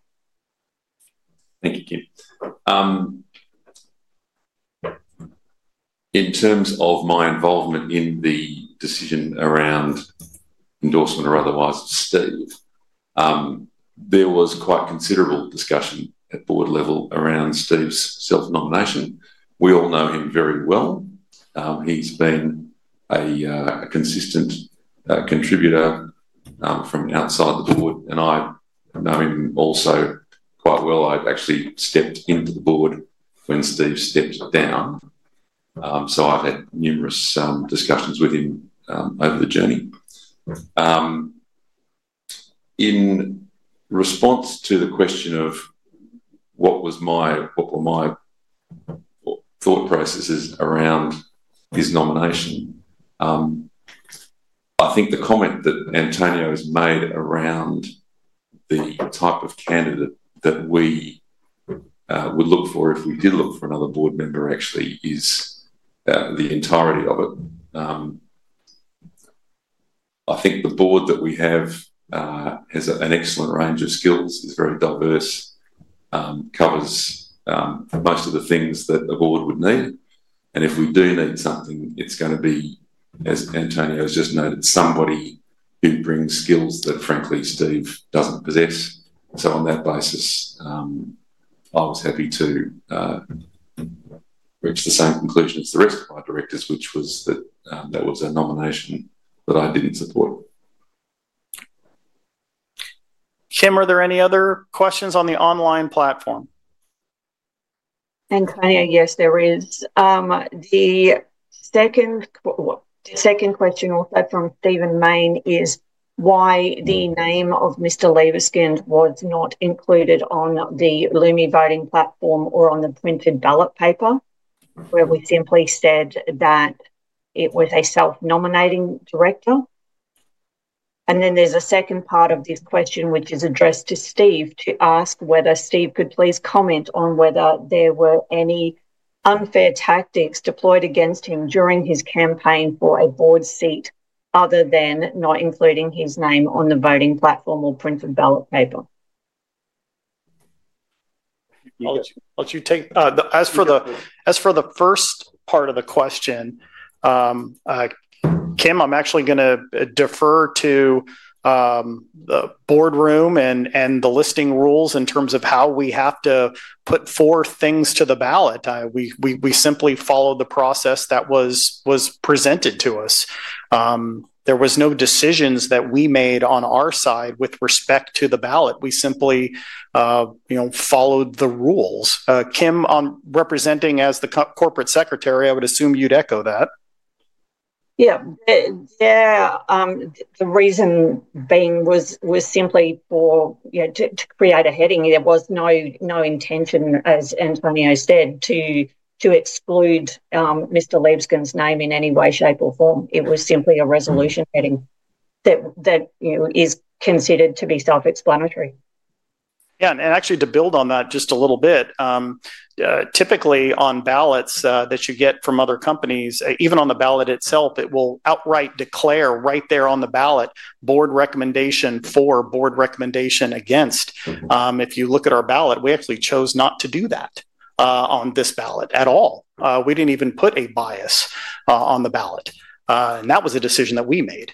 Thank you, Kim. In terms of my involvement in the decision around endorsement or otherwise of Steven, there was quite considerable discussion at board level around Steven's self-nomination. We all know him very well. He has been a consistent contributor from outside the board, and I know him also quite well. I actually stepped into the board when Steve stepped down. So I've had numerous discussions with him over the journey. In response to the question of what were my thought processes around his nomination, I think the comment that Antonio has made around the type of candidate that we would look for if we did look for another board member actually is the entirety of it. I think the board that we have has an excellent range of skills, is very diverse, covers most of the things that the board would need. If we do need something, it's going to be, as Antonio has just noted, somebody who brings skills that, frankly, Steve doesn't possess. On that basis, I was happy to reach the same conclusion as the rest of my directors, which was that that was a nomination that I didn't support. Kim, are there any other questions on the online platform? Antonio, yes, there is. The second question also from Steven Mayne is why the name of Mr. Libiskin was not included on the Lumi voting platform or on the printed ballot paper where we simply said that it was a self-nominating director. There is a second part of this question which is addressed to Steve to ask whether Steve could please comment on whether there were any unfair tactics deployed against him during his campaign for a board seat other than not including his name on the voting platform or printed ballot paper. I'll let you take the question. As for the first part of the question, Kim, I'm actually going to defer to the Boardroom and the listing rules in terms of how we have to put four things to the ballot. We simply followed the process that was presented to us. There were no decisions that we made on our side with respect to the ballot. We simply followed the rules. Kim, representing as the Corporate Secretary, I would assume you'd echo that. Yeah. Yeah. The reason being was simply to create a heading. There was no intention, as Antonio said, to exclude Mr. Libiskin's name in any way, shape, or form. It was simply a resolution heading that is considered to be self-explanatory. Yeah. Actually, to build on that just a little bit, typically on ballots that you get from other companies, even on the ballot itself, it will outright declare right there on the ballot, board recommendation for, board recommendation against. If you look at our ballot, we actually chose not to do that on this ballot at all. We did not even put a bias on the ballot. That was a decision that we made.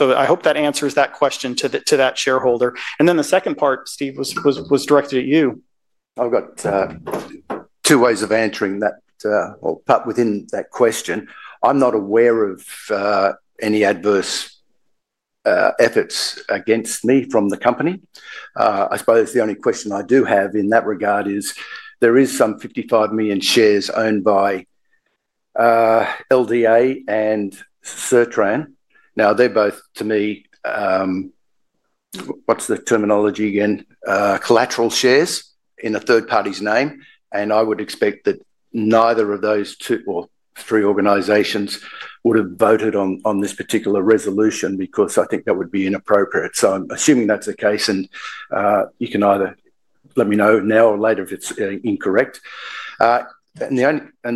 I hope that answers that question to that shareholder. The second part, Steve, was directed at you. I've got two ways of answering that or part within that question. I'm not aware of any adverse efforts against me from the company. I suppose the only question I do have in that regard is there is some 55 million shares owned by LDA and Certran. Now, they're both, to me—what's the terminology again?—collateral shares in a third party's name. I would expect that neither of those two or three organizations would have voted on this particular resolution because I think that would be inappropriate. I'm assuming that's the case, and you can either let me know now or later if it's incorrect. The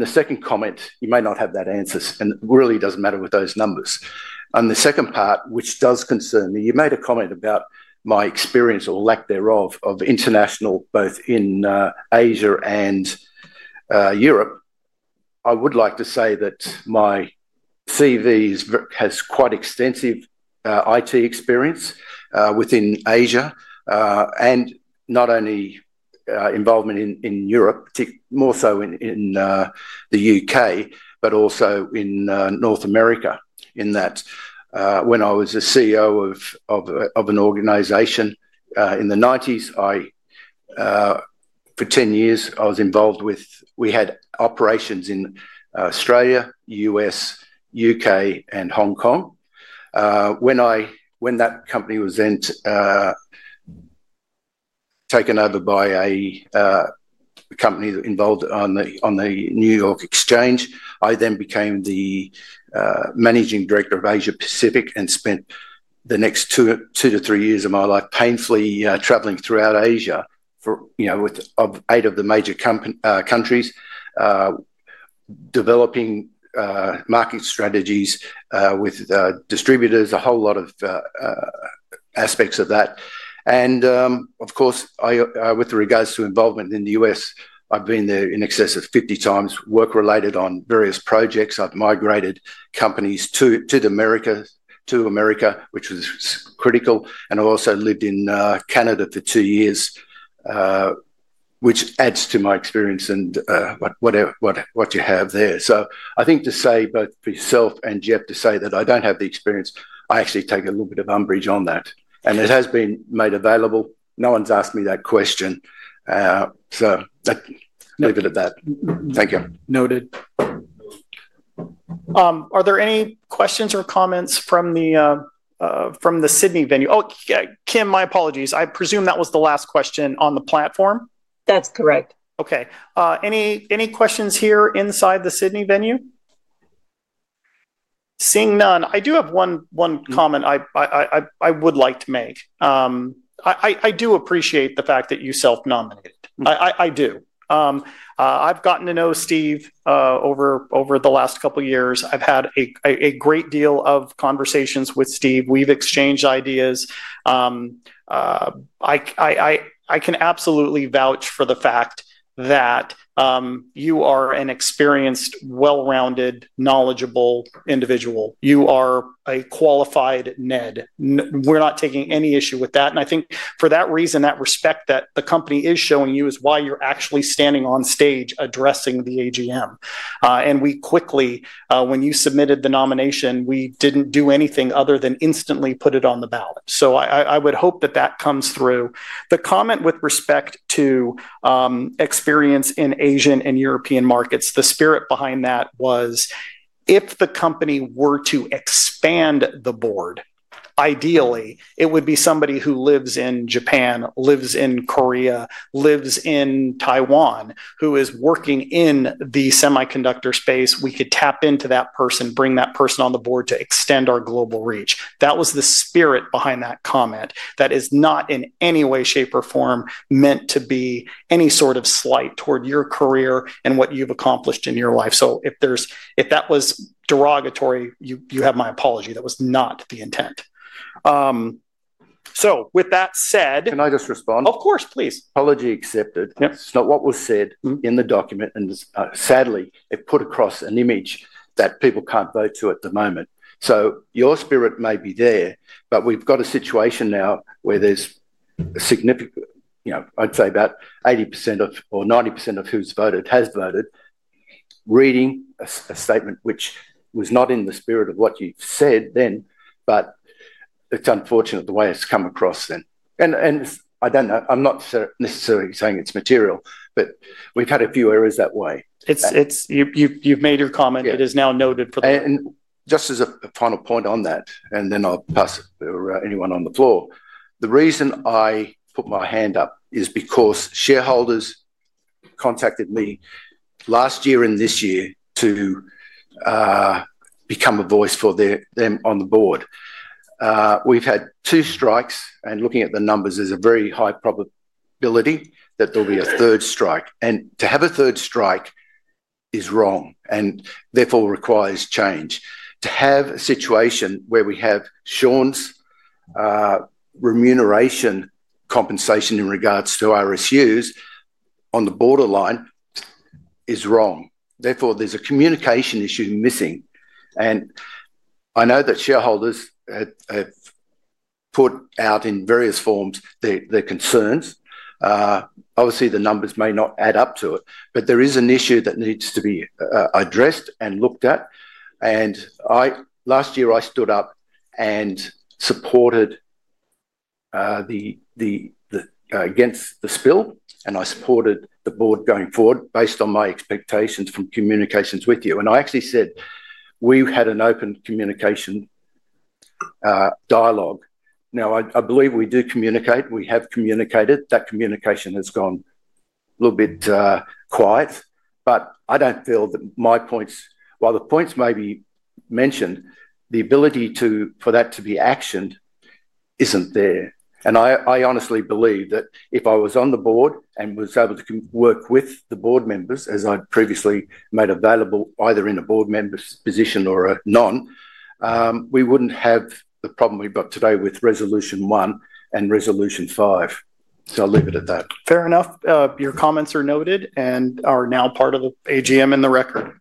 second comment, you may not have that answer, and it really does not matter with those numbers. On the second part, which does concern me, you made a comment about my experience or lack thereof of international, both in Asia and Europe. I would like to say that my CV has quite extensive IT experience within Asia and not only involvement in Europe, more so in the U.K., but also in North America. In that when I was a CEO of an organization in the 1990s, for 10 years, I was involved with—we had operations in Australia, U.S., U.K., and Hong Kong. When that company was then taken over by a company involved on the New York Exchange, I then became the Managing Director of Asia-Pacific and spent the next two to three years of my life painfully traveling throughout Asia with eight of the major countries, developing market strategies with distributors, a whole lot of aspects of that. Of course, with regards to involvement in the U.S., I've been there in excess of 50 times, work-related on various projects. I've migrated companies to America, which was critical. I also lived in Canada for two years, which adds to my experience and what you have there. I think to say both for yourself and Jeff to say that I don't have the experience, I actually take a little bit of umbrage on that. It has been made available. No one's asked me that question. Leave it at that. Thank you. Noted. Are there any questions or comments from the Sydney venue? Oh, Kim, my apologies. I presume that was the last question on the platform. That's correct. Okay. Any questions here inside the Sydney venue? Seeing none. I do have one comment I would like to make. I do appreciate the fact that you self-nominated. I do. I've gotten to know Steve over the last couple of years. I've had a great deal of conversations with Steve. We've exchanged ideas. I can absolutely vouch for the fact that you are an experienced, well-rounded, knowledgeable individual. You are a qualified NED. We're not taking any issue with that. I think for that reason, that respect that the company is showing you is why you're actually standing on stage addressing the AGM. We quickly, when you submitted the nomination, we did not do anything other than instantly put it on the ballot. I would hope that that comes through. The comment with respect to experience in Asian and European markets, the spirit behind that was if the company were to expand the board, ideally, it would be somebody who lives in Japan, lives in Korea, lives in Taiwan, who is working in the semiconductor space. We could tap into that person, bring that person on the board to extend our global reach. That was the spirit behind that comment. That is not in any way, shape, or form meant to be any sort of slight toward your career and what you have accomplished in your life. If that was derogatory, you have my apology. That was not the intent. With that said— Can I just respond? Of course, please. Apology accepted. What was said in the document, and sadly, it put across an image that people cannot vote to at the moment. Your spirit may be there, but we have a situation now where there is a significant—I would say about 80% or 90% of who has voted has voted—reading a statement which was not in the spirit of what you said then, but it is unfortunate the way it has come across then. I do not know. I am not necessarily saying it is material, but we have had a few errors that way. You have made your comment. It is now noted for the— Just as a final point on that, then I will pass it to anyone on the floor. The reason I put my hand up is because shareholders contacted me last year and this year to become a voice for them on the board. We've had two strikes, and looking at the numbers, there's a very high probability that there'll be a third strike. To have a third strike is wrong and therefore requires change. To have a situation where we have Sean's remuneration compensation in regards to our issues on the borderline is wrong. Therefore, there's a communication issue missing. I know that shareholders have put out in various forms their concerns. Obviously, the numbers may not add up to it, but there is an issue that needs to be addressed and looked at. Last year, I stood up and supported against the spill, and I supported the board going forward based on my expectations from communications with you. I actually said we had an open communication dialogue. Now, I believe we do communicate. We have communicated. That communication has gone a little bit quiet. I don't feel that my points—the points may be mentioned—the ability for that to be actioned isn't there. I honestly believe that if I was on the board and was able to work with the board members, as I previously made available either in a board member's position or a non, we wouldn't have the problem we've got today with resolution one and resolution five. I'll leave it at that. Fair enough. Your comments are noted and are now part of the AGM in the record.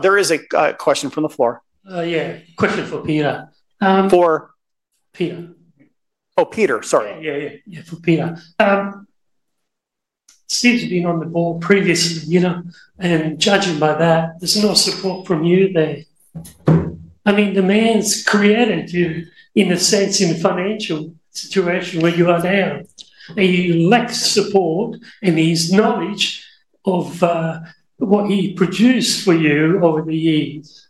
There is a question from the floor. Yeah. Question for Peter. For? Peter. Oh, Peter. Sorry. Yeah, yeah, yeah. For Peter. Steve's been on the board previously, and judging by that, there's no support from you there. I mean, the man's created you in a sense in the financial situation where you are now. He lacks support and his knowledge of what he produced for you over the years.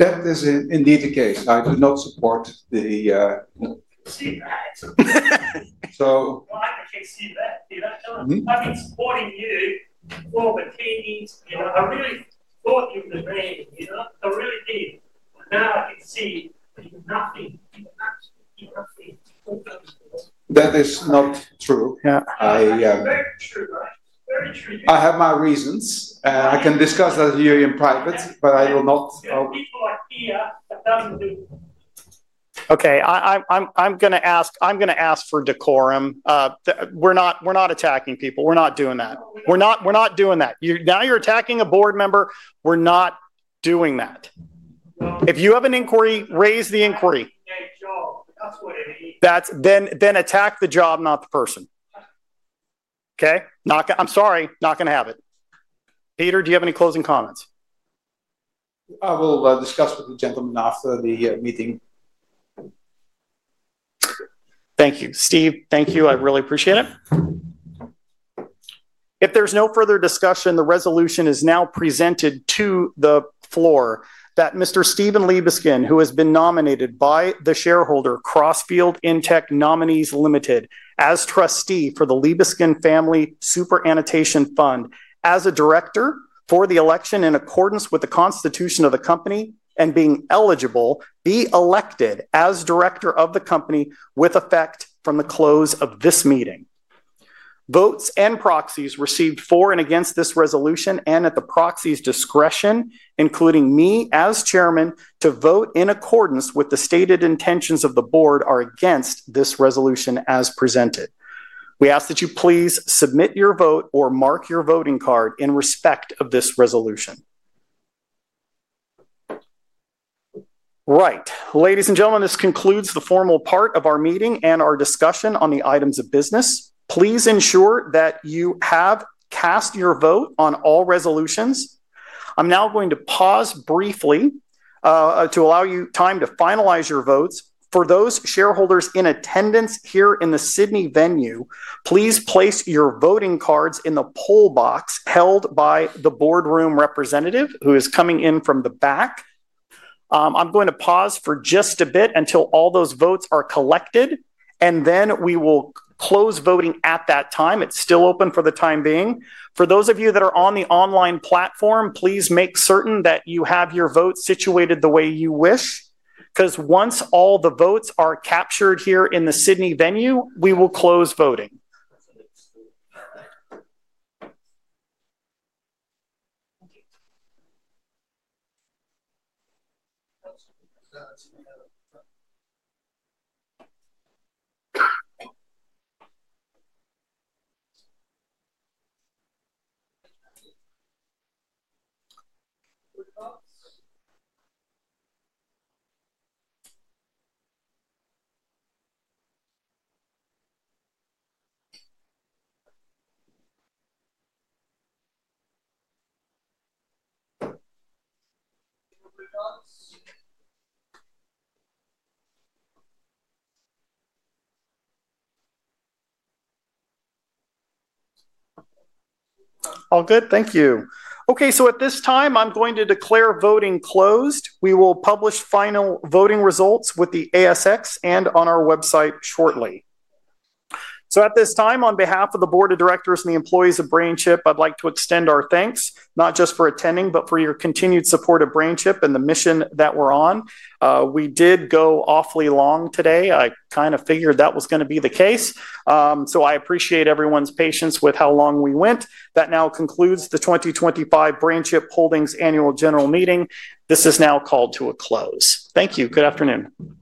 That is indeed the case. I do not support the—I can see that. I can see that. I've been supporting you for the team. I really thought you were the man. I really did. Now I can see you're nothing. You're absolutely nothing. That is not true. Very true. Very true. I have my reasons. I can discuss that with you in private, but I will not. There are people like Peter. That doesn't do. Okay. I'm going to ask for decorum. We're not attacking people. We're not doing that. We're not doing that. Now you're attacking a board member. We're not doing that. If you have an inquiry, raise the inquiry. Okay. Job. That's what it is. Then attack the job, not the person. Okay? I'm sorry. Not going to have it. Peter, do you have any closing comments? I will discuss with the gentlemen after the meeting. Thank you. Steve, thank you. I really appreciate it. If there's no further discussion, the resolution is now presented to the floor that Mr. Steven Liebeskind, who has been nominated by the shareholder Crossfield InTech Nominees Limited as trustee for the Libiskin Family Superannotation Fund as a director for the election in accordance with the constitution of the company and being eligible, be elected as director of the company with effect from the close of this meeting. Votes and proxies received for and against this resolution and at the proxy's discretion, including me as chairman, to vote in accordance with the stated intentions of the board are against this resolution as presented. We ask that you please submit your vote or mark your voting card in respect of this resolution. Right. Ladies and gentlemen, this concludes the formal part of our meeting and our discussion on the items of business. Please ensure that you have cast your vote on all resolutions. I'm now going to pause briefly to allow you time to finalize your votes. For those shareholders in attendance here in the Sydney venue, please place your voting cards in the poll box held by the Boardroom representative who is coming in from the back. I'm going to pause for just a bit until all those votes are collected, and then we will close voting at that time. It's still open for the time being. For those of you that are on the online platform, please make certain that you have your vote situated the way you wish because once all the votes are captured here in the Sydney venue, we will close voting. All good? Thank you. Okay. At this time, I'm going to declare voting closed. We will publish final voting results with the ASX and on our website shortly. At this time, on behalf of the Board of Directors and the employees of BrainChip, I'd like to extend our thanks, not just for attending, but for your continued support of BrainChip and the mission that we're on. We did go awfully long today. I kind of figured that was going to be the case. I appreciate everyone's patience with how long we went. That now concludes the 2025 BrainChip Holdings Annual General Meeting. This is now called to a close. Thank you. Good afternoon.